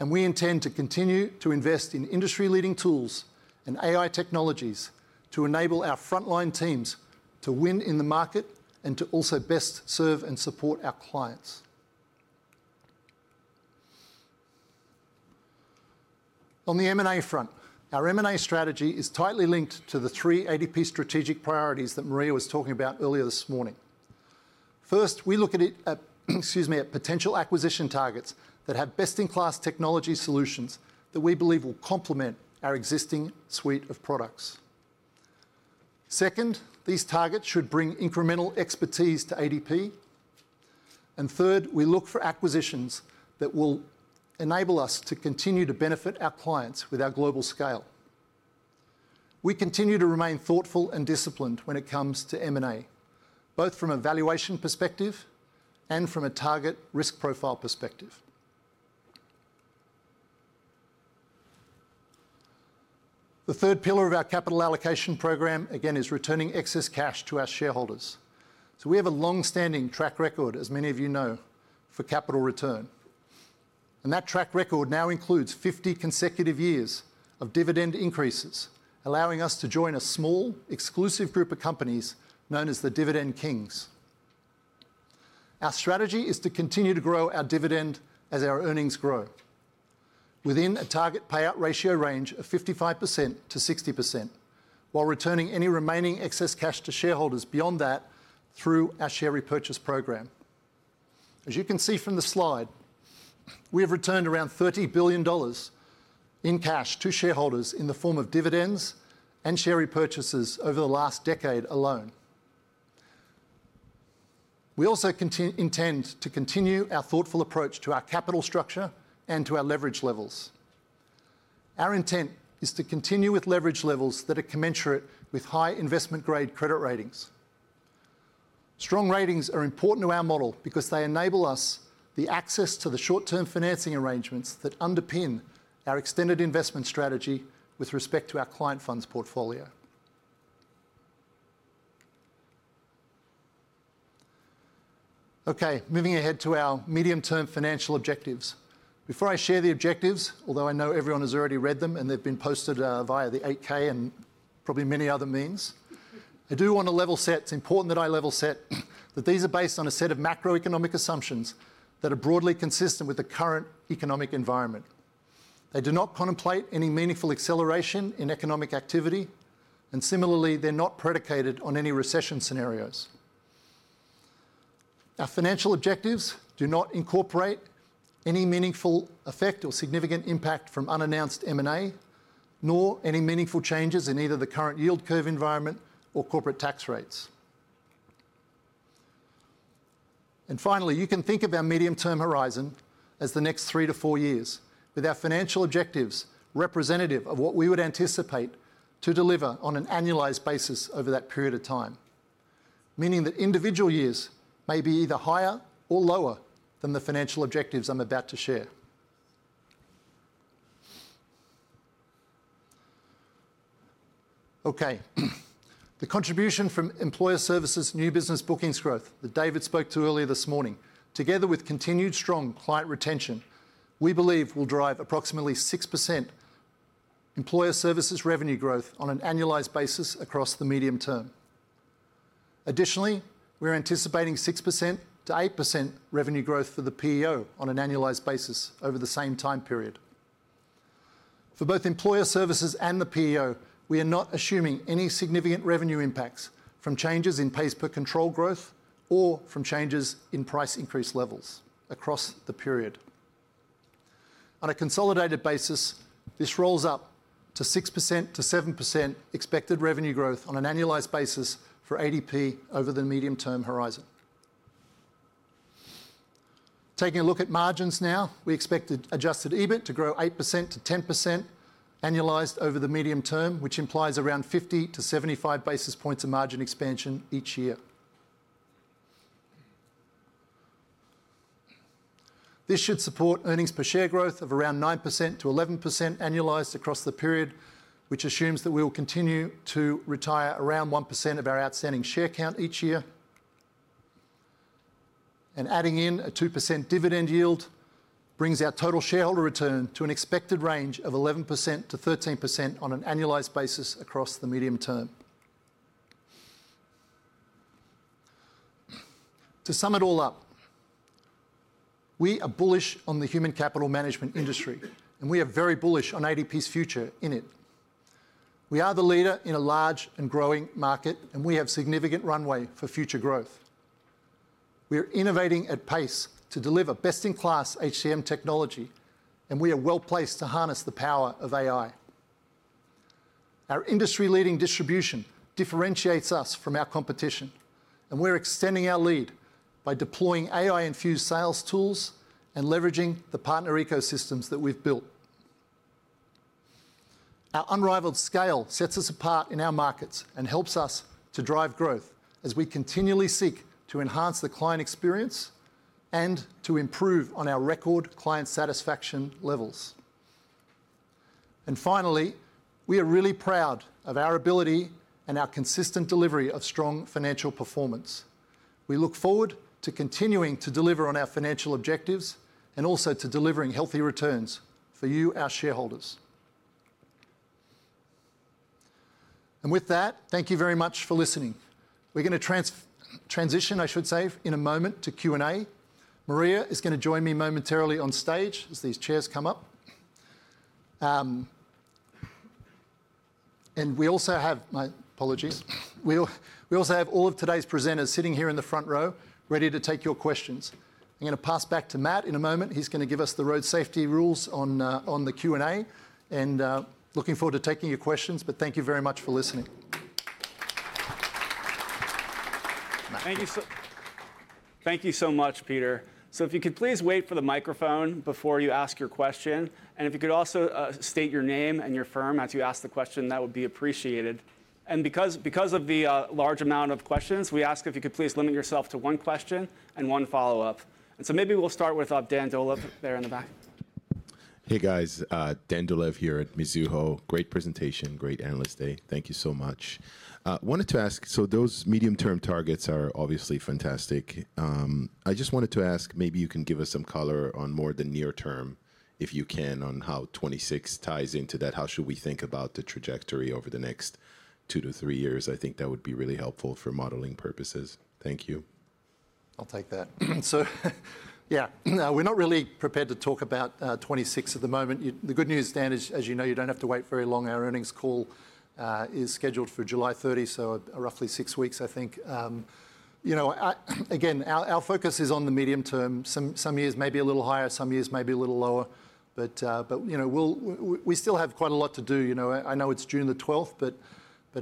We intend to continue to invest in industry-leading tools and AI technologies to enable our frontline teams to win in the market and to also best serve and support our clients. On the M&A front, our M&A strategy is tightly linked to the three ADP strategic priorities that Maria was talking about earlier this morning. First, we look at potential acquisition targets that have best-in-class technology solutions that we believe will complement our existing suite of products. Second, these targets should bring incremental expertise to ADP. Third, we look for acquisitions that will enable us to continue to benefit our clients with our global scale. We continue to remain thoughtful and disciplined when it comes to M&A, both from a valuation perspective and from a target risk profile perspective. The third pillar of our capital allocation program, again, is returning excess cash to our shareholders. We have a long-standing track record, as many of you know, for capital return. That track record now includes 50 consecutive years of dividend increases, allowing us to join a small, exclusive group of companies known as the Dividend Kings. Our strategy is to continue to grow our dividend as our earnings grow within a target payout ratio range of 55%-60%, while returning any remaining excess cash to shareholders beyond that through our share repurchase program. As you can see from the slide, we have returned around $30 billion in cash to shareholders in the form of dividends and share repurchases over the last decade alone. We also intend to continue our thoughtful approach to our capital structure and to our leverage levels. Our intent is to continue with leverage levels that are commensurate with high investment-grade credit ratings. Strong ratings are important to our model because they enable us the access to the short-term financing arrangements that underpin our extended investment strategy with respect to our client funds portfolio. Okay, moving ahead to our medium-term financial objectives. Before I share the objectives, although I know everyone has already read them and they've been posted via the 8-K and probably many other means, I do want to level set. It's important that I level set that these are based on a set of macroeconomic assumptions that are broadly consistent with the current economic environment. They do not contemplate any meaningful acceleration in economic activity, and similarly, they're not predicated on any recession scenarios. Our financial objectives do not incorporate any meaningful effect or significant impact from unannounced M&A, nor any meaningful changes in either the current yield curve environment or corporate tax rates. Finally, you can think of our medium-term horizon as the next three to four years, with our financial objectives representative of what we would anticipate to deliver on an annualized basis over that period of time, meaning that individual years may be either higher or lower than the financial objectives I'm about to share. Okay, the contribution from employer services, new business bookings growth that David spoke to earlier this morning, together with continued strong client retention, we believe will drive approximately 6% employer services revenue growth on an annualized basis across the medium term. Additionally, we're anticipating 6%-8% revenue growth for the PEO on an annualized basis over the same time period. For both employer services and the PEO, we are not assuming any significant revenue impacts from changes in pays per control growth or from changes in price increase levels across the period. On a consolidated basis, this rolls up to 6%-7% expected revenue growth on an annualized basis for ADP over the medium-term horizon. Taking a look at margins now, we expect adjusted EBIT to grow 8%-10% annualized over the medium term, which implies around 50-75 basis points of margin expansion each year. This should support earnings per share growth of around 9%-11% annualized across the period, which assumes that we will continue to retire around 1% of our outstanding share count each year. Adding in a 2% dividend yield brings our total shareholder return to an expected range of 11%-13% on an annualized basis across the medium term. To sum it all up, we are bullish on the human capital management industry, and we are very bullish on ADP's future in it. We are the leader in a large and growing market, and we have significant runway for future growth. We are innovating at pace to deliver best-in-class HCM technology, and we are well placed to harness the power of AI. Our industry-leading distribution differentiates us from our competition, and we're extending our lead by deploying AI-infused sales tools and leveraging the partner ecosystems that we've built. Our unrivaled scale sets us apart in our markets and helps us to drive growth as we continually seek to enhance the client experience and to improve on our record client satisfaction levels. Finally, we are really proud of our ability and our consistent delivery of strong financial performance. We look forward to continuing to deliver on our financial objectives and also to delivering healthy returns for you, our shareholders. With that, thank you very much for listening. We are going to transition, I should say, in a moment to Q&A. Maria is going to join me momentarily on stage as these chairs come up. We also have, my apologies, we also have all of today's presenters sitting here in the front row, ready to take your questions. I am going to pass back to Matt in a moment. He's going to give us the road safety rules on the Q&A, and looking forward to taking your questions, but thank you very much for listening. Thank you so much, Peter. If you could please wait for the microphone before you ask your question, and if you could also state your name and your firm as you ask the question, that would be appreciated. Because of the large amount of questions, we ask if you could please limit yourself to one question and one follow-up. Maybe we will start with Dan Dolev there in the back. Hey, guys. Dan Dolev here at Mizuho. Great presentation, great analyst day. Thank you so much. I wanted to ask, so those medium-term targets are obviously fantastic. I just wanted to ask, maybe you can give us some color on more the near term, if you can, on how 2026 ties into that. How should we think about the trajectory over the next two-three years? I think that would be really helpful for modeling purposes. Thank you. I'll take that. Yeah, we're not really prepared to talk about 2026 at the moment. The good news, Dan, is, as you know, you don't have to wait very long. Our earnings call is scheduled for July 30, so roughly six weeks, I think. Again, our focus is on the medium term. Some years may be a little higher, some years may be a little lower, but we still have quite a lot to do. I know it's June 12, but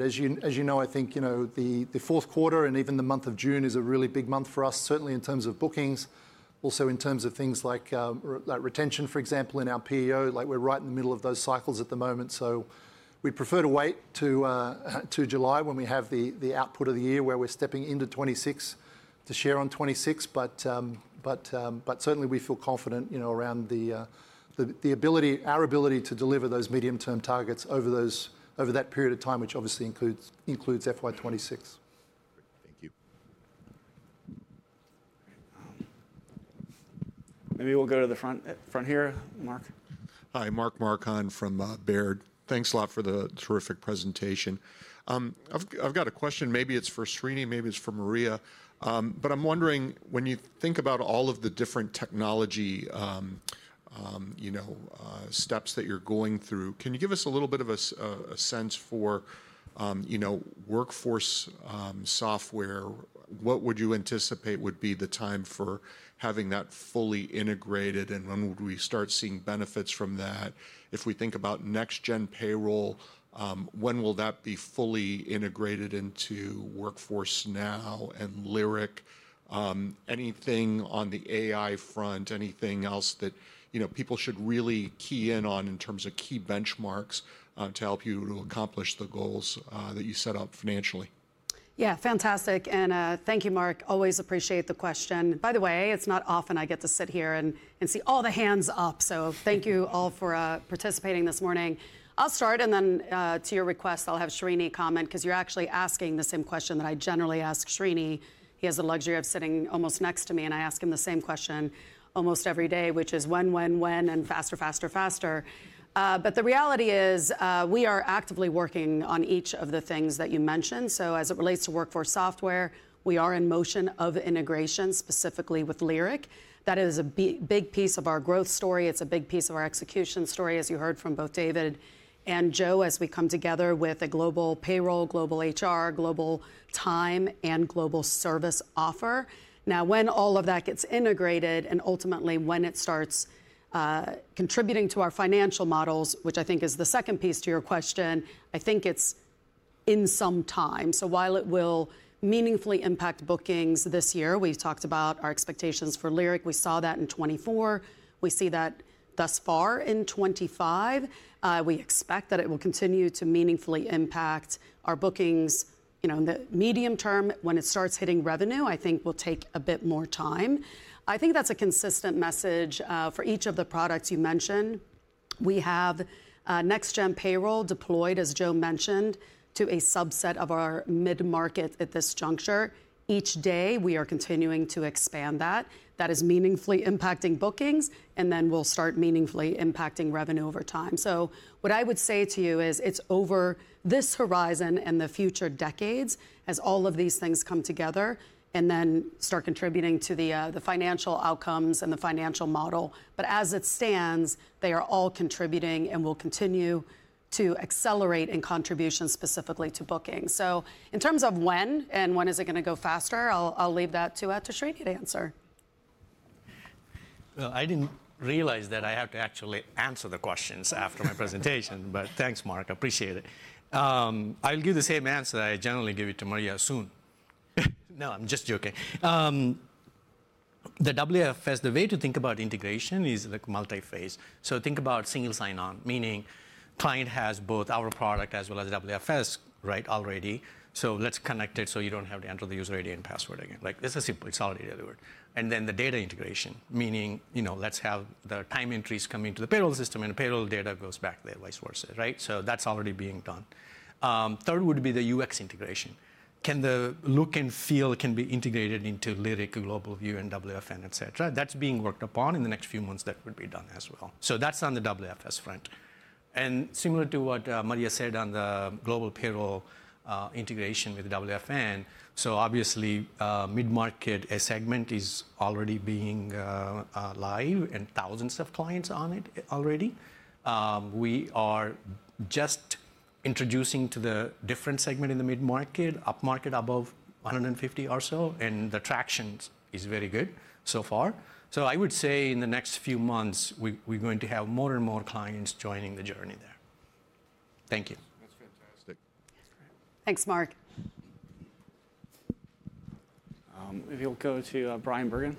as you know, I think the fourth quarter and even the month of June is a really big month for us, certainly in terms of bookings, also in terms of things like retention, for example, in our PEO. We're right in the middle of those cycles at the moment, so we'd prefer to wait to July when we have the output of the year where we're stepping into 2026 to share on 2026, but certainly we feel confident around our ability to deliver those medium-term targets over that period of time, which obviously includes FY 2026. Thank you. Maybe we'll go to the front here, Mark. Hi, Mark Marcon from Baird. Thanks a lot for the terrific presentation. I've got a question. Maybe it's for Sreeni, maybe it's for Maria, but I'm wondering, when you think about all of the different technology steps that you're going through, can you give us a little bit of a sense for WorkForce Software? What would you anticipate would be the time for having that fully integrated, and when would we start seeing benefits from that? If we think about next-gen payroll, when will that be fully integrated into Workforce Now and Lyric? Anything on the AI front, anything else that people should really key in on in terms of key benchmarks to help you accomplish the goals that you set out financially? Yeah, fantastic. Thank you, Mark. Always appreciate the question. By the way, it's not often I get to sit here and see all the hands up, so thank you all for participating this morning. I'll start, and then to your request, I'll have Sreeni comment because you're actually asking the same question that I generally ask Sreeni. He has the luxury of sitting almost next to me, and I ask him the same question almost every day, which is, "When, when, when?" and "Faster, faster, faster." The reality is we are actively working on each of the things that you mentioned. As it relates to WorkForce Software, we are in motion of integration specifically with Lyric. That is a big piece of our growth story. It's a big piece of our execution story, as you heard from both David and Joe, as we come together with a global payroll, global HR, global time, and global service offer. Now, when all of that gets integrated and ultimately when it starts contributing to our financial models, which I think is the second piece to your question, I think it's in some time. While it will meaningfully impact bookings this year, we've talked about our expectations for Lyric. We saw that in 2024. We see that thus far in 2025. We expect that it will continue to meaningfully impact our bookings in the medium term. When it starts hitting revenue, I think it will take a bit more time. I think that's a consistent message for each of the products you mentioned. We have next-gen payroll deployed, as Joe mentioned, to a subset of our mid-market at this juncture. Each day, we are continuing to expand that. That is meaningfully impacting bookings, and then we will start meaningfully impacting revenue over time. What I would say to you is it is over this horizon and the future decades as all of these things come together and then start contributing to the financial outcomes and the financial model. As it stands, they are all contributing and will continue to accelerate in contribution specifically to bookings. In terms of when and when is it going to go faster, I will leave that to Sreeni to answer. I didn't realize that I have to actually answer the questions after my presentation, but thanks, Mark. I appreciate it. I'll give the same answer I generally give to Maria soon. No, I'm just joking. The WFS, the way to think about integration is multi-phase. Think about single sign-on, meaning client has both our product as well as WFS already. Let's connect it so you don't have to enter the user ID and password again. This is simple. It's already delivered. Then the data integration, meaning let's have the time entries come into the payroll system and payroll data goes back there, vice versa. That's already being done. Third would be the UX integration. Can the look and feel be integrated into Lyric, Global View, and WFN, et cetera? That's being worked upon. In the next few months, that would be done as well. That's on the WorkForce Software front. Similar to what Maria said on the global payroll integration with WFN, the mid-market segment is already live and thousands of clients are on it already. We are just introducing it to the different segment in the mid-market, upmarket above 150 or so, and the traction is very good so far. I would say in the next few months, we're going to have more and more clients joining the journey there. Thank you. That's fantastic. Thanks, Mark. If you'll go to Bryan Bergin.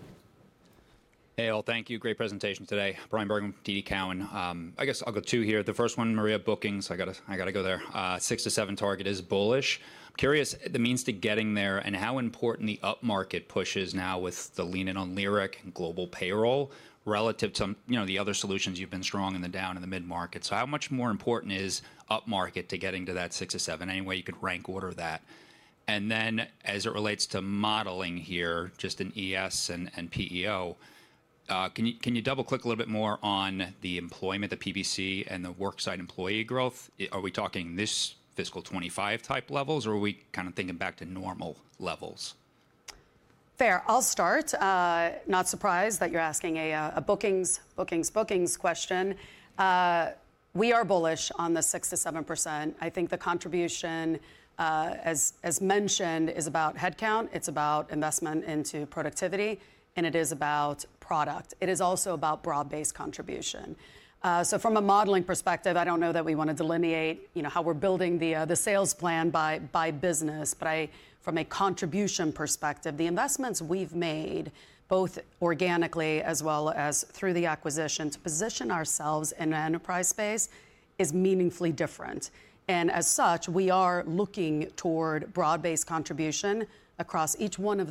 Hey, all. Thank you. Great presentation today. Bryan Bergin, TD Cowen. I guess I'll go two here. The first one, Maria, bookings, I got to go there. Six-seven target is bullish. I'm curious the means to getting there and how important the upmarket push is now with the lean-in on Lyric and global payroll relative to the other solutions you've been strong in the down and the mid-market. How much more important is upmarket to getting to that six-seven? Any way you could rank order that? And then as it relates to modeling here, just in ES and PEO, can you double-click a little bit more on the employment, the PBC, and the worksite employee growth? Are we talking this fiscal 2025 type levels, or are we kind of thinking back to normal levels? Fair. I'll start. Not surprised that you're asking a bookings, bookings, bookings question. We are bullish on the 6%-7%. I think the contribution, as mentioned, is about headcount. It's about investment into productivity, and it is about product. It is also about broad-based contribution. From a modeling perspective, I don't know that we want to delineate how we're building the sales plan by business, but from a contribution perspective, the investments we've made, both organically as well as through the acquisition to position ourselves in an enterprise space, is meaningfully different. As such, we are looking toward broad-based contribution across each one of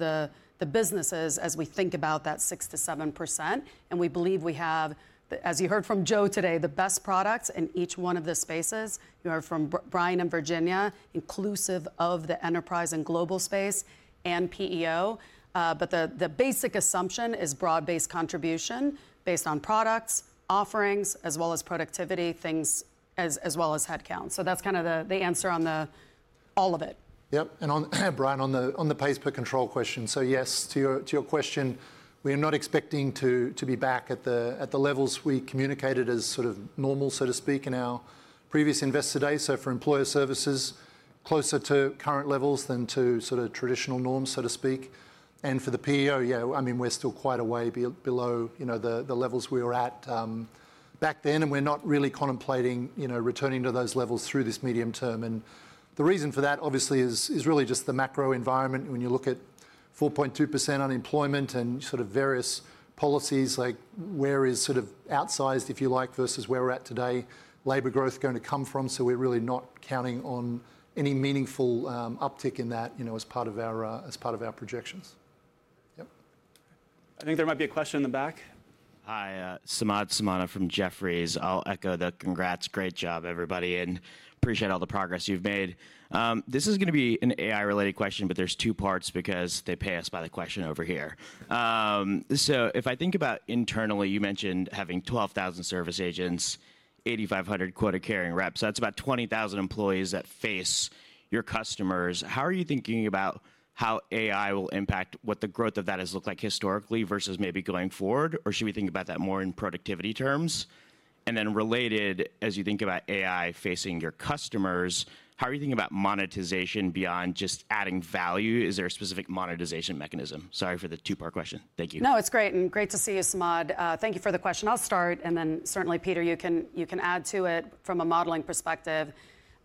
the businesses as we think about that 6%-7%. We believe we have, as you heard from Joe today, the best products in each one of the spaces. You heard from Brian and Virginia, inclusive of the enterprise and global space and PEO. The basic assumption is broad-based contribution based on products, offerings, as well as productivity, things as well as headcount. That is kind of the answer on all of it. Yep. And Bryan, on the pay-per-control question, yes, to your question, we are not expecting to be back at the levels we communicated as sort of normal, so to speak, in our previous investor day. For employer services, closer to current levels than to sort of traditional norms, so to speak. For the PEO, yeah, I mean, we're still quite a way below the levels we were at back then, and we're not really contemplating returning to those levels through this medium term. The reason for that, obviously, is really just the macro environment. When you look at 4.2% unemployment and sort of various policies, like where is sort of outsized, if you like, versus where we're at today, labor growth going to come from? We're really not counting on any meaningful uptick in that as part of our projections. Yep. I think there might be a question in the back. Hi, Samad Samana from Jefferies. I'll echo the congrats. Great job, everybody, and appreciate all the progress you've made. This is going to be an AI-related question, but there's two parts because they pay us by the question over here. If I think about internally, you mentioned having 12,000 service agents, 8,500 quota carrying reps. That's about 20,000 employees that face your customers. How are you thinking about how AI will impact what the growth of that has looked like historically versus maybe going forward? Should we think about that more in productivity terms? Then related, as you think about AI facing your customers, how are you thinking about monetization beyond just adding value? Is there a specific monetization mechanism? Sorry for the two-part question. Thank you. No, it's great and great to see you, Samad. Thank you for the question. I'll start, and then certainly, Peter, you can add to it from a modeling perspective.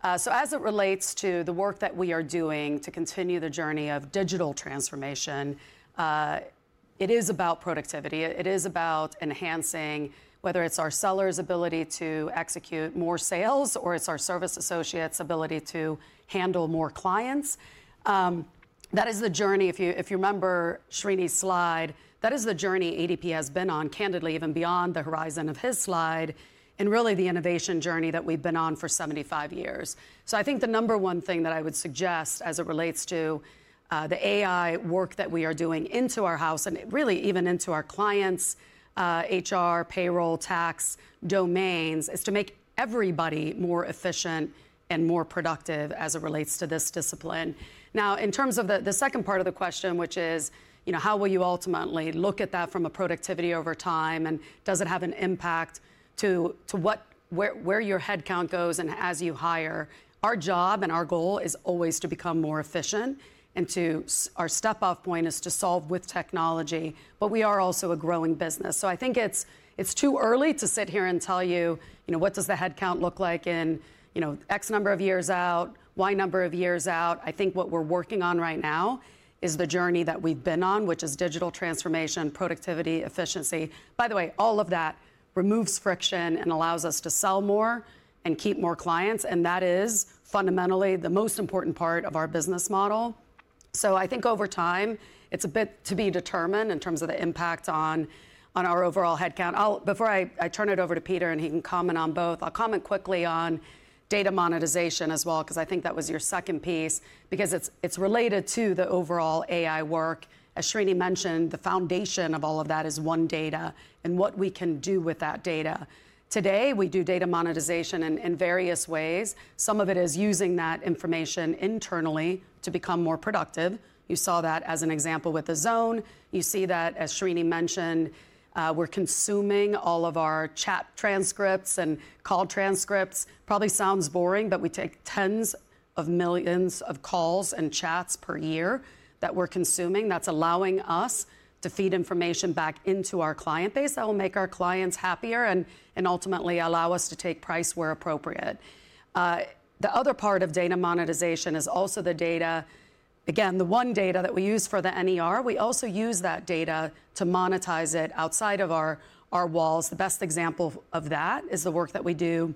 As it relates to the work that we are doing to continue the journey of digital transformation, it is about productivity. It is about enhancing whether it's our sellers' ability to execute more sales or it's our service associates' ability to handle more clients. That is the journey. If you remember Sreeni's slide, that is the journey ADP has been on, candidly, even beyond the horizon of his slide, and really the innovation journey that we've been on for 75 years. I think the number one thing that I would suggest as it relates to the AI work that we are doing into our house and really even into our clients, HR, payroll, tax domains, is to make everybody more efficient and more productive as it relates to this discipline. Now, in terms of the second part of the question, which is how will you ultimately look at that from a productivity over time and does it have an impact to where your headcount goes and as you hire? Our job and our goal is always to become more efficient, and our step-off point is to solve with technology, but we are also a growing business. I think it's too early to sit here and tell you what does the headcount look like in X number of years out, Y number of years out. I think what we're working on right now is the journey that we've been on, which is digital transformation, productivity, efficiency. By the way, all of that removes friction and allows us to sell more and keep more clients, and that is fundamentally the most important part of our business model. I think over time, it's a bit to be determined in terms of the impact on our overall headcount. Before I turn it over to Peter and he can comment on both, I'll comment quickly on data monetization as well because I think that was your second piece, because it's related to the overall AI work. As Sreeni mentioned, the foundation of all of that is OneData and what we can do with that data. Today, we do data monetization in various ways. Some of it is using that information internally to become more productive. You saw that as an example with The Zone. You see that, as Sreeni mentioned, we're consuming all of our chat transcripts and call transcripts. Probably sounds boring, but we take tens of millions of calls and chats per year that we're consuming. That's allowing us to feed information back into our client base that will make our clients happier and ultimately allow us to take price where appropriate. The other part of data monetization is also the data, again, the OneData that we use for the NER. We also use that data to monetize it outside of our walls. The best example of that is the work that we do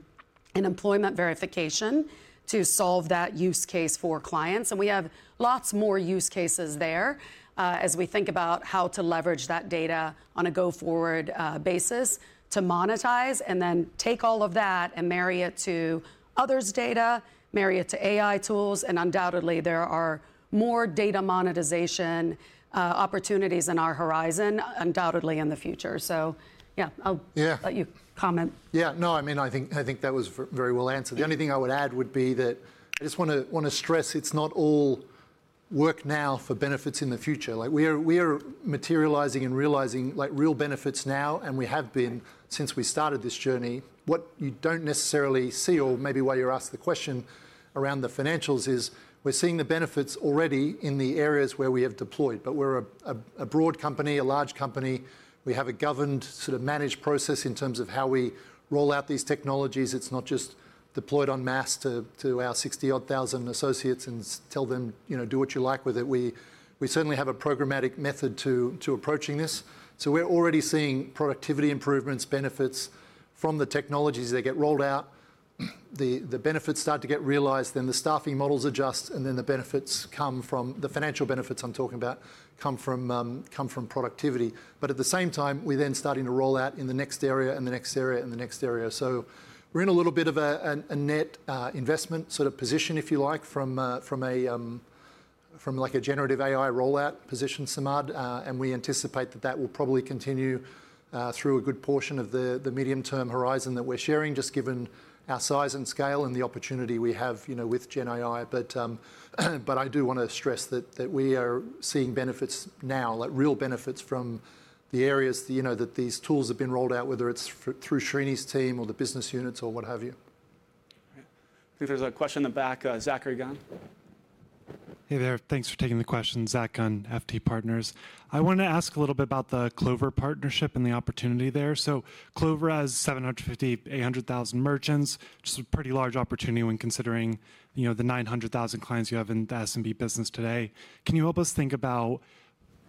in employment verification to solve that use case for clients. We have lots more use cases there as we think about how to leverage that data on a go-forward basis to monetize and then take all of that and marry it to others' data, marry it to AI tools. Undoubtedly, there are more data monetization opportunities on our horizon, undoubtedly in the future. Yeah, I'll let you comment. Yeah. No, I mean, I think that was very well answered. The only thing I would add would be that I just want to stress it's not all work now for benefits in the future. We are materializing and realizing real benefits now, and we have been since we started this journey. What you don't necessarily see, or maybe why you're asked the question around the financials, is we're seeing the benefits already in the areas where we have deployed. We are a broad company, a large company. We have a governed, sort of managed process in terms of how we roll out these technologies. It's not just deployed en masse to our 60-odd thousand associates and tell them, "Do what you like with it." We certainly have a programmatic method to approaching this. We are already seeing productivity improvements, benefits from the technologies that get rolled out. The benefits start to get realized, then the staffing models adjust, and then the benefits come from the financial benefits I'm talking about come from productivity. At the same time, we're then starting to roll out in the next area and the next area and the next area. We're in a little bit of a net investment sort of position, if you like, from a generative AI rollout position, Samad. We anticipate that that will probably continue through a good portion of the medium-term horizon that we're sharing, just given our size and scale and the opportunity we have with GenAI. I do want to stress that we are seeing benefits now, real benefits from the areas that these tools have been rolled out, whether it's through Sreeni's team or the business units or what have you. I think there's a question in the back. Zachary Gunn. Hey there. Thanks for taking the question. Zach Gunn, FT Partners. I wanted to ask a little bit about the Clover partnership and the opportunity there. Clover has 750,000-800,000 merchants, which is a pretty large opportunity when considering the 900,000 clients you have in the SMB business today. Can you help us think about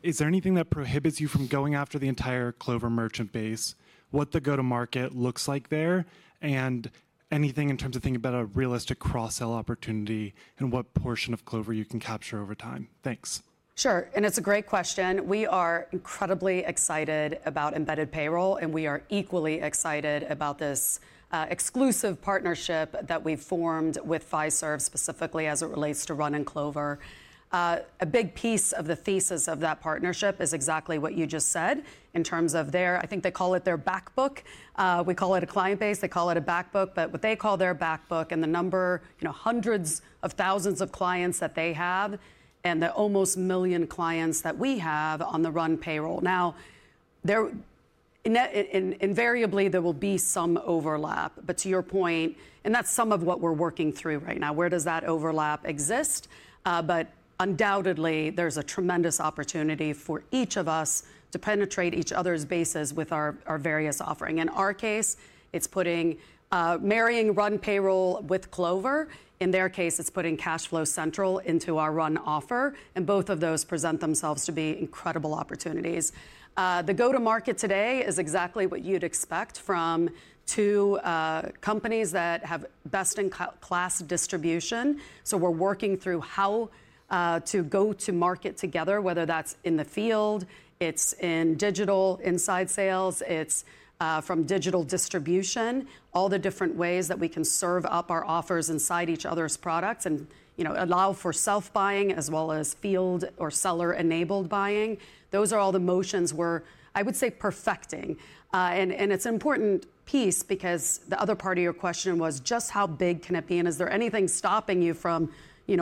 is there anything that prohibits you from going after the entire Clover merchant base, what the go-to-market looks like there, and anything in terms of thinking about a realistic cross-sell opportunity and what portion of Clover you can capture over time? Thanks. Sure. It is a great question. We are incredibly excited about embedded payroll, and we are equally excited about this exclusive partnership that we have formed with Fiserv specifically as it relates to running Clover. A big piece of the thesis of that partnership is exactly what you just said in terms of their, I think they call it their backbook. We call it a client base. They call it a backbook. What they call their backbook and the number, hundreds of thousands of clients that they have and the almost million clients that we have on the Run payroll. Now, invariably, there will be some overlap. To your point, and that is some of what we are working through right now, where does that overlap exist? Undoubtedly, there is a tremendous opportunity for each of us to penetrate each other's bases with our various offering. In our case, it's putting marrying Run payroll with Clover. In their case, it's putting Cashflow Central into our Run offer. Both of those present themselves to be incredible opportunities. The go-to-market today is exactly what you'd expect from two companies that have best-in-class distribution. We're working through how to go to market together, whether that's in the field, it's in digital inside sales, it's from digital distribution, all the different ways that we can serve up our offers inside each other's products and allow for self-buying as well as field or seller-enabled buying. Those are all the motions we're, I would say, perfecting. It's an important piece because the other part of your question was just how big can it be? Is there anything stopping you from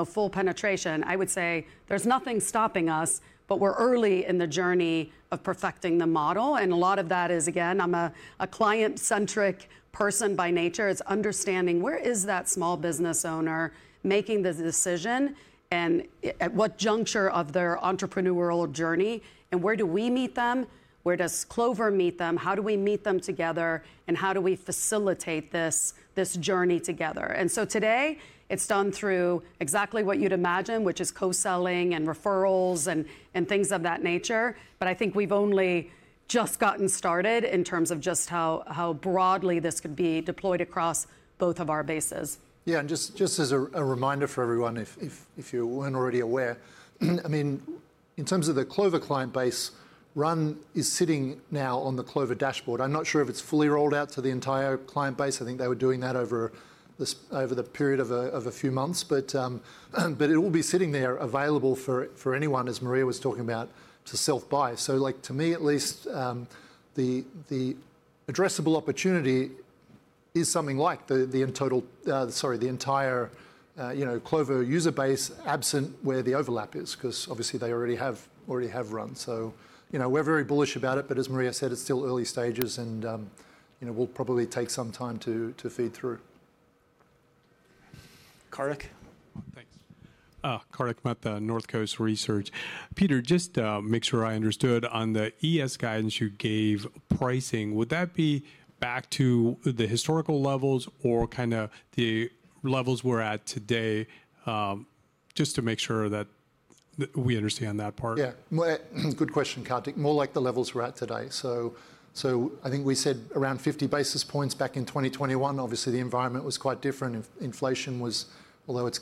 full penetration? I would say there's nothing stopping us, but we're early in the journey of perfecting the model. A lot of that is, again, I'm a client-centric person by nature. It's understanding where is that small business owner making the decision and at what juncture of their entrepreneurial journey and where do we meet them, where does Clover meet them, how do we meet them together, and how do we facilitate this journey together? Today, it's done through exactly what you'd imagine, which is co-selling and referrals and things of that nature. I think we've only just gotten started in terms of just how broadly this could be deployed across both of our bases. Yeah. And just as a reminder for everyone, if you were not already aware, I mean, in terms of the Clover client base, Run is sitting now on the Clover dashboard. I am not sure if it is fully rolled out to the entire client base. I think they were doing that over the period of a few months. It will be sitting there available for anyone, as Maria was talking about, to self-buy. To me, at least, the addressable opportunity is something like the entire Clover user base absent where the overlap is because obviously they already have Run. We are very bullish about it. As Maria said, it is still early stages, and it will probably take some time to feed through. Kartik. Thanks. Kartik with Northcoast Research. Peter, just to make sure I understood, on the ES guidance you gave pricing, would that be back to the historical levels or kind of the levels we are at today? Just to make sure that we understand that part. Yeah. Good question, Kartik. More like the levels we're at today. I think we said around 50 basis points back in 2021. Obviously, the environment was quite different. Inflation was, although it's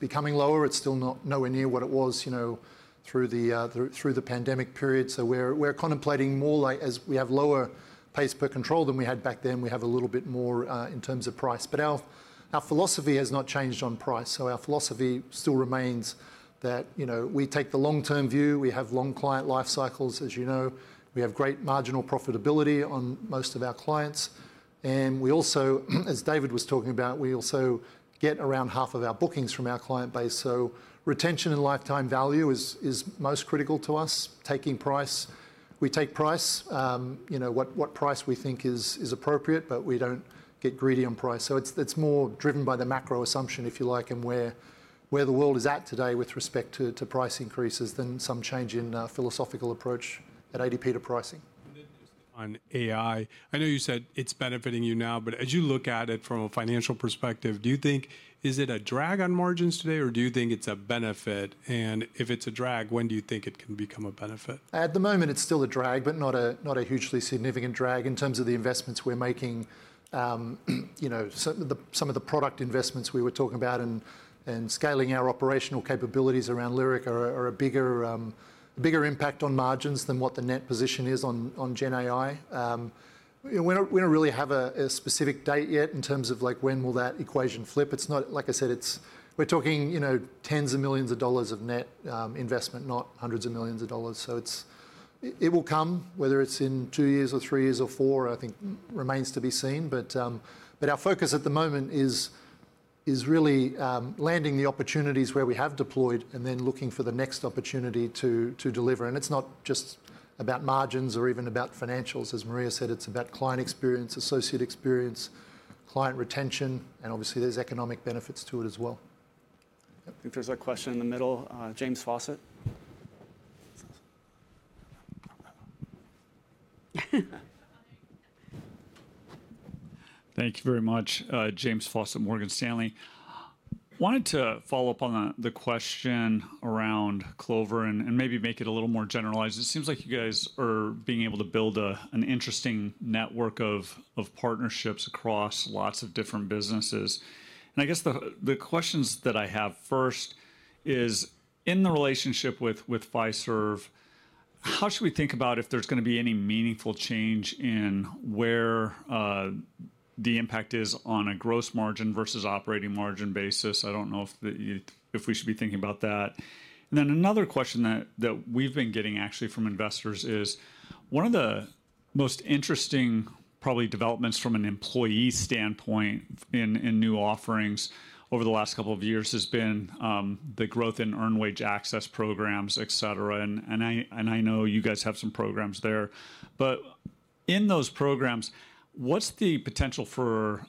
becoming lower, it's still nowhere near what it was through the pandemic period. We're contemplating more like as we have lower pays per control than we had back then, we have a little bit more in terms of price. Our philosophy has not changed on price. Our philosophy still remains that we take the long-term view. We have long client life cycles, as you know. We have great marginal profitability on most of our clients. As David was talking about, we also get around half of our bookings from our client base. Retention and lifetime value is most critical to us. Taking price, we take price, what price we think is appropriate, but we do not get greedy on price. It is more driven by the macro assumption, if you like, and where the world is at today with respect to price increases than some change in philosophical approach at ADP to pricing. On AI, I know you said it's benefiting you now, but as you look at it from a financial perspective, do you think, is it a drag on margins today, or do you think it's a benefit? If it's a drag, when do you think it can become a benefit? At the moment, it's still a drag, but not a hugely significant drag in terms of the investments we're making. Some of the product investments we were talking about and scaling our operational capabilities around Lyric are a bigger impact on margins than what the net position is on GenAI. We don't really have a specific date yet in terms of when will that equation flip. It's not, like I said, we're talking tens of millions of dollars of net investment, not hundreds of millions of dollars. It will come, whether it's in two years or three years or four, I think remains to be seen. Our focus at the moment is really landing the opportunities where we have deployed and then looking for the next opportunity to deliver. It's not just about margins or even about financials. As Maria said, it's about client experience, associate experience, client retention, and obviously there's economic benefits to it as well. I think there's a question in the middle. James Faucette. Thank you very much, James Faucette, Morgan Stanley. Wanted to follow up on the question around Clover and maybe make it a little more generalized. It seems like you guys are being able to build an interesting network of partnerships across lots of different businesses. I guess the questions that I have first is, in the relationship with Fiserv, how should we think about if there's going to be any meaningful change in where the impact is on a gross margin versus operating margin basis? I don't know if we should be thinking about that. Another question that we've been getting actually from investors is one of the most interesting, probably developments from an employee standpoint in new offerings over the last couple of years has been the growth in earned wage access programs, et cetera. I know you guys have some programs there. In those programs, what's the potential for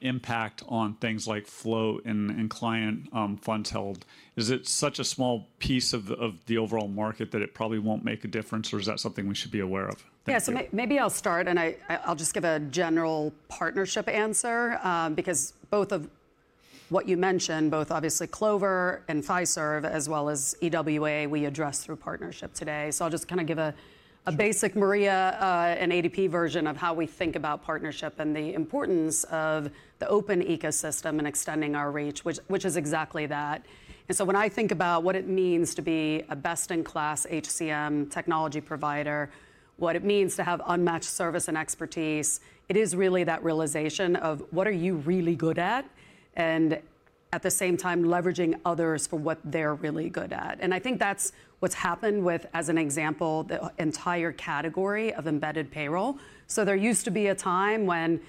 impact on things like float and client funds held? Is it such a small piece of the overall market that it probably won't make a difference, or is that something we should be aware of? Yeah. Maybe I'll start, and I'll just give a general partnership answer because both of what you mentioned, both obviously Clover and Fiserv, as well as EWA, we address through partnership today. I'll just kind of give a basic, Maria, an ADP version of how we think about partnership and the importance of the open ecosystem and extending our reach, which is exactly that. When I think about what it means to be a best-in-class HCM technology provider, what it means to have unmatched service and expertise, it is really that realization of what are you really good at and at the same time leveraging others for what they're really good at. I think that's what's happened with, as an example, the entire category of embedded payroll. There used to be a time when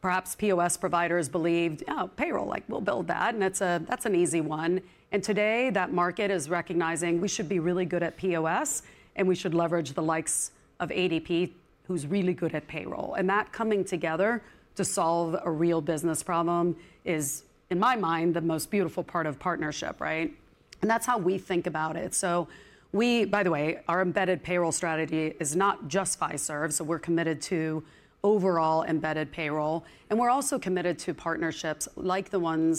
perhaps POS providers believed, oh, payroll, we'll build that, and that's an easy one. Today, that market is recognizing we should be really good at POS, and we should leverage the likes of ADP, who's really good at payroll. That coming together to solve a real business problem is, in my mind, the most beautiful part of partnership, right? That's how we think about it. By the way, our embedded payroll strategy is not just Fiserv. We're committed to overall embedded payroll. We're also committed to partnerships like the one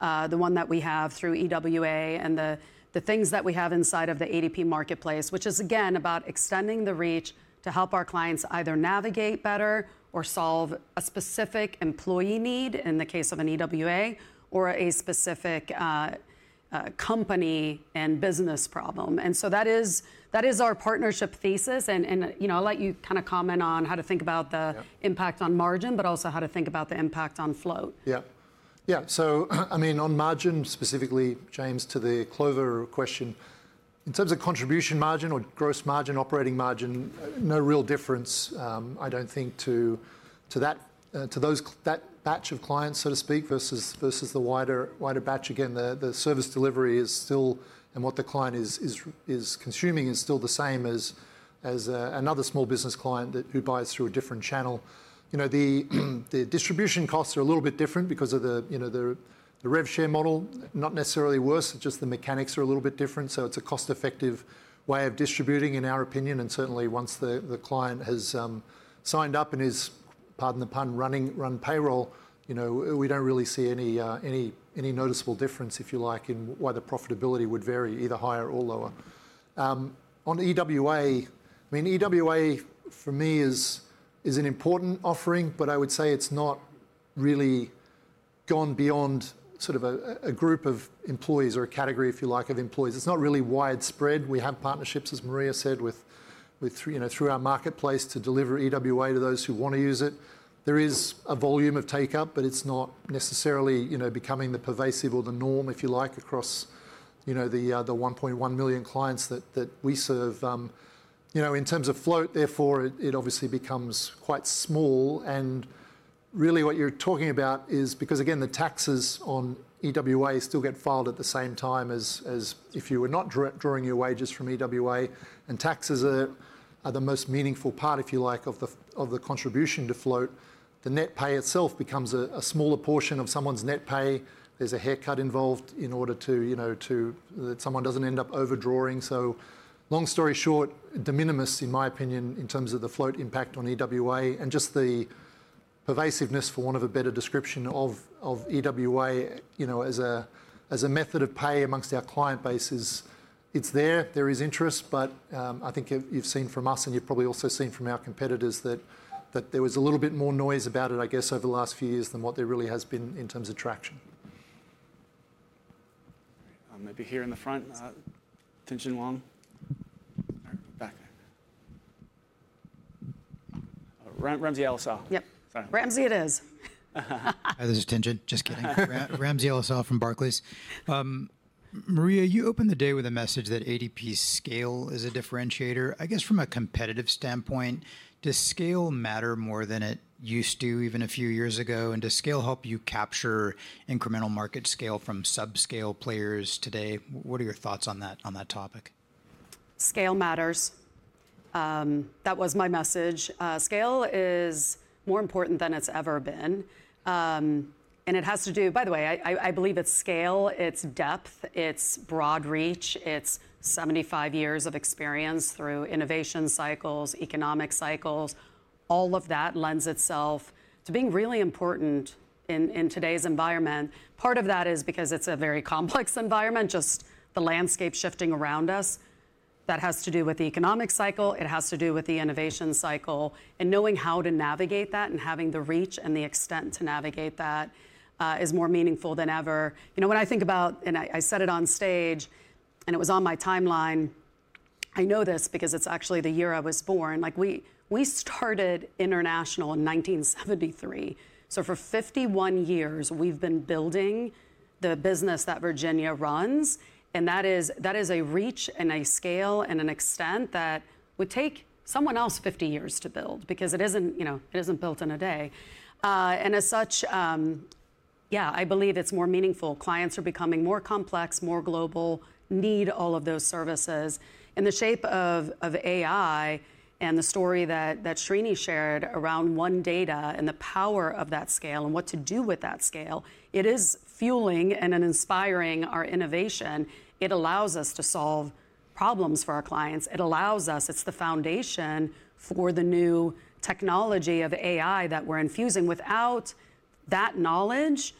that we have through EWA and the things that we have inside of the ADP Marketplace, which is, again, about extending the reach to help our clients either navigate better or solve a specific employee need in the case of an EWA or a specific company and business problem. That is our partnership thesis. I'll let you kind of comment on how to think about the impact on margin, but also how to think about the impact on float. Yeah. Yeah. I mean, on margin specifically, James, to the Clover question, in terms of contribution margin or gross margin, operating margin, no real difference, I do not think, to that batch of clients, so to speak, versus the wider batch. Again, the service delivery is still, and what the client is consuming is still the same as another small business client who buys through a different channel. The distribution costs are a little bit different because of the rev share model, not necessarily worse, just the mechanics are a little bit different. It is a cost-effective way of distributing, in our opinion. Certainly, once the client has signed up and is, pardon the pun, run payroll, we do not really see any noticeable difference, if you like, in why the profitability would vary either higher or lower. On EWA, I mean, EWA for me is an important offering, but I would say it's not really gone beyond sort of a group of employees or a category, if you like, of employees. It's not really widespread. We have partnerships, as Maria said, through our marketplace to deliver EWA to those who want to use it. There is a volume of take-up, but it's not necessarily becoming the pervasive or the norm, if you like, across the 1.1 million clients that we serve. In terms of float, therefore, it obviously becomes quite small. Really what you're talking about is because, again, the taxes on EWA still get filed at the same time as if you were not drawing your wages from EWA. Taxes are the most meaningful part, if you like, of the contribution to float. The net pay itself becomes a smaller portion of someone's net pay. There's a haircut involved in order to that someone doesn't end up overdrawing. Long story short, de minimis, in my opinion, in terms of the float impact on EWA and just the pervasiveness, for want of a better description, of EWA as a method of pay amongst our client bases, it's there. There is interest. I think you've seen from us, and you've probably also seen from our competitors, that there was a little bit more noise about it, I guess, over the last few years than what there really has been in terms of traction. Maybe here in the front, Tien-tsin Huang. Back. Ramsey El-Assal. Yep. Ramsey it is. Hi, this is Tien-tsin. Just kidding. Ramsey El-Assal from Barclays. Maria, you opened the day with a message that ADP scale is a differentiator. I guess from a competitive standpoint, does scale matter more than it used to even a few years ago? Does scale help you capture incremental market scale from subscale players today? What are your thoughts on that topic? Scale matters. That was my message. Scale is more important than it's ever been. It has to do, by the way, I believe it's scale, it's depth, it's broad reach, it's 75 years of experience through innovation cycles, economic cycles. All of that lends itself to being really important in today's environment. Part of that is because it's a very complex environment, just the landscape shifting around us. That has to do with the economic cycle. It has to do with the innovation cycle. Knowing how to navigate that and having the reach and the extent to navigate that is more meaningful than ever. You know when I think about, and I said it on stage, and it was on my timeline. I know this because it's actually the year I was born. We started international in 1973. For 51 years, we've been building the business that Virginia runs. That is a reach and a scale and an extent that would take someone else 50 years to build because it isn't built in a day. As such, yeah, I believe it's more meaningful. Clients are becoming more complex, more global, need all of those services. In the shape of AI and the story that Sreeni shared around OneData and the power of that scale and what to do with that scale, it is fueling and inspiring our innovation. It allows us to solve problems for our clients. It allows us, it's the foundation for the new technology of AI that we're infusing. Without that knowledge,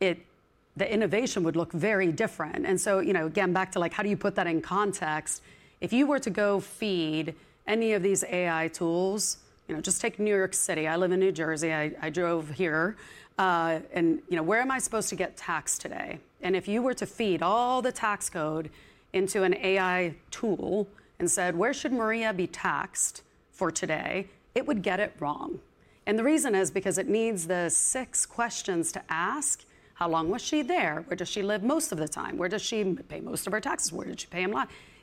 the innovation would look very different. Again, back to how do you put that in context? If you were to go feed any of these AI tools, just take New York City. I live in New Jersey. I drove here. Where am I supposed to get taxed today? If you were to feed all the tax code into an AI tool and said, where should Maria be taxed for today, it would get it wrong. The reason is because it needs the six questions to ask. How long was she there? Where does she live most of the time? Where does she pay most of her taxes? Where did she pay them?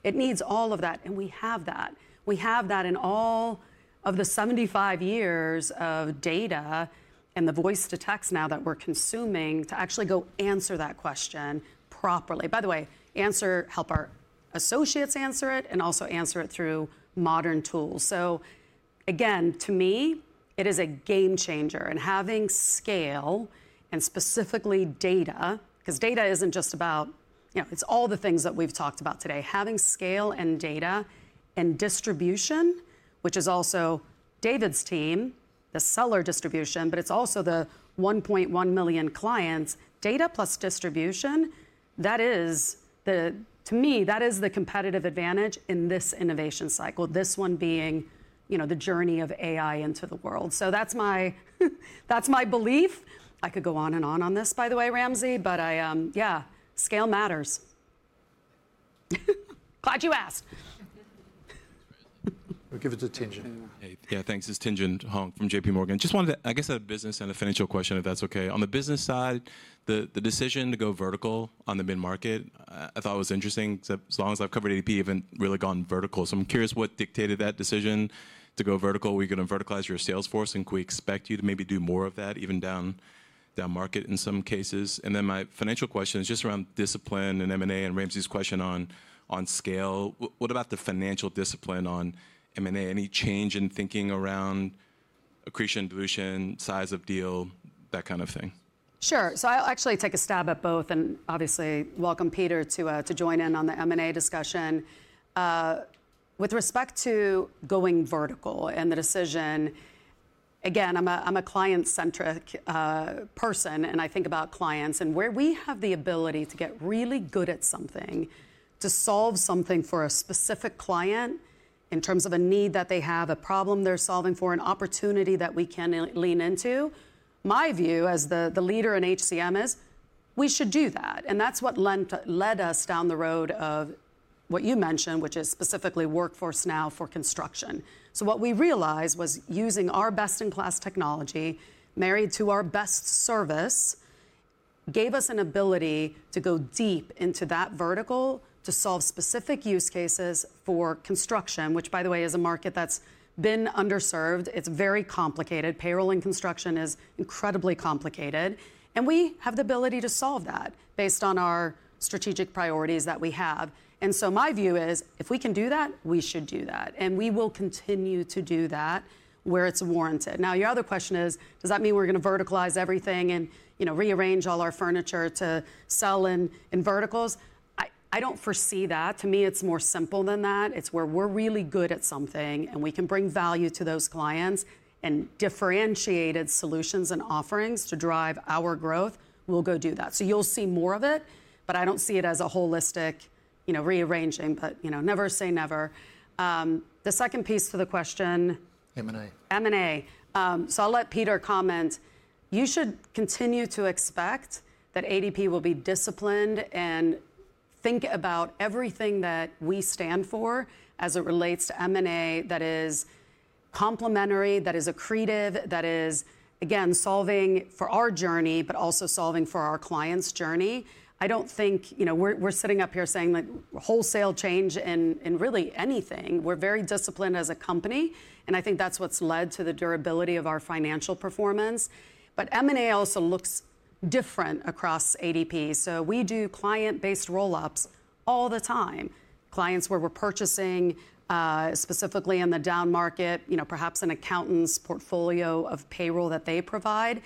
It needs all of that. We have that. We have that in all of the 75 years of data and the voice to text now that we are consuming to actually go answer that question properly. By the way, answer, help our associates answer it, and also answer it through modern tools. Again, to me, it is a game changer. Having scale and specifically data, because data is not just about, it is all the things that we have talked about today, having scale and data and distribution, which is also David's team, the seller distribution, but it is also the 1.1 million clients, data plus distribution, that is, to me, that is the competitive advantage in this innovation cycle, this one being the journey of AI into the world. That is my belief. I could go on and on on this, by the way, Ramsey, but yeah, scale matters. Glad you asked. We'll give it to Tien-tsin. Yeah, thanks. This is Tien-tsin Huang from JPMorgan. Just wanted to, I guess, have a business and a financial question, if that's okay. On the business side, the decision to go vertical on the mid-market, I thought it was interesting. As long as I've covered ADP, you haven't really gone vertical. I'm curious what dictated that decision to go vertical. We can verticalize your Salesforce, and can we expect you to maybe do more of that even down market in some cases? My financial question is just around discipline and M&A and Ramsey's question on scale. What about the financial discipline on M&A? Any change in thinking around accretion, dilution, size of deal, that kind of thing? Sure. I'll actually take a stab at both and obviously welcome Peter to join in on the M&A discussion. With respect to going vertical and the decision, again, I'm a client-centric person, and I think about clients. Where we have the ability to get really good at something, to solve something for a specific client in terms of a need that they have, a problem they're solving for, an opportunity that we can lean into, my view as the leader in HCM is we should do that. That's what led us down the road of what you mentioned, which is specifically WorkforceNow for construction. What we realized was using our best-in-class technology married to our best service gave us an ability to go deep into that vertical to solve specific use cases for construction, which, by the way, is a market that's been underserved. It's very complicated. Payroll in construction is incredibly complicated. We have the ability to solve that based on our strategic priorities that we have. My view is if we can do that, we should do that. We will continue to do that where it's warranted. Now, your other question is, does that mean we're going to verticalize everything and rearrange all our furniture to sell in verticals? I don't foresee that. To me, it's more simple than that. It's where we're really good at something, and we can bring value to those clients and differentiated solutions and offerings to drive our growth. We'll go do that. You'll see more of it, but I don't see it as a holistic rearranging, but never say never. The second piece to the question. M&A. M&A. I'll let Peter comment. You should continue to expect that ADP will be disciplined and think about everything that we stand for as it relates to M&A that is complementary, that is accretive, that is, again, solving for our journey, but also solving for our clients' journey. I don't think we're sitting up here saying wholesale change in really anything. We're very disciplined as a company. I think that's what's led to the durability of our financial performance. M&A also looks different across ADP. We do client-based roll-ups all the time. Clients where we're purchasing specifically in the down market, perhaps an accountant's portfolio of payroll that they provide.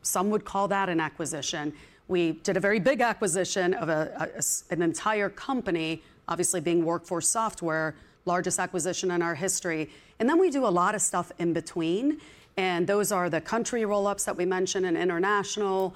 Some would call that an acquisition. We did a very big acquisition of an entire company, obviously being WorkForce Software, largest acquisition in our history. We do a lot of stuff in between. Those are the country roll-ups that we mentioned in international.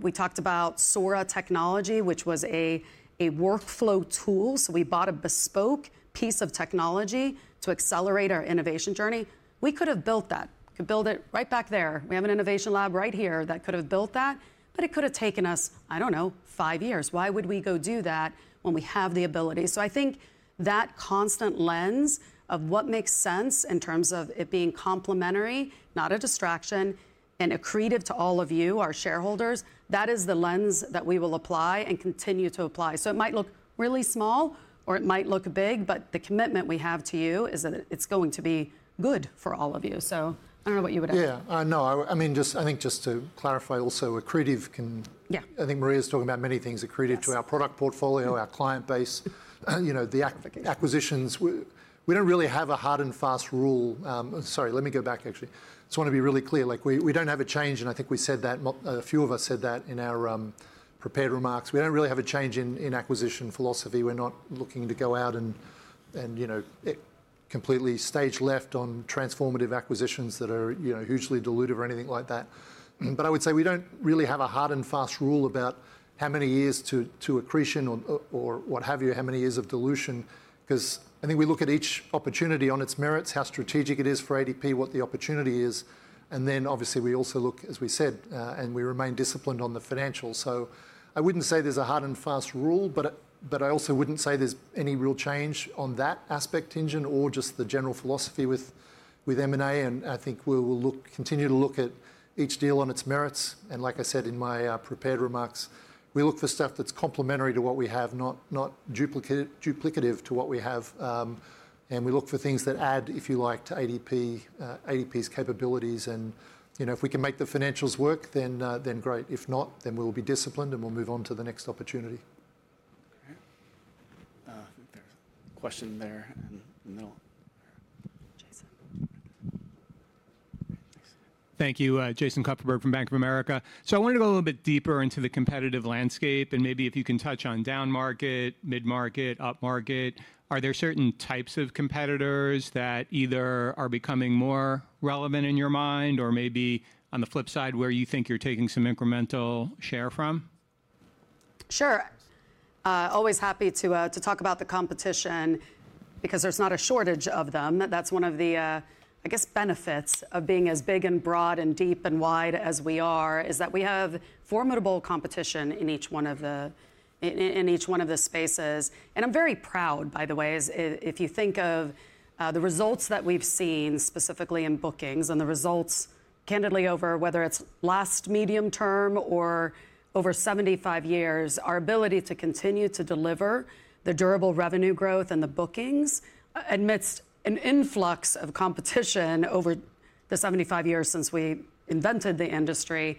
We talked about Sora Technology, which was a workflow tool. We bought a bespoke piece of technology to accelerate our innovation journey. We could have built that. We could build it right back there. We have an innovation lab right here that could have built that. It could have taken us, I do not know, five years. Why would we go do that when we have the ability? I think that constant lens of what makes sense in terms of it being complementary, not a distraction, and accretive to all of you, our shareholders, that is the lens that we will apply and continue to apply. It might look really small, or it might look big, but the commitment we have to you is that it is going to be good for all of you. I don't know what you would add. Yeah. No, I mean, I think just to clarify also, accretive can, I think Maria is talking about many things, accretive to our product portfolio, our client base, the acquisitions. We do not really have a hard and fast rule. Sorry, let me go back, actually. Just want to be really clear. We do not have a change, and I think we said that, a few of us said that in our prepared remarks. We do not really have a change in acquisition philosophy. We are not looking to go out and completely stage left on transformative acquisitions that are hugely dilutive or anything like that. I would say we do not really have a hard and fast rule about how many years to accretion or what have you, how many years of dilution, because I think we look at each opportunity on its merits, how strategic it is for ADP, what the opportunity is. Obviously, we also look, as we said, and we remain disciplined on the financials. I would not say there is a hard and fast rule, but I also would not say there is any real change on that aspect, Tien-tsin, or just the general philosophy with M&A. I think we will continue to look at each deal on its merits. Like I said in my prepared remarks, we look for stuff that is complementary to what we have, not duplicative to what we have. We look for things that add, if you like, to ADP's capabilities. If we can make the financials work, then great. If not, we'll be disciplined and we'll move on to the next opportunity. There's a question there in the middle. Jason. Thank you. Jason Kupferberg from Bank of America. I wanted to go a little bit deeper into the competitive landscape. Maybe if you can touch on down market, mid-market, up market, are there certain types of competitors that either are becoming more relevant in your mind or maybe on the flip side where you think you're taking some incremental share from? Sure. Always happy to talk about the competition because there's not a shortage of them. That's one of the, I guess, benefits of being as big and broad and deep and wide as we are is that we have formidable competition in each one of the spaces. I'm very proud, by the way, if you think of the results that we've seen specifically in bookings and the results candidly over whether it's last medium term or over 75 years, our ability to continue to deliver the durable revenue growth and the bookings amidst an influx of competition over the 75 years since we invented the industry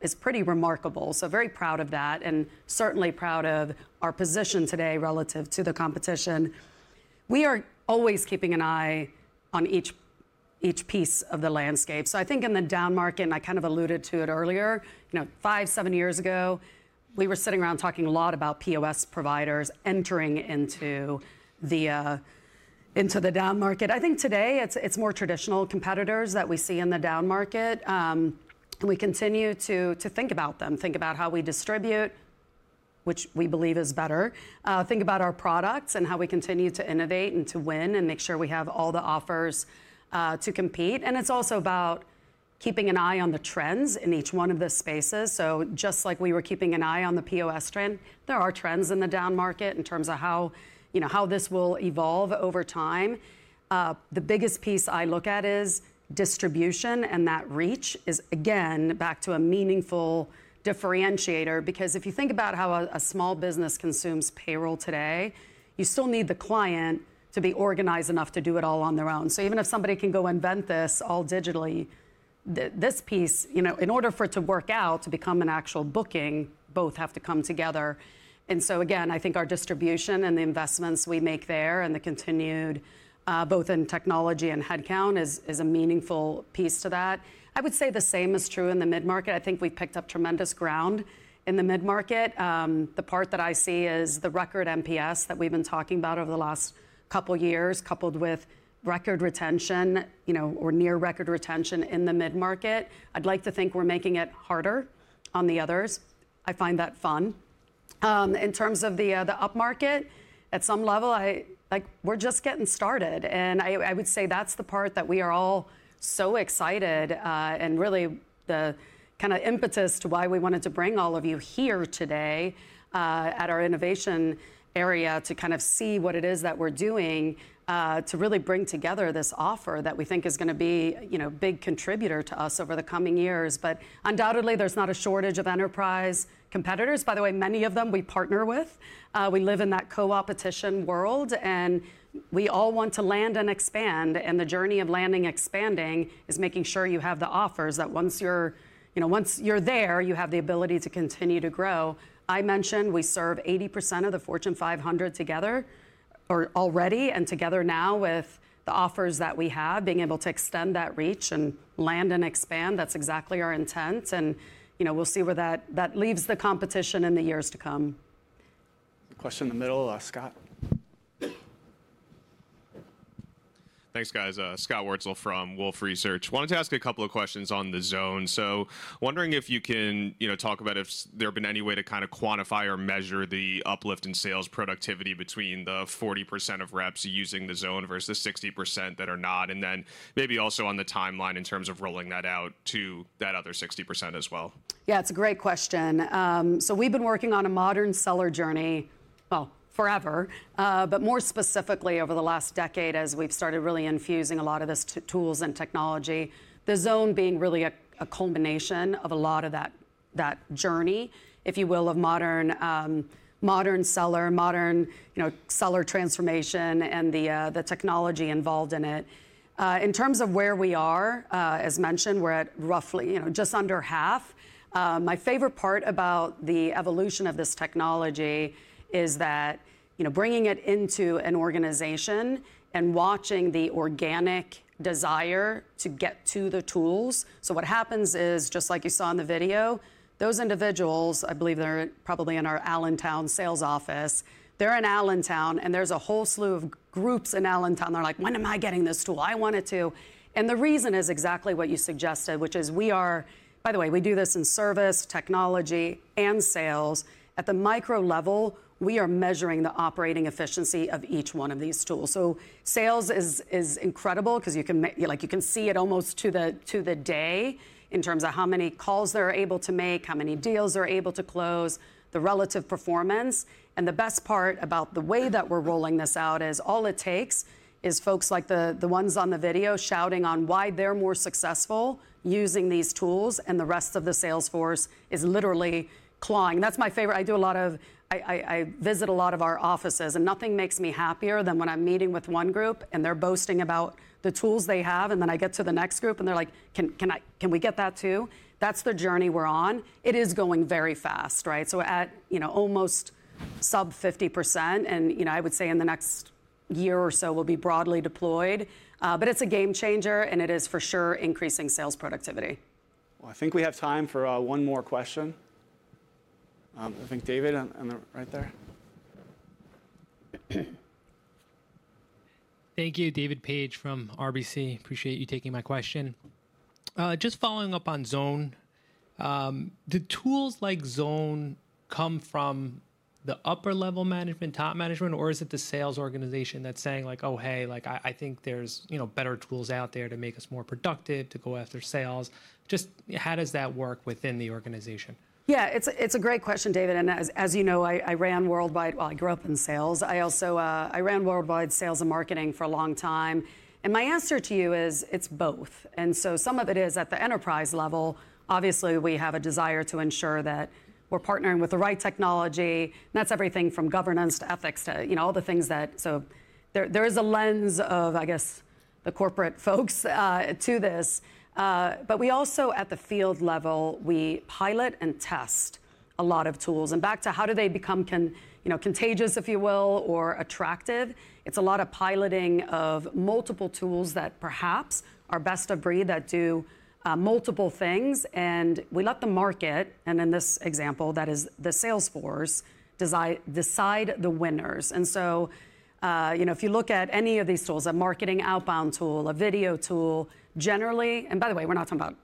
is pretty remarkable. Very proud of that and certainly proud of our position today relative to the competition. We are always keeping an eye on each piece of the landscape. I think in the down market, and I kind of alluded to it earlier, five, seven years ago, we were sitting around talking a lot about POS providers entering into the down market. I think today it's more traditional competitors that we see in the down market. We continue to think about them, think about how we distribute, which we believe is better, think about our products and how we continue to innovate and to win and make sure we have all the offers to compete. It's also about keeping an eye on the trends in each one of the spaces. Just like we were keeping an eye on the POS trend, there are trends in the down market in terms of how this will evolve over time. The biggest piece I look at is distribution and that reach is, again, back to a meaningful differentiator because if you think about how a small business consumes payroll today, you still need the client to be organized enough to do it all on their own. Even if somebody can go invent this all digitally, this piece, in order for it to work out to become an actual booking, both have to come together. I think our distribution and the investments we make there and the continued both in technology and headcount is a meaningful piece to that. I would say the same is true in the mid-market. I think we've picked up tremendous ground in the mid-market. The part that I see is the record NPS that we've been talking about over the last couple of years, coupled with record retention or near record retention in the mid-market. I'd like to think we're making it harder on the others. I find that fun. In terms of the up market, at some level, we're just getting started. I would say that's the part that we are all so excited and really the kind of impetus to why we wanted to bring all of you here today at our innovation area to kind of see what it is that we're doing to really bring together this offer that we think is going to be a big contributor to us over the coming years. Undoubtedly, there's not a shortage of enterprise competitors. By the way, many of them we partner with. We live in that co-opetition world. We all want to land and expand. The journey of landing and expanding is making sure you have the offers that, once you're there, you have the ability to continue to grow. I mentioned we serve 80% of the Fortune 500 already, and together now with the offers that we have, being able to extend that reach and land and expand. That's exactly our intent. We'll see where that leaves the competition in the years to come. Question in the middle, Scott. Thanks, guys. Scott Wurtzel from Wolfe Research. Wanted to ask a couple of questions on The Zone. So wondering if you can talk about if there have been any way to kind of quantify or measure the uplift in sales productivity between the 40% of reps using The Zone versus the 60% that are not, and then maybe also on the timeline in terms of rolling that out to that other 60% as well. Yeah, it's a great question. We've been working on a modern seller journey, well, forever, but more specifically over the last decade as we've started really infusing a lot of these tools and technology, The Zone being really a culmination of a lot of that journey, if you will, of modern seller, modern seller transformation, and the technology involved in it. In terms of where we are, as mentioned, we're at roughly just under half. My favorite part about the evolution of this technology is that bringing it into an organization and watching the organic desire to get to the tools. What happens is just like you saw in the video, those individuals, I believe they're probably in our Allentown sales office, they're in Allentown, and there's a whole slew of groups in Allentown. They're like, when am I getting this tool? I want it too. The reason is exactly what you suggested, which is we are, by the way, we do this in service, technology, and sales. At the micro level, we are measuring the operating efficiency of each one of these tools. Sales is incredible because you can see it almost to the day in terms of how many calls they're able to make, how many deals they're able to close, the relative performance. The best part about the way that we're rolling this out is all it takes is folks like the ones on the video shouting on why they're more successful using these tools, and the rest of the sales force is literally clawing. That's my favorite. I visit a lot of our offices, and nothing makes me happier than when I'm meeting with one group, and they're boasting about the tools they have. Then I get to the next group, and they're like, can we get that too? That's the journey we're on. It is going very fast, right? At almost sub 50%, and I would say in the next year or so, we'll be broadly deployed. It's a game changer, and it is for sure increasing sales productivity. I think we have time for one more question. I think David, right there. Thank you, David Paige from RBC. Appreciate you taking my question. Just following up on Zone, do tools like Zone come from the upper level management, top management, or is it the sales organization that's saying like, oh, hey, I think there's better tools out there to make us more productive, to go after sales? Just how does that work within the organization? Yeah, it's a great question, David. As you know, I ran worldwide, well, I grew up in sales. I ran worldwide sales and marketing for a long time. My answer to you is it's both. Some of it is at the enterprise level. Obviously, we have a desire to ensure that we're partnering with the right technology. That's everything from governance to ethics to all the things that, so there is a lens of, I guess, the corporate folks to this. We also, at the field level, pilot and test a lot of tools. Back to how do they become contagious, if you will, or attractive? It's a lot of piloting of multiple tools that perhaps are best of breed that do multiple things. We let the market, and in this example, that is the sales force, decide the winners. If you look at any of these tools, a marketing outbound tool, a video tool, generally and by the way, we're not talking about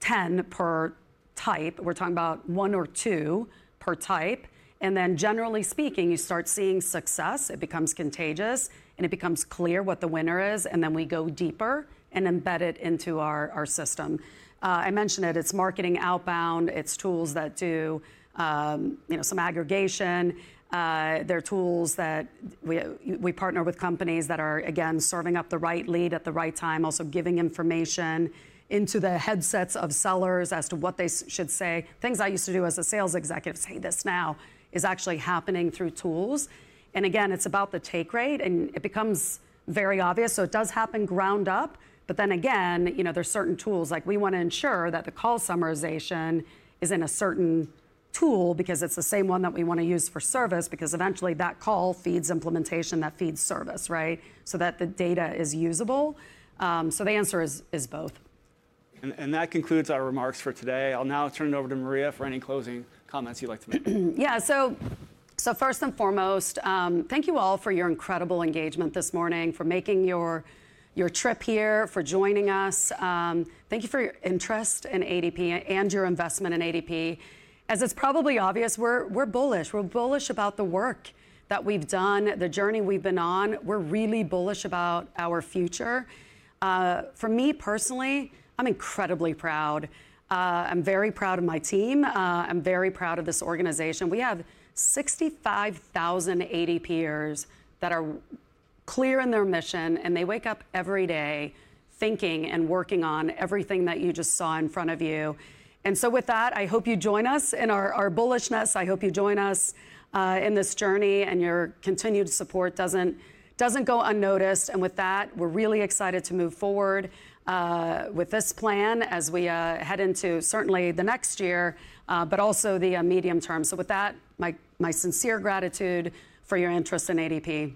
10 per type. We're talking about one or two per type. Generally speaking, you start seeing success. It becomes contagious, and it becomes clear what the winner is. You go deeper and embed it into our system. I mentioned it. It's marketing outbound. It's tools that do some aggregation. They're tools that we partner with companies that are, again, serving up the right lead at the right time, also giving information into the headsets of sellers as to what they should say. Things I used to do as a sales executive, say this now, is actually happening through tools. Again, it's about the take rate, and it becomes very obvious. It does happen ground up. Then again, there are certain tools. We want to ensure that the call summarization is in a certain tool because it is the same one that we want to use for service because eventually that call feeds implementation that feeds service, right, so that the data is usable. The answer is both. That concludes our remarks for today. I'll now turn it over to Maria for any closing comments you'd like to make. Yeah. First and foremost, thank you all for your incredible engagement this morning, for making your trip here, for joining us. Thank you for your interest in ADP and your investment in ADP. As it's probably obvious, we're bullish. We're bullish about the work that we've done, the journey we've been on. We're really bullish about our future. For me personally, I'm incredibly proud. I'm very proud of my team. I'm very proud of this organization. We have 65,000 ADPers that are clear in their mission, and they wake up every day thinking and working on everything that you just saw in front of you. With that, I hope you join us in our bullishness. I hope you join us in this journey, and your continued support doesn't go unnoticed. We are really excited to move forward with this plan as we head into certainly the next year, but also the medium term. With that, my sincere gratitude for your interest in ADP.